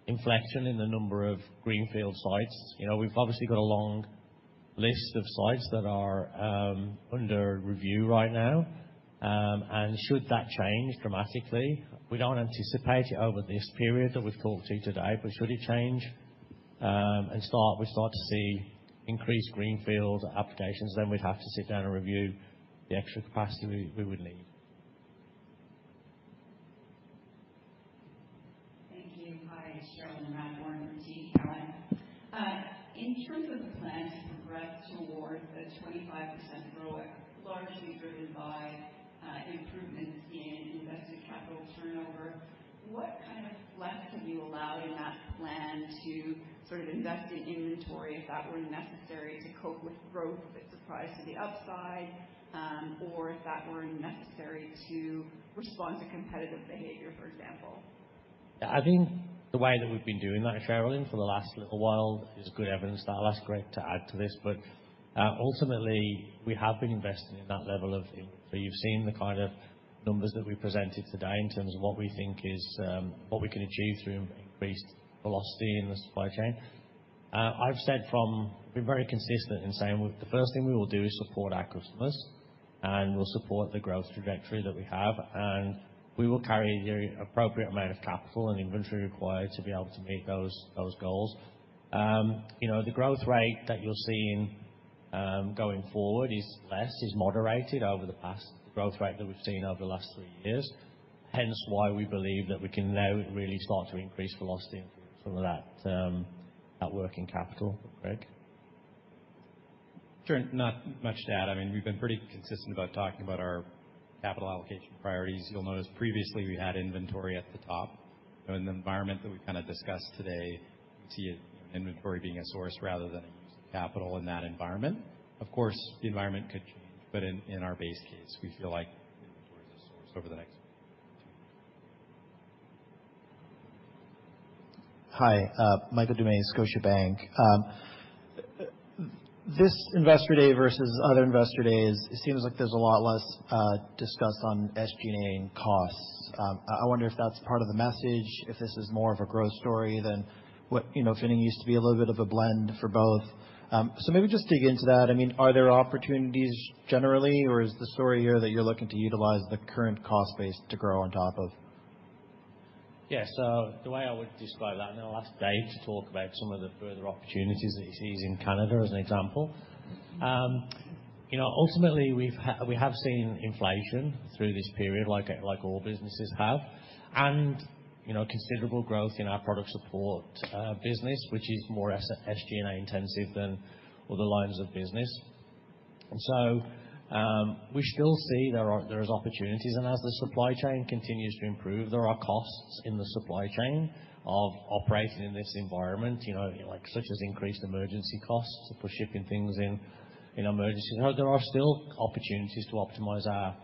inflection in the number of greenfield sites. You know, we've obviously got a long list of sites that are under review right now. And should that change dramatically, we don't anticipate it over this period that we've talked to you today, but should it change, and we start to see increased greenfield applications, then we'd have to sit down and review the extra capacity we, we would need. Thank you. Hi, Cherilyn Radbourne from TD Cowen. In terms of the plans for progress towards a 25% growth, largely driven by improvements in invested capital turnover, what kind of flex have you allowed in that plan to sort of invest in inventory, if that were necessary, to cope with growth, that surprise to the upside, or if that were necessary to respond to competitive behavior, for example? I think the way that we've been doing that, Cherilyn, for the last little while is good evidence. I'll ask Greg to add to this, but, ultimately, we have been investing in that level of. So you've seen the kind of numbers that we presented today in terms of what we think is, what we can achieve through increased velocity in the supply chain. I've said. We're very consistent in saying with, the first thing we will do is support our customers, and we'll support the growth trajectory that we have, and we will carry the appropriate amount of capital and inventory required to be able to meet those, those goals. You know, the growth rate that you're seeing going forward is less, is moderated over the past growth rate that we've seen over the last three years. Hence, why we believe that we can now really start to increase velocity and some of that, that working capital. Greg? Sure. Not much to add. I mean, we've been pretty consistent about talking about our capital allocation priorities. You'll notice previously we had inventory at the top. In the environment that we kinda discussed today, see inventory being a source rather than capital in that environment. Of course, the environment could change, but in our base case, we feel like inventory is a source over the next. Hi, Michael Doumet, Scotiabank. This investor day versus other investor days, it seems like there's a lot less discuss on SG&A and costs. I wonder if that's part of the message, if this is more of a growth story than what, you know, Finning used to be a little bit of a blend for both. Maybe just dig into that. I mean, are there opportunities generally, or is the story here that you're looking to utilize the current cost base to grow on top of? Yes. So the way I would describe that, and I'll ask Dave to talk about some of the further opportunities that he sees in Canada as an example. You know, ultimately, we've had. We have seen inflation through this period, like all businesses have, and, you know, considerable growth in our product support business, which is more SG&A intensive than other lines of business. So, we still see there are opportunities, and as the supply chain continues to improve, there are costs in the supply chain of operating in this environment, you know, like, such as increased emergency costs for shipping things in emergency. There are still opportunities to optimize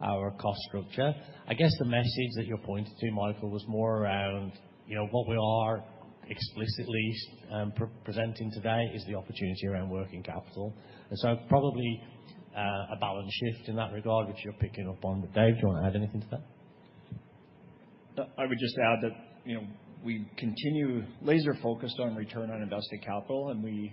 our cost structure. I guess the message that you're pointing to, Michael, was more around, you know, what we are explicitly presenting today is the opportunity around working capital. Probably, a balance shift in that regard, which you're picking up on. Dave, do you want to add anything to that? I would just add that, you know, we continue laser-focused on return on invested capital, and we,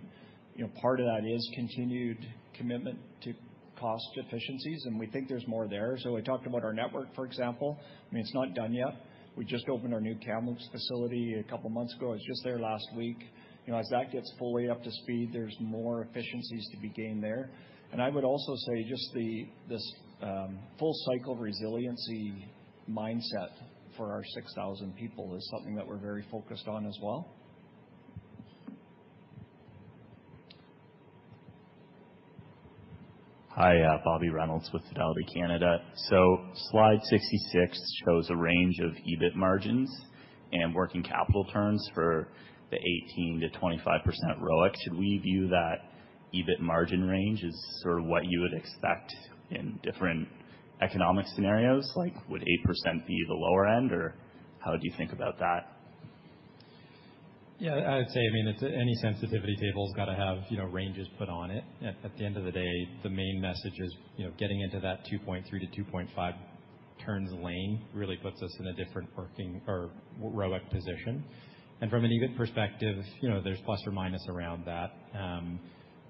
you know, part of that is continued commitment to cost efficiencies, and we think there's more there. So I talked about our network, for example. I mean, it's not done yet. We just opened our new Kamloops facility a couple of months ago. I was just there last week. You know, as that gets fully up to speed, there's more efficiencies to be gained there. And I would also say just the, this, full cycle resiliency mindset for our 6,000 people is something that we're very focused on as well. Hi, Bobby Reynolds with Fidelity Canada. So slide 66 shows a range of EBIT margins and working capital terms for the 18%-25% ROIC. Should we view that EBIT margin range as sort of what you would expect in different economic scenarios? Like, would 8% be the lower end, or how would you think about that? Yeah, I would say, I mean, it's any sensitivity table's got to have, you know, ranges put on it. At the end of the day, the main message is, you know, getting into that 2.3-2.5 turns lane really puts us in a different working or ROIC position. And from an EBIT perspective, you know, there's plus or minus around that.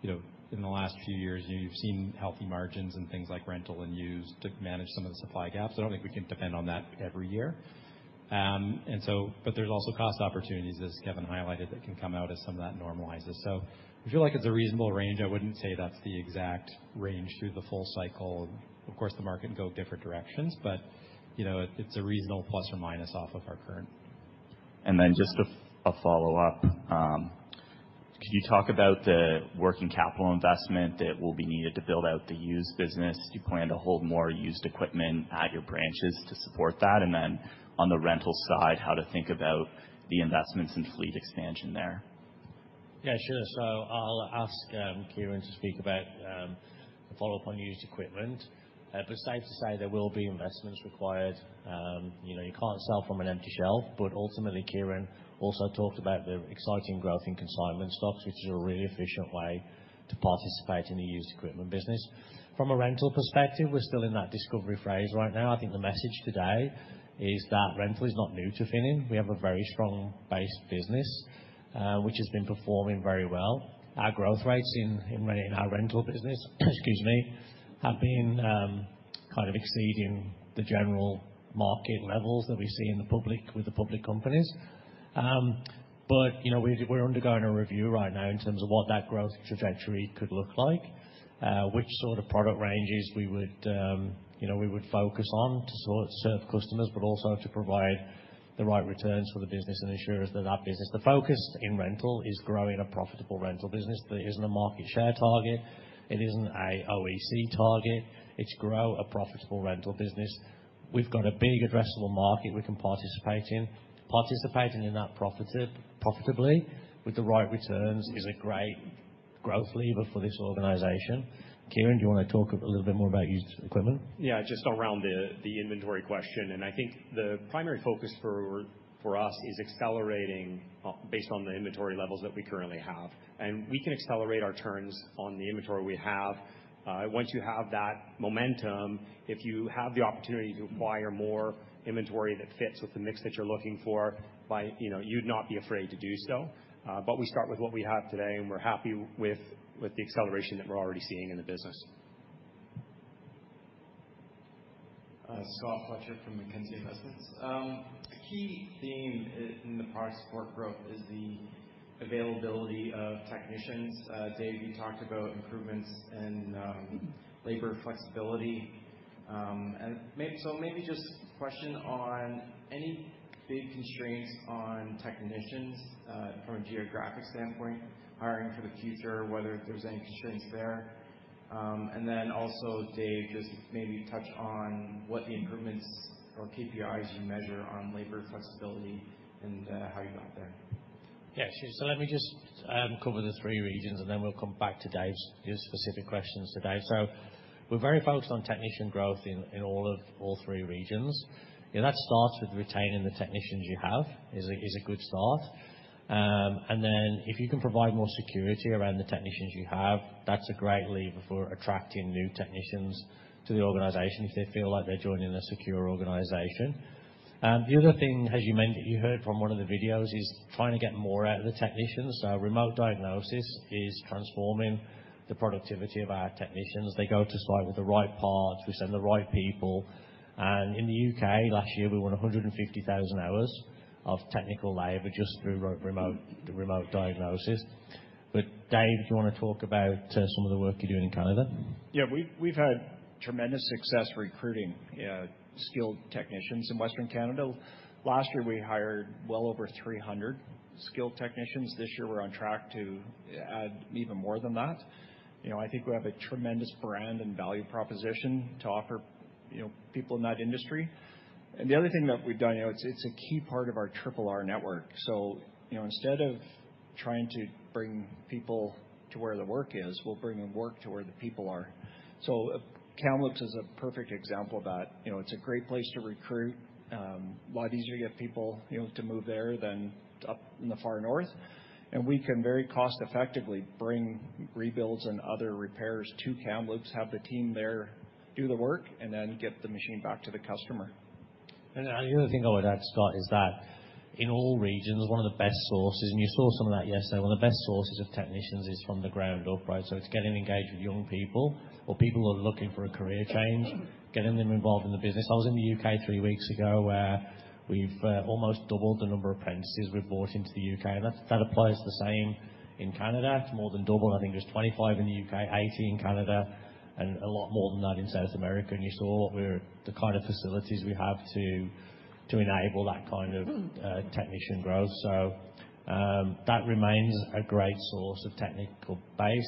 You know, in the last few years, you've seen healthy margins and things like rental and used to manage some of the supply gaps. I don't think we can depend on that every year. And so, but there's also cost opportunities, as Kevin highlighted, that can come out as some of that normalizes. So we feel like it's a reasonable range. I wouldn't say that's the exact range through the full cycle. Of course, the market can go different directions, but, you know, it's a reasonable plus or minus off of our current. Then just a follow-up. Could you talk about the working capital investment that will be needed to build out the used business? Do you plan to hold more used equipment at your branches to support that? And then on the rental side, how to think about the investments in fleet expansion there? Yeah, sure. So I'll ask Kieran to speak about follow-up on used equipment. But safe to say there will be investments required. You know, you can't sell from an empty shelf, but ultimately, Kieran also talked about the exciting growth in consignment stocks, which is a really efficient way to participate in the used equipment business. From a rental perspective, we're still in that discovery phase right now. I think the message today is that rental is not new to Finning. We have a very strong base business, which has been performing very well. Our growth rates in many in our rental business, excuse me, have been kind of exceeding the general market levels that we see in the public with the public companies. But, you know, we're, we're undergoing a review right now in terms of what that growth trajectory could look like, which sort of product ranges we would, you know, we would focus on to sort of serve customers, but also to provide the right returns for the business and ensure that that business. The focus in rental is growing a profitable rental business. There isn't a market share target. It isn't a OEC target. It's grow a profitable rental business. We've got a big addressable market we can participate in. Participating in that profited- profitably with the right returns is a great growth lever for this organization. Kieran, do you want to talk a little bit more about used equipment? Yeah, just around the inventory question, and I think the primary focus for us is accelerating based on the inventory levels that we currently have. And we can accelerate our turns on the inventory we have. Once you have that momentum, if you have the opportunity to acquire more inventory that fits with the mix that you're looking for. You know, you'd not be afraid to do so. But we start with what we have today, and we're happy with the acceleration that we're already seeing in the business. Scott Fletcher from Mackenzie Investments. A key theme in the product support growth is the availability of technicians. Dave, you talked about improvements in, labor flexibility. So maybe just a question on any big constraints on technicians, from a geographic standpoint, hiring for the future, whether there's any constraints there. And then also, Dave, just maybe touch on what the improvements or KPIs you measure on labor flexibility and, how you got there. Yes. So let me just cover the three regions, and then we'll come back to Dave's specific questions to Dave. So we're very focused on technician growth in all three regions. And that starts with retaining the technicians you have, is a good start. And then if you can provide more security around the technicians you have, that's a great lever for attracting new technicians to the organization if they feel like they're joining a secure organization. The other thing, as you heard from one of the videos, is trying to get more out of the technicians. So remote diagnosis is transforming the productivity of our technicians. They go to site with the right parts. We send the right people, and in the U.K. last year, we won 150,000 hours of technical labor just through remote, the remote diagnosis. But, Dave, do you wanna talk about some of the work you're doing in Canada? Yeah. We've, we've had tremendous success recruiting skilled technicians in Western Canada. Last year, we hired well over 300 skilled technicians. This year, we're on track to add even more than that. You know, I think we have a tremendous brand and value proposition to offer, you know, people in that industry. And the other thing that we've done, you know, it's a key part of our Triple R network. So, you know, instead of trying to bring people to where the work is, we'll bring the work to where the people are. So Kamloops is a perfect example of that. You know, it's a great place to recruit. A lot easier to get people, you know, to move there than up in the far north. We can very cost-effectively bring rebuilds and other repairs to Kamloops, have the team there, do the work, and then get the machine back to the customer. The other thing I would add, Scott, is that in all regions, one of the best sources, and you saw some of that yesterday, one of the best sources of technicians is from the ground up, right? So it's getting engaged with young people or people who are looking for a career change, getting them involved in the business. I was in the U.K. three weeks ago, where we've almost doubled the number of apprentices we've brought into the U.K., and that applies the same in Canada, to more than double. I think there's 25 in the U.K., 80 in Canada, and a lot more than that in South America. And you saw what we're the kind of facilities we have to enable that kind of technician growth. So, that remains a great source of technical base.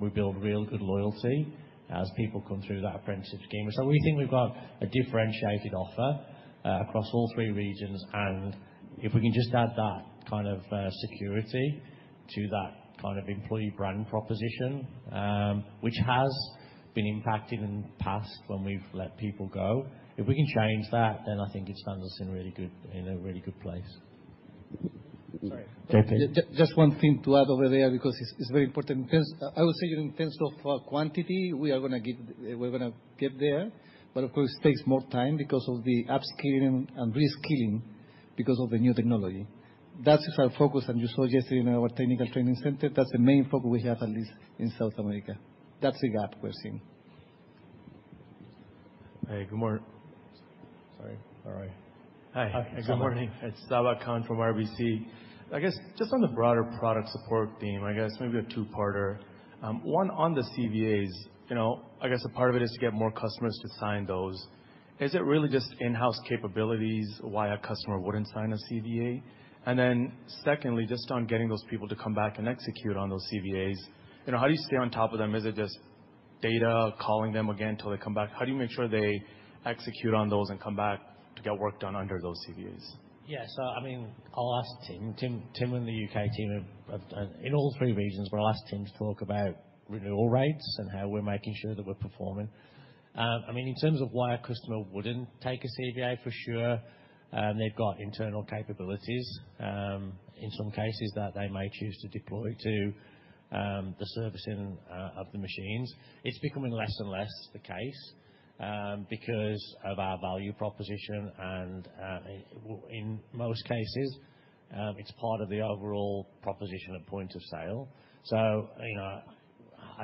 We build real good loyalty as people come through that apprenticeship scheme. So we think we've got a differentiated offer, across all three regions, and if we can just add that kind of, security to that kind of employee brand proposition, which has been impacted in the past when we've let people go. If we can change that, then I think it stands us in really good, in a really good place. Sorry. Okay. Just one thing to add over there, because it's very important. Because I would say in terms of quantity, we are gonna get, we're gonna get there, but of course, it takes more time because of the upskilling and reskilling because of the new technology. That is our focus, and you saw yesterday in our technical training center, that's the main focus we have, at least in South America. That's the gap we're seeing. Sorry. All right. Hi. Hi. Good morning. It's Sabahat Khan from RBC. I guess just on the broader product support theme, I guess maybe a two-parter. One, on the CVAs, you know, I guess a part of it is to get more customers to sign those. Is it really just in-house capabilities why a customer wouldn't sign a CVA? And then, secondly, just on getting those people to come back and execute on those CVAs, you know, how do you stay on top of them? Is it just data, calling them again till they come back? How do you make sure they execute on those and come back to get work done under those CVAs? Yeah. So, I mean, I'll ask Tim. Tim and the U.K. team have in all three regions, but I'll ask Tim to talk about renewal rates and how we're making sure that we're performing. I mean, in terms of why a customer wouldn't take a CVA, for sure, they've got internal capabilities, in some cases, that they may choose to deploy to the servicing of the machines. It's becoming less and less the case, because of our value proposition, and in most cases, it's part of the overall proposition at point of sale. So, you know, I'd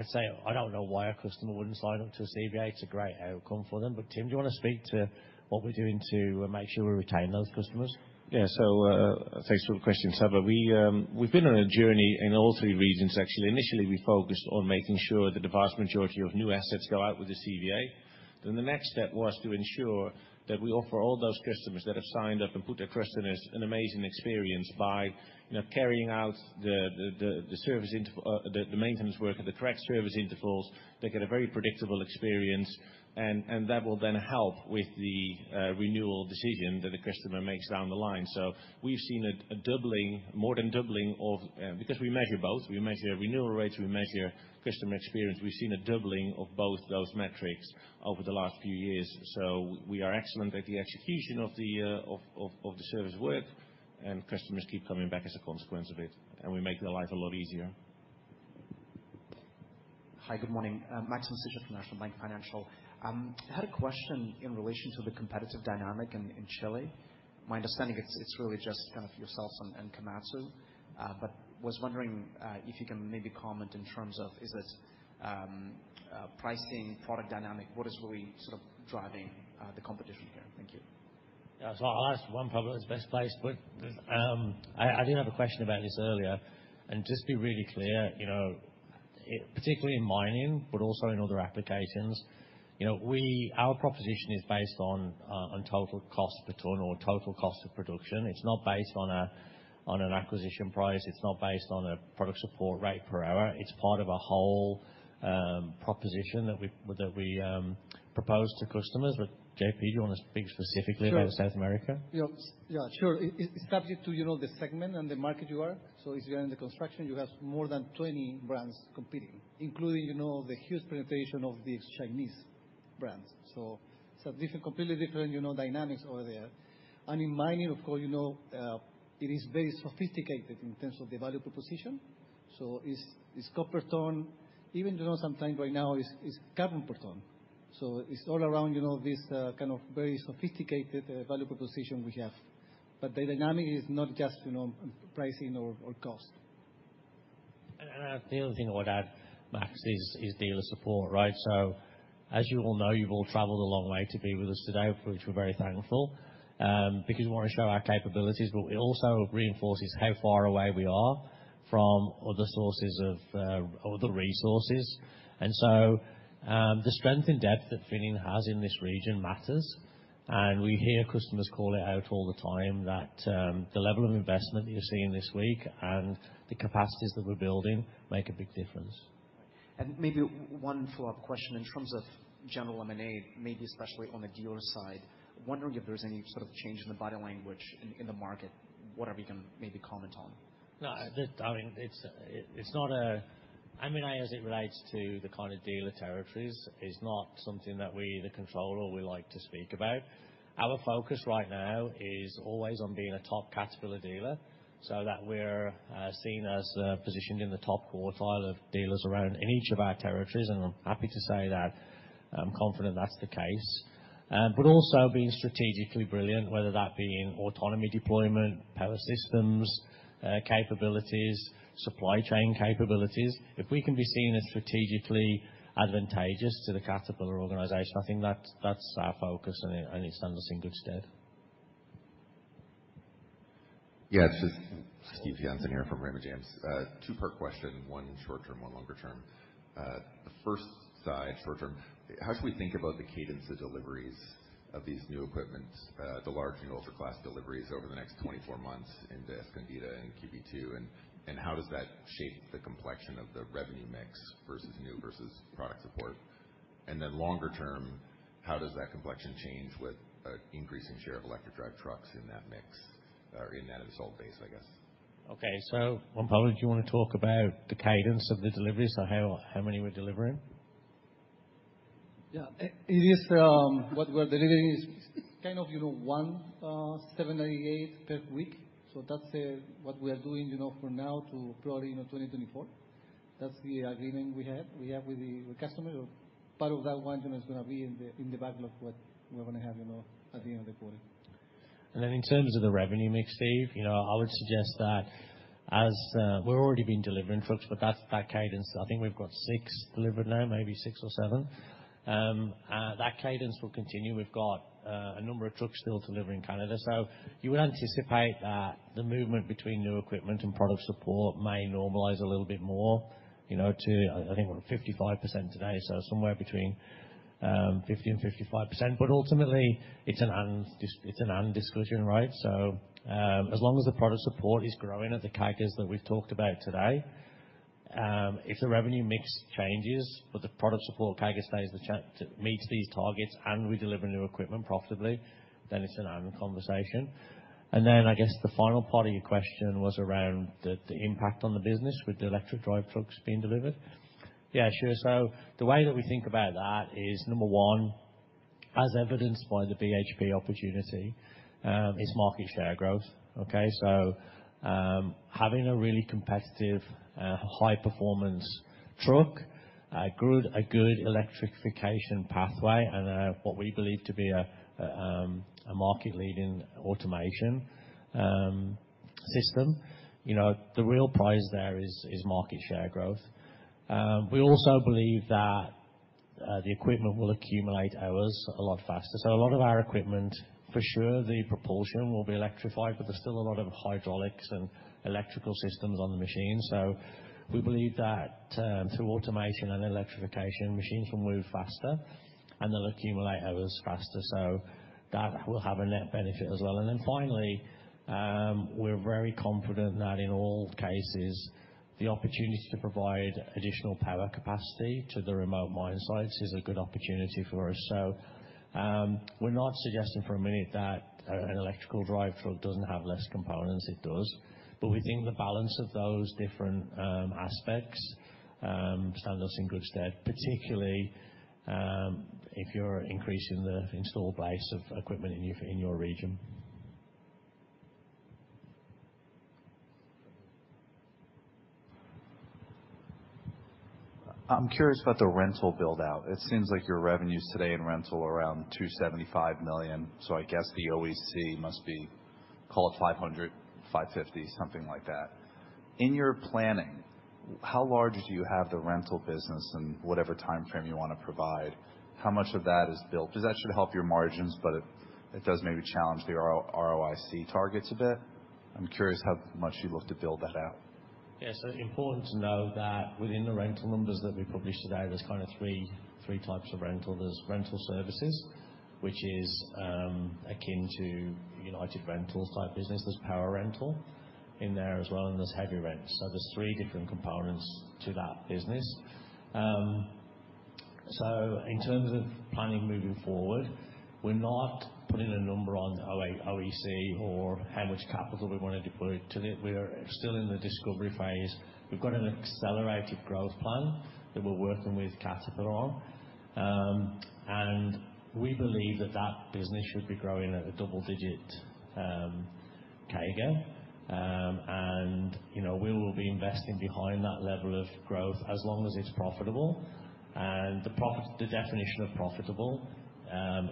say I don't know why a customer wouldn't sign up to a CVA. It's a great outcome for them. But, Tim, do you want to speak to what we're doing to make sure we retain those customers? Yeah. So, thanks for the question, Saba. We, we've been on a journey in all three regions, actually. Initially, we focused on making sure that the vast majority of new assets go out with the CVA. Then the next step was to ensure that we offer all those customers that have signed up and put their trust in us an amazing experience by, you know, carrying out the maintenance work at the correct service intervals. They get a very predictable experience, and that will then help with the renewal decision that the customer makes down the line. So we've seen a doubling, more than doubling of, because we measure both. We measure renewal rates, we measure customer experience. We've seen a doubling of both those metrics over the last few years. We are excellent at the execution of the service work, and customers keep coming back as a consequence of it, and we make their life a lot easier. Hi, good morning. Maxim Sytchev from National Bank Financial. I had a question in relation to the competitive dynamic in, in Chile. My understanding, it's, it's really just kind of yourselves and, and Komatsu, but was wondering, if you can maybe comment in terms of, is it, pricing, product dynamic, what is really sort of driving, the competition here? Thank you. But I did have a question about this earlier, and just to be really clear, you know, particularly in mining, but also in other applications, you know, our proposition is based on total cost per ton or total cost of production. It's not based on an acquisition price. It's not based on a product support rate per hour. It's part of a whole proposition that we propose to customers. But JP, do you want to speak specifically- Sure. about South America? Yeah, yeah, sure. It, it's subject to, you know, the segment and the market you are. So if you're in the construction, you have more than 20 brands competing, including, you know, the huge presentation of these Chinese brands. So it's a different, completely different, you know, dynamics over there. And in mining, of course, you know, it is very sophisticated in terms of the value proposition. So it's, it's copper ton, even, you know, sometimes right now it's, it's carbon per ton. So it's all around, you know, this, kind of very sophisticated, value proposition we have. But the dynamic is not just, you know, pricing or, or cost. The other thing I would add, Max, is dealer support, right? So as you all know, you've all traveled a long way to be with us today, for which we're very thankful, because we want to show our capabilities, but it also reinforces how far away we are from other sources of other resources. And so, the strength and depth that Finning has in this region matters, and we hear customers call it out all the time, that the level of investment you're seeing this week and the capacities that we're building make a big difference. Maybe one follow-up question in terms of general M&A, maybe especially on the dealer side, wondering if there's any sort of change in the body language in, in the market, whatever you can maybe comment on. No, I mean, it's not M&A, as it relates to the kind of dealer territories, is not something that we either control or we like to speak about. Our focus right now is always on being a top Caterpillar dealer, so that we're seen as positioned in the top quartile of dealers around in each of our territories, and I'm happy to say that I'm confident that's the case. But also being strategically brilliant, whether that be in autonomy deployment, power systems, capabilities, supply chain capabilities. If we can be seen as strategically advantageous to the Caterpillar organization, I think that's our focus, and it stands us in good stead. Yeah, it's just Steve Johnson here from Raymond James. Two-part question, one short term, one longer term. The first side, short term, how should we think about the cadence of deliveries of these new equipments, the large and ultra-class deliveries over the next 24 months in Escondida and QB2, and, and how does that shape the complexion of the revenue mix versus new versus product support? And then longer term, how does that complexion change with an increase in share of electric drive trucks in that mix, or in that installed base, I guess? Okay. So Juan Pablo, do you want to talk about the cadence of the delivery, so how, how many we're delivering? Yeah. It, it is, what we're delivering is kind of, you know, 1 798 per week. So that's what we are doing, you know, for now to probably, you know, 2024. That's the agreement we had, we have with the, the customer. Part of that one is gonna be in the, in the backlog, what we're gonna have, you know, at the end of the quarter. And then in terms of the revenue mix, Steve, you know, I would suggest that as we've already been delivering trucks, but that's that cadence. I think we've got 6 delivered now, maybe 6 or 7. And that cadence will continue. We've got a number of trucks still delivering in Canada. So you would anticipate that the movement between new equipment and product support may normalize a little bit more, you know, to, I think we're at 55% today, so somewhere between 50% and 55%. But ultimately, it's an and, it's an and discussion, right? So, as long as the product support is growing at the CAGRs that we've talked about today, if the revenue mix changes, but the product support CAGR stays the same, meets these targets and we deliver new equipment profitably, then it's an and conversation. Then I guess the final part of your question was around the impact on the business with the electric drive trucks being delivered. Yeah, sure. So the way that we think about that is, number one, as evidenced by the BHP opportunity, is market share growth, okay? So, having a really competitive, high-performance truck, a good electrification pathway and, what we believe to be a market-leading automation system, you know, the real prize there is market share growth. We also believe that the equipment will accumulate hours a lot faster. So a lot of our equipment, for sure, the propulsion will be electrified, but there's still a lot of hydraulics and electrical systems on the machine. So we believe that through automation and electrification, machines will move faster, and they'll accumulate hours faster, so that will have a net benefit as well. And then finally, we're very confident that in all cases, the opportunity to provide additional power capacity to the remote mine sites is a good opportunity for us. So we're not suggesting for a minute that an electrical drive truck doesn't have less components. It does. But we think the balance of those different aspects stands us in good stead, particularly if you're increasing the installed base of equipment in your region. I'm curious about the rental build-out. It seems like your revenues today in rental are around 275 million, so I guess the OEC must be, call it 500, 550, something like that. In your planning, how large do you have the rental business in whatever timeframe you want to provide? How much of that is built? Because that should help your margins, but it, it does maybe challenge the ROIC targets a bit. I'm curious how much you look to build that out. Yeah. So it's important to know that within the rental numbers that we published today, there's kind of three types of rental. There's rental services, which is akin to United Rentals type business. There's power rental in there as well, and there's heavy rent. So there's three different components to that business. So in terms of planning moving forward, we're not putting a number on OEC or how much capital we want to deploy to it. We are still in the discovery phase. We've got an accelerated growth plan that we're working with Caterpillar on. And we believe that that business should be growing at a double-digit CAGR. And, you know, we will be investing behind that level of growth as long as it's profitable. And the profit, the definition of profitable,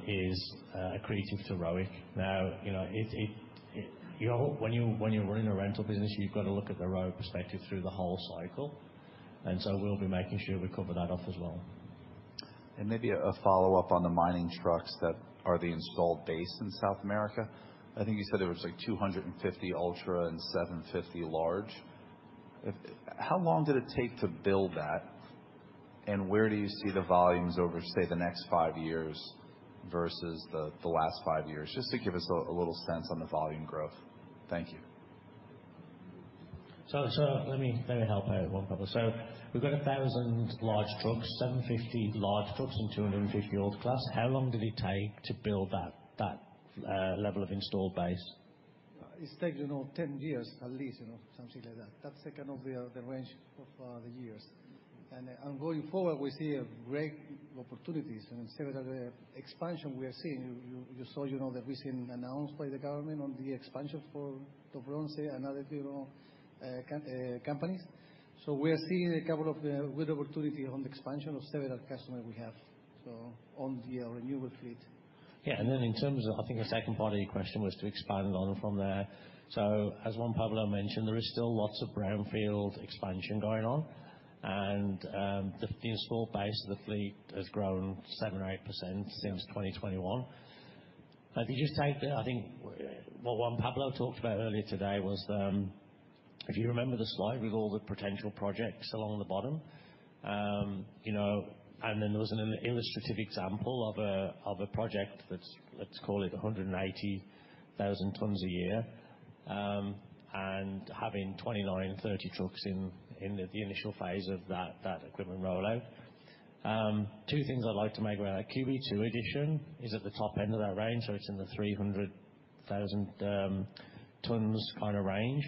is accretive to ROIC. Now, you know, when you're running a rental business, you've got to look at the ROIC perspective through the whole cycle, and so we'll be making sure we cover that off as well. And maybe a follow-up on the mining trucks that are the installed base in South America. I think you said there was, like, 250 ultra and 750 large. How long did it take to build that? And where do you see the volumes over, say, the next five years versus the last five years? Just to give us a little sense on the volume growth. Thank you. So, let me help out, Juan Pablo. So we've got 1,000 large trucks, 750 large trucks and 250 ultra class. How long did it take to build that level of installed base? It's taken over 10 years, at least, you know, something like that. That's the kind of the range of the years. And going forward, we see a great opportunities and several other expansion we are seeing. You saw, you know, the recent announcement by the government on the expansion for Los Bronces and other companies. So we are seeing a couple of good opportunity on the expansion of several customers we have, so on the renewable fleet. Yeah. And then in terms of I think the second part of your question was to expand on from there. So as Juan Pablo mentioned, there is still lots of brownfield expansion going on, and the installed base, the fleet has grown 7% or 8% since 2021. If you just take the, I think, what Juan Pablo talked about earlier today was, if you remember the slide with all the potential projects along the bottom, you know, and then there was an illustrative example of a project that's—let's call it 180,000 tons a year, and having 29-30 trucks in the initial phase of that equipment rollout. Two things I'd like to make about that. QB2 edition is at the top end of that range, so it's in the 300,000 tons kind of range.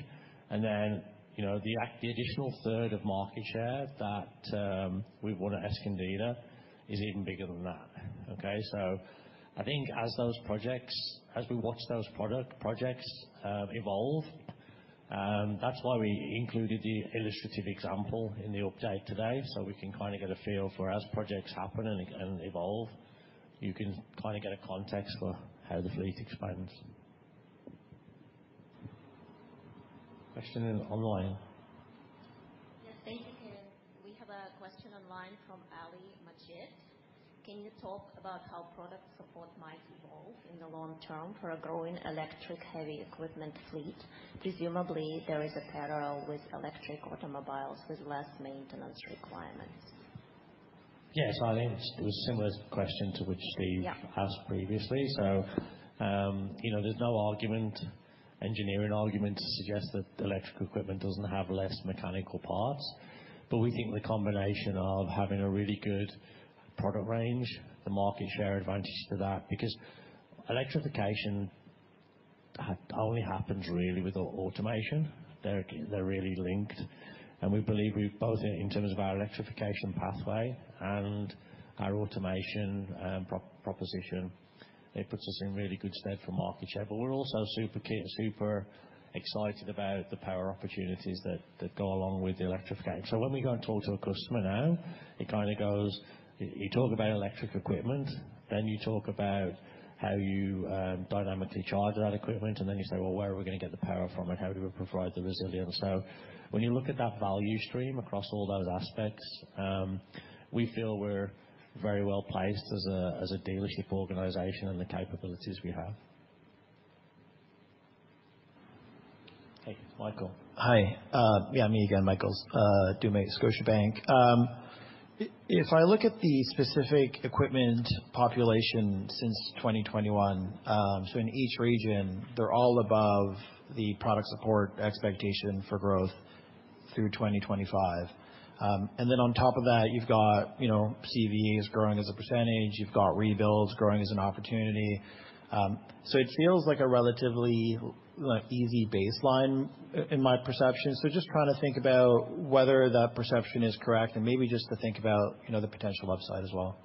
And then, you know, the additional third of market share that we won at Escondida is even bigger than that, okay? So I think as those projects, as we watch those projects evolve, that's why we included the illustrative example in the update today, so we can kind of get a feel for as projects happen and evolve, you can kind of get a context for how the fleet expands. Question in online. Yes, thank you, Kieran. We have a question online from Ali Majid. Can you talk about how product support might evolve in the long term for a growing electric heavy equipment fleet? Presumably, there is a parallel with electric automobiles with less maintenance requirements. Yes, I think it was a similar question to which Steve- Yeah. As asked previously. So, you know, there's no argument, engineering argument, to suggest that electric equipment doesn't have less mechanical parts. But we think the combination of having a really good product range, the market share advantage to that, because electrification only happens really with automation. They're, they're really linked. And we believe we both in terms of our electrification pathway and our automation, proposition, it puts us in really good stead for market share. But we're also super excited about the power opportunities that, that go along with the electrification. So when we go and talk to a customer now, it kind of goes, you talk about electric equipment, then you talk about how you dynamically charge that equipment, and then you say, "Well, where are we going to get the power from and how do we provide the resilience?" So when you look at that value stream across all those aspects, we feel we're very well placed as a dealership organization and the capabilities we have. Hey, Michael. Hi. Yeah, me again, Michael Dumais, Scotiabank. If I look at the specific equipment population since 2021, so in each region, they're all above the product support expectation for growth through 2025. And then on top of that, you've got, you know, CVEs growing as a percentage. You've got rebuilds growing as an opportunity. So it feels like a relatively, like, easy baseline in my perception. So just trying to think about whether that perception is correct, and maybe just to think about, you know, the potential upside as well.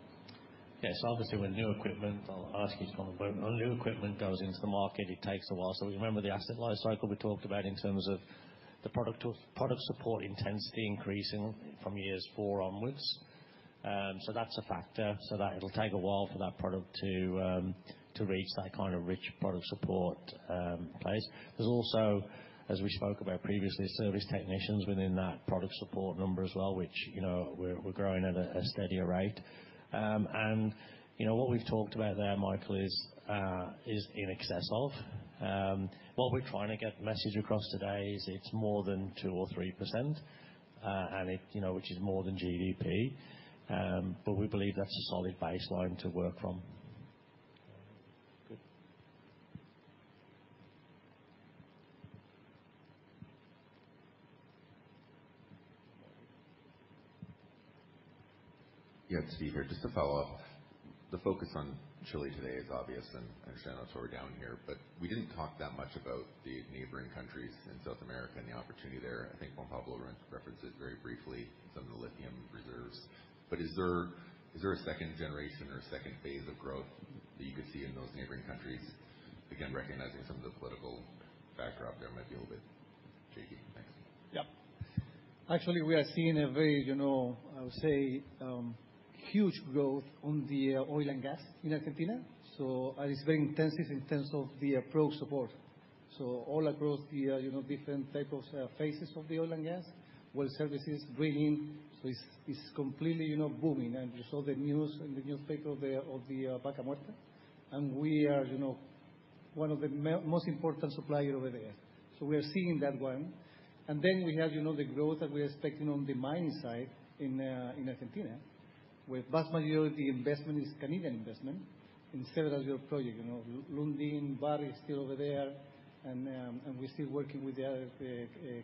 Yes, obviously, with new equipment, I'll ask each one of them, when new equipment goes into the market, it takes a while. So remember the asset life cycle we talked about in terms of the product support intensity increasing from years four onwards? So that's a factor, so that'll take a while for that product to reach that kind of rich product support place. There's also, as we spoke about previously, service technicians within that product support number as well, which, you know, we're growing at a steadier rate. And, you know, what we've talked about there, Michael, is in excess of. What we're trying to get the message across today is it's more than 2% or 3%, and it, you know, which is more than GDP. But we believe that's a solid baseline to work from. Good. Yeah, it's Steve here. Just to follow up, the focus on Chile today is obvious, and I understand that's why we're down here, but we didn't talk that much about the neighboring countries in South America and the opportunity there. I think Juan Pablo referenced it very briefly, some of the lithium reserves. But is there, is there a second generation or second phase of growth that you could see in those neighboring countries? Again, recognizing some of the political backdrop there might be a little bit shaky. Thanks. Yeah. Actually, we are seeing a very, you know, I would say, huge growth on the oil and gas in Argentina, so and it's very intensive in terms of the product support. So all across the, you know, different type of phases of the oil and gas well services bringing, so it's completely, you know, booming. And you saw the news in the newspaper of the Vaca Muerta, and we are, you know, one of the most important supplier over there. So we are seeing that one, and then we have, you know, the growth that we are expecting on the mining side in Argentina, where vast majority investment is Canadian investment in several of your project. You know, Lundin, Barrick is still over there, and we're still working with the other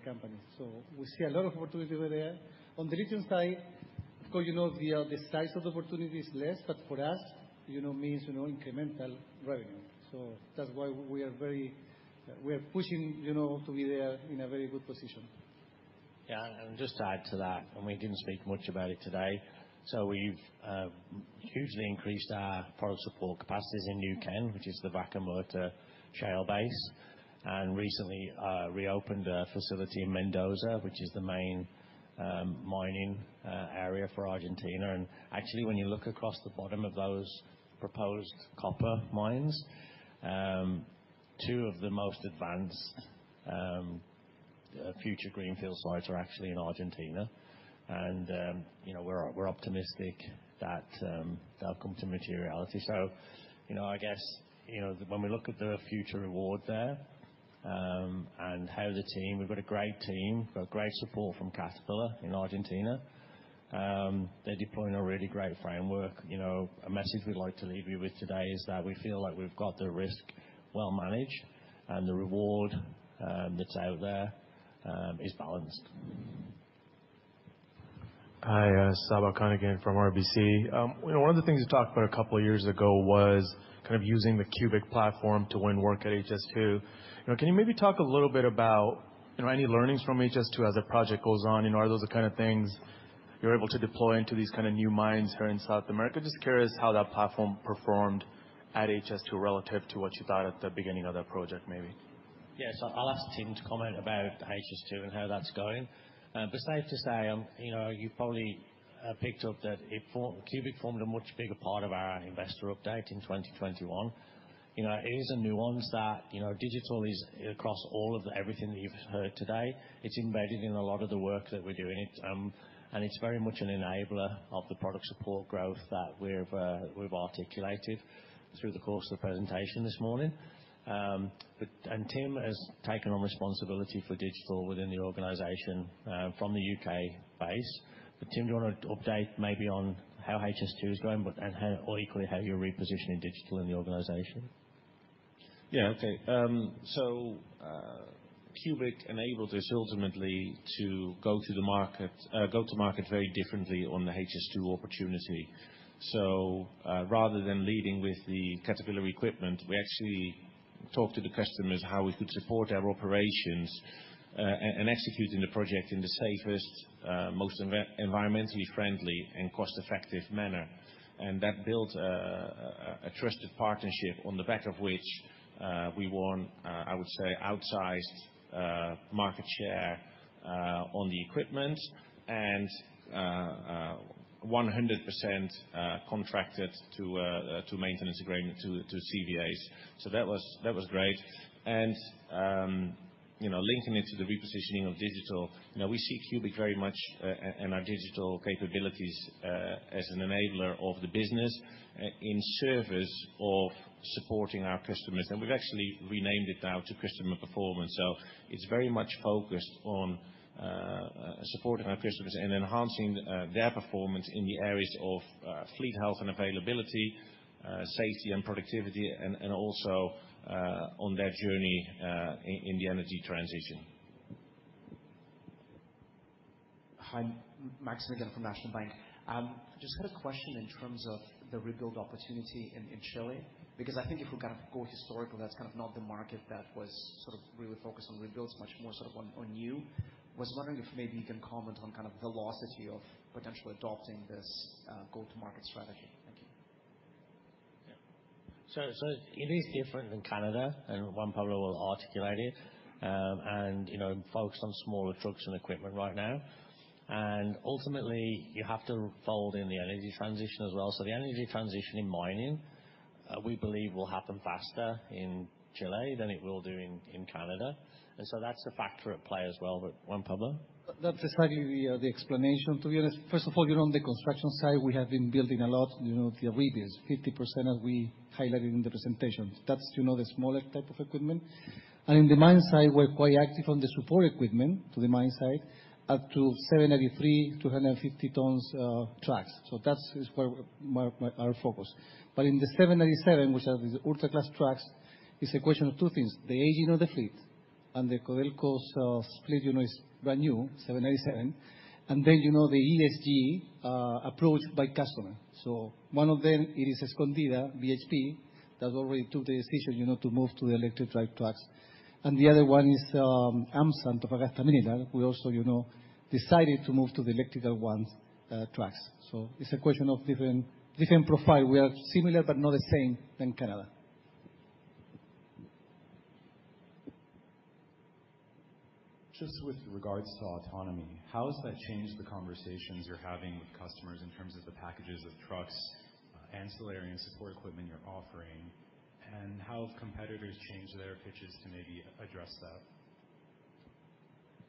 companies. So we see a lot of opportunity over there. On the lithium side, of course, you know, the size of the opportunity is less, but for us, you know, means, you know, incremental revenue. So that's why we are very. We are pushing, you know, to be there in a very good position. Yeah, and just to add to that, and we didn't speak much about it today, so we've hugely increased our product support capacities in Neuquén, which is the Vaca Muerta shale basin, and recently reopened a facility in Mendoza, which is the main mining area for Argentina. You know, when you look across the bottom of those proposed copper mines, two of the most advanced future greenfield sites are actually in Argentina. You know, we're optimistic that they'll come to materiality. So you know, I guess, you know, when we look at the future reward there, and how the team, we've got a great team, got great support from Caterpillar in Argentina, they're deploying a really great framework. You know, a message we'd like to leave you with today is that we feel like we've got the risk well managed and the reward that's out there is balanced. Hi, Saba Khan again from RBC. You know, one of the things you talked about a couple of years ago was kind of using the CUBIQ platform to win work at HS2. You know, can you maybe talk a little bit about, you know, any learnings from HS2 as the project goes on? You know, are those the kind of things you're able to deploy into these kind of new mines here in South America? Just curious how that platform performed at HS2 relative to what you thought at the beginning of that project, maybe. Yes. I'll ask Tim to comment about HS2 and how that's going. But safe to say, you know, you probably picked up that CUBIQ formed a much bigger part of our investor update in 2021. You know, it is a nuance that, you know, digital is across all of the everything that you've heard today. It's embedded in a lot of the work that we're doing it, and it's very much an enabler of the product support growth that we've, we've articulated through the course of the presentation this morning. And Tim has taken on responsibility for digital within the organization, from the U.K. base. But Tim, do you want to update maybe on how HS2 is going, but, and how, or equally, how you're repositioning digital in the organization? Yeah, okay. So, CUBIQ enabled us ultimately to go through the market, go to market very differently on the HS2 opportunity. So, rather than leading with the Caterpillar equipment, we actually talked to the customers how we could support their operations, and executing the project in the safest, most environmentally friendly and cost-effective manner. And that built a trusted partnership on the back of which, we won, I would say, outsized market share on the equipment and, 100% contracted to maintenance agreement to CVAs. So that was, that was great. And, you know, linking it to the repositioning of digital, you know, we see CUBIQ very much, and our digital capabilities, as an enabler of the business, in service of supporting our customers. And we've actually renamed it now to Customer Performance, so it's very much focused on supporting our customers and enhancing their performance in the areas of fleet health and availability, safety and productivity, and also on their journey in the energy transition. Hi, Max again from National Bank. Just had a question in terms of the rebuild opportunity in, in Chile, because I think if we kind of go historical, that's kind of not the market that was sort of really focused on rebuilds, much more sort of on, on you. Was wondering if maybe you can comment on kind of the velocity of potentially adopting this, go-to-market strategy. Thank you. So it is different than Canada, and Juan Pablo will articulate it. And, you know, focus on smaller trucks and equipment right now. And ultimately, you have to fold in the energy transition as well. So the energy transition in mining, we believe will happen faster in Chile than it will do in Canada. And so that's a factor at play as well, but Juan Pablo? That's exactly the explanation, to be honest. First of all, you know, on the construction side, we have been building a lot, you know, the rentals, 50% as we highlighted in the presentation. That's, you know, the smaller type of equipment. And in the mine site, we're quite active on the support equipment to the mine site, up to 793, 250 tons, trucks. So that is where our focus. But in the 797, which are these ultra-class trucks, it's a question of two things, the aging of the fleet and the Codelco's fleet, you know, is brand new, 797. And then, you know, the ESG approach by customer. So one of them, it is Escondida, BHP, that already took the decision, you know, to move to the electric drive trucks. The other one is Antofagasta Minerals, who also, you know, decided to move to the electrical ones, trucks. So it's a question of different, different profile. We are similar but not the same than Canada. Just with regards to autonomy, how has that changed the conversations you're having with customers in terms of the packages of trucks, ancillary and support equipment you're offering? And how have competitors changed their pitches to maybe address that?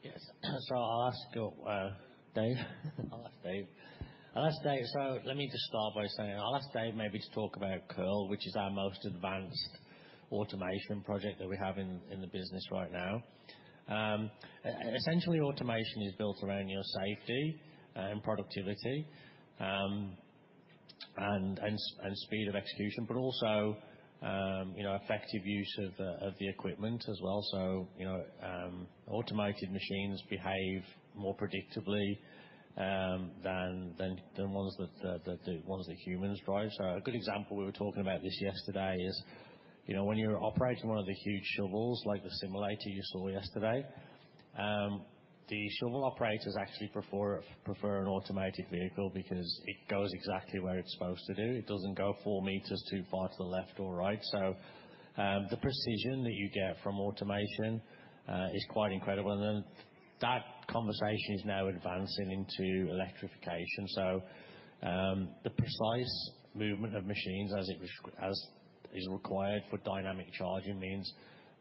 Yes. So I'll ask Dave. I'll ask Dave. I'll ask Dave, so let me just start by saying, I'll ask Dave maybe to talk about Kearl, which is our most advanced automation project that we have in the business right now. Essentially, automation is built around your safety and productivity and speed of execution, but also, you know, effective use of the equipment as well. So, you know, automated machines behave more predictably than ones that humans drive. So a good example, we were talking about this yesterday, is, you know, when you're operating one of the huge shovels, like the simulator you saw yesterday, the shovel operators actually prefer an automated vehicle because it goes exactly where it's supposed to do. It doesn't go four meters too far to the left or right. So, the precision that you get from automation is quite incredible, and then that conversation is now advancing into electrification. So, the precise movement of machines as is required for dynamic charging means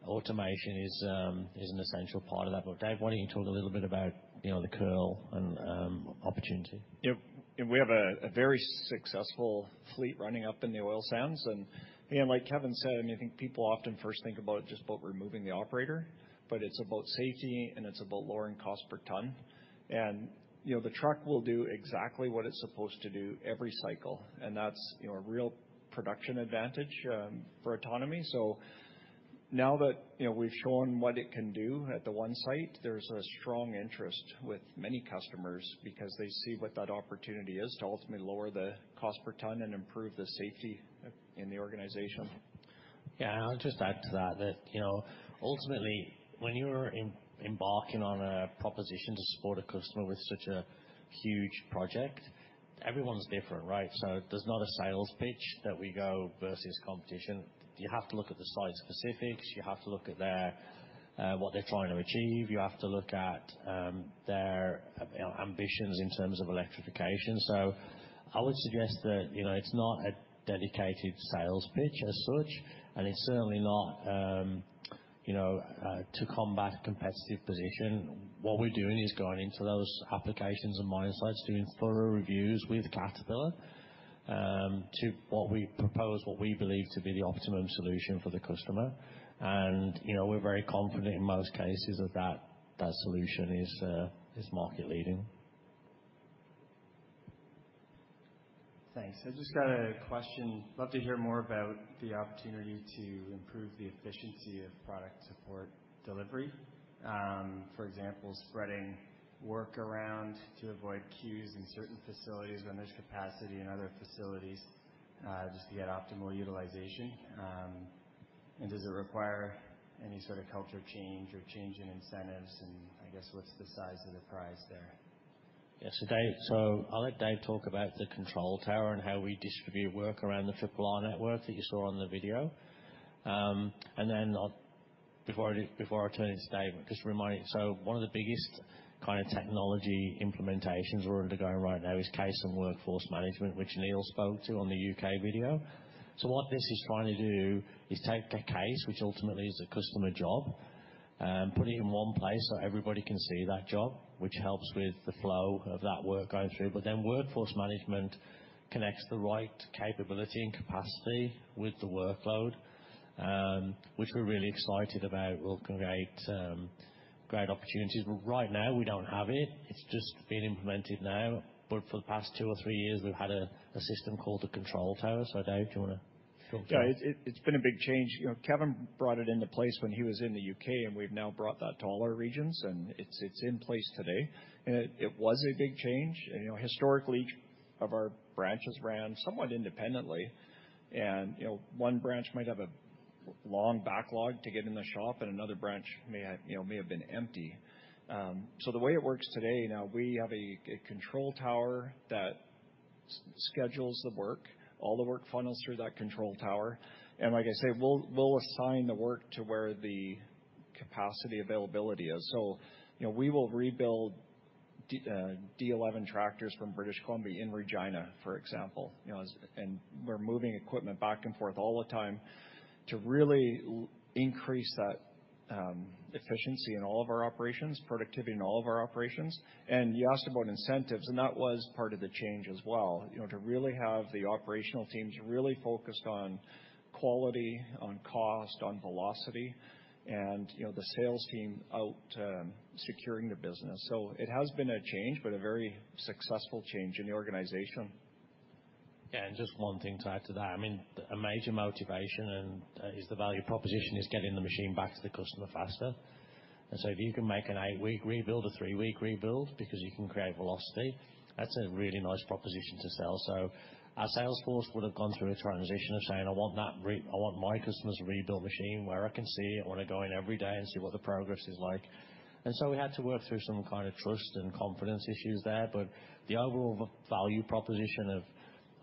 automation is an essential part of that. But Dave, why don't you talk a little bit about, you know, the curl and opportunity? Yeah. We have a very successful fleet running up in the oil sands, and like Kevin said, and I think people often first think about it just about removing the operator, but it's about safety, and it's about lowering cost per ton. And, you know, the truck will do exactly what it's supposed to do every cycle, and that's, you know, a real production advantage for autonomy. So now that, you know, we've shown what it can do at the one site, there's a strong interest with many customers because they see what that opportunity is to ultimately lower the cost per ton and improve the safety in the organization. Yeah, I'll just add to that, that, you know, ultimately, when you're embarking on a proposition to support a customer with such a huge project, everyone's different, right? So there's not a sales pitch that we go versus competition. You have to look at the site specifics. You have to look at their what they're trying to achieve. You have to look at their ambitions in terms of electrification. So I would suggest that, you know, it's not a dedicated sales pitch as such, and it's certainly not you know to combat competitive position. What we're doing is going into those applications and mine sites, doing thorough reviews with Caterpillar to what we propose, what we believe to be the optimum solution for the customer. And, you know, we're very confident in most cases that that solution is market leading. Thanks. I just got a question. Love to hear more about the opportunity to improve the efficiency of product support delivery. For example, spreading work around to avoid queues in certain facilities when there's capacity in other facilities, just to get optimal utilization. And does it require any sort of culture change or change in incentives? And I guess, what's the size of the prize there? Yes. So, I'll let Dave talk about the control tower and how we distribute work around the FIPLA network that you saw on the video. And then, before I turn it to Dave, just a reminder, so one of the biggest kind of technology implementations we're already doing right now is case and workforce management, which Neil spoke to on the U.K. video. So what this is trying to do is take a case, which ultimately is a customer job, put it in one place so everybody can see that job, which helps with the flow of that work going through. But then workforce management connects the right capability and capacity with the workload, which we're really excited about, will create great opportunities. But right now, we don't have it. It's just being implemented now, but for the past two or three years, we've had a system called the Control Tower. So Dave, do you wanna go? Yeah, it's been a big change. You know, Kevin brought it into place when he was in the U.K., and we've now brought that to all our regions, and it's in place today. And it was a big change. And, you know, historically, each of our branches ran somewhat independently, and, you know, one branch might have a long backlog to get in the shop, and another branch may have, you know, may have been empty. So the way it works today, now we have a control tower that schedules the work. All the work funnels through that control tower, and like I say, we'll assign the work to where the capacity availability is. So, you know, we will rebuild D11 tractors from British Columbia in Regina, for example. You know, and we're moving equipment back and forth all the time to really increase that efficiency in all of our operations, productivity in all of our operations. And you asked about incentives, and that was part of the change as well. You know, to really have the operational teams really focused on quality, on cost, on velocity, and, you know, the sales team out securing the business. It has been a change, but a very successful change in the organization. Yeah, and just one thing to add to that. I mean, a major motivation and is the value proposition is getting the machine back to the customer faster. And so if you can make an 8-week rebuild, a 3-week rebuild because you can create velocity, that's a really nice proposition to sell. So our sales force would have gone through a transition of saying: "I want that rebuilt machine where I can see it. I want to go in every day and see what the progress is like." And so we had to work through some kind of trust and confidence issues there. But the overall value proposition of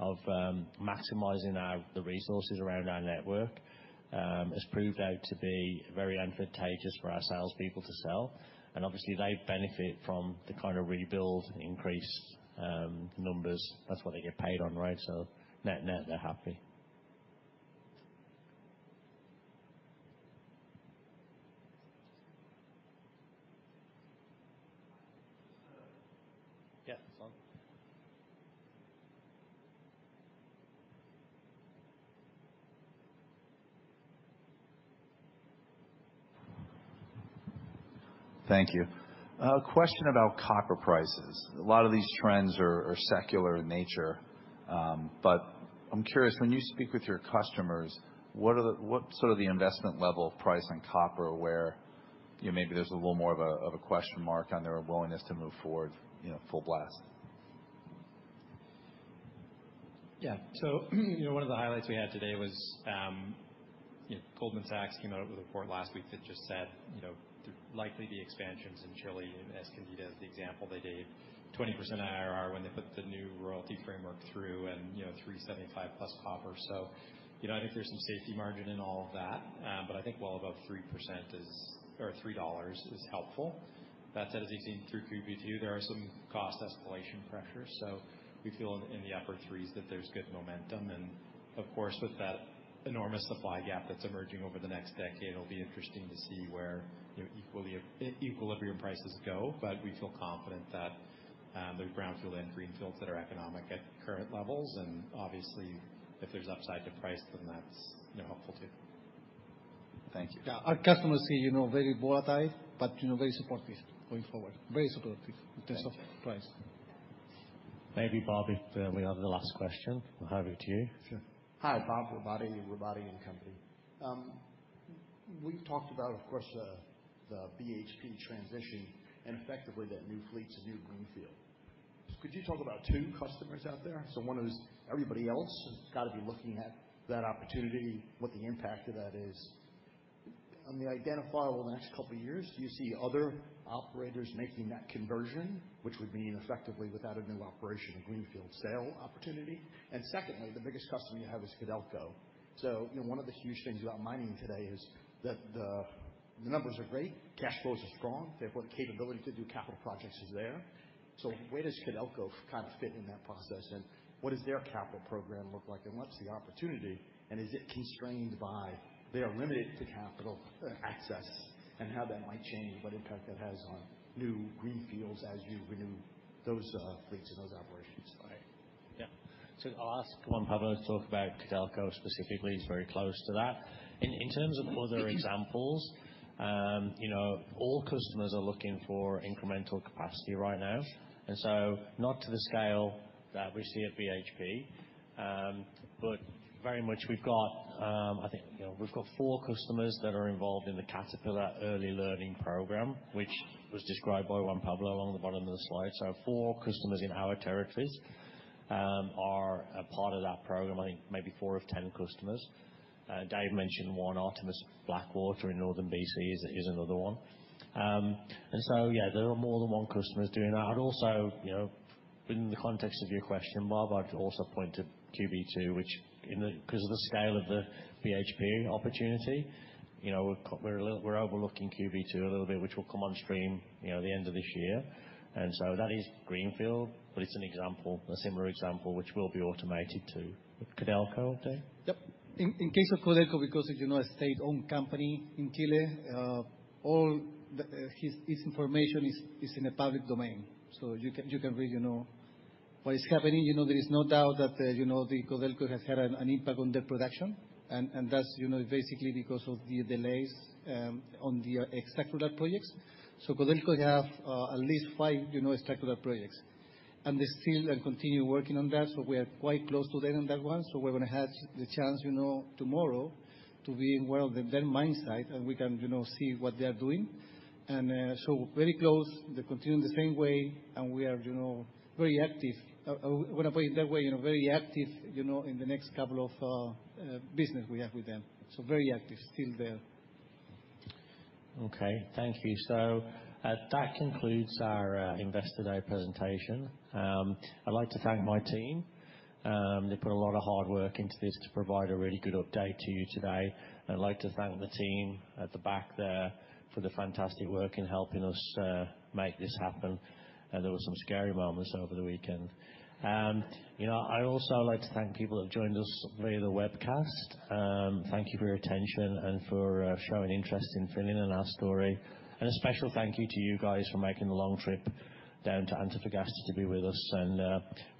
maximizing our, the resources around our network has proved out to be very advantageous for our salespeople to sell. And obviously, they benefit from the kind of rebuild and increase numbers. That's what they get paid on, right? So net-net, they're happy. Yeah, Sean. Thank you. A question about copper prices. A lot of these trends are secular in nature, but I'm curious, when you speak with your customers, what are the. What's sort of the investment level of price on copper, where, you know, maybe there's a little more of a question mark on their willingness to move forward, you know, full blast? Yeah. So, you know, one of the highlights we had today was, you know, Goldman Sachs came out with a report last week that just said, you know, likely the expansions in Chile, and Escondida is the example they gave, 20% IRR when they put the new royalty framework through, and, you know, $3.75+ copper. So, you know, I think there's some safety margin in all of that, but I think well above 3% or $3 is helpful. That said, as you've seen through QB2, there are some cost escalation pressures. So we feel in the upper $3s that there's good momentum, and of course, with that enormous supply gap that's emerging over the next decade, it'll be interesting to see where, you know, equally, equilibrium prices go. But we feel confident that there are brownfield and greenfields that are economic at current levels, and obviously, if there's upside to price, then that's, you know, helpful, too. Thank you. Yeah. Our customers see, you know, very volatile, but, you know, very supportive going forward. Very supportive- Thank you. in terms of price. Maybe, Bob, if we have the last question, we'll have it to you. Sure. Hi, Bob Robotti, Robotti & Company. We've talked about, of course, the BHP transition and effectively that new fleet's a new greenfield. Could you talk about two customers out there? So one is everybody else has got to be looking at that opportunity, what the impact of that is. On the identifiable next couple of years, do you see other operators making that conversion, which would mean effectively without a new operation, a greenfield sale opportunity? And secondly, the biggest customer you have is Codelco. So, you know, one of the huge things about mining today is that the numbers are great, cash flows are strong. They've got capability to do capital projects is there. So where does Codelco kind of fit in that process, and what does their capital program look like, and what's the opportunity, and is it constrained by their limited to capital access, and how that might change, what impact that has on new greenfields as you renew those, fleets and those operations? Yeah. So I'll ask Juan Pablo to talk about Codelco specifically. He's very close to that. In terms of other examples, you know, all customers are looking for incremental capacity right now. And so not to the scale that we see at BHP, but very much we've got, I think, you know, we've got four customers that are involved in the Caterpillar Early Learning Program, which was described by Juan Pablo along the bottom of the slide. So four customers in our territories are a part of that program, I think maybe four of ten customers. Dave mentioned one, Artemis Blackwater in Northern BC is another one. And so, yeah, there are more than one customers doing that. I'd also, you know, in the context of your question, Bob, I'd also point to QB2, which in the because of the scale of the BHP opportunity, you know, we're overlooking QB2 a little bit, which will come on stream, you know, the end of this year. And so that is greenfield, but it's an example, a similar example, which will be automated to Codelco, Dave? Yep. In case of Codelco, because it's, you know, a state-owned company in Chile, all this information is in the public domain. So you can read, you know, what is happening. You know, there is no doubt that, you know, Codelco has had an impact on their production and that's, you know, basically because of the delays on the expansion projects. So Codelco have at least five, you know, expansion projects, and they still continue working on that, so we are quite close to them on that one. So we're gonna have the chance, you know, tomorrow to be in one of their mine site, and we can, you know, see what they are doing. So very close. They continue the same way, and we are, you know, very active. I want to put it that way, you know, very active, you know, in the next couple of business we have with them. So very active, still there. Okay, thank you. That concludes our Investor Day presentation. I'd like to thank my team. They put a lot of hard work into this to provide a really good update to you today. I'd like to thank the team at the back there for the fantastic work in helping us make this happen. There were some scary moments over the weekend. You know, I'd also like to thank people who have joined us via the webcast. Thank you for your attention and for showing interest in Finning and our story. A special thank you to you guys for making the long trip down to Antofagasta to be with us.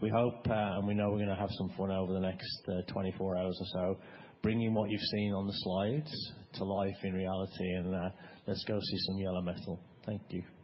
We hope, and we know we're gonna have some fun over the next 24 hours or so, bringing what you've seen on the slides to life in reality, and let's go see some yellow metal. Thank you.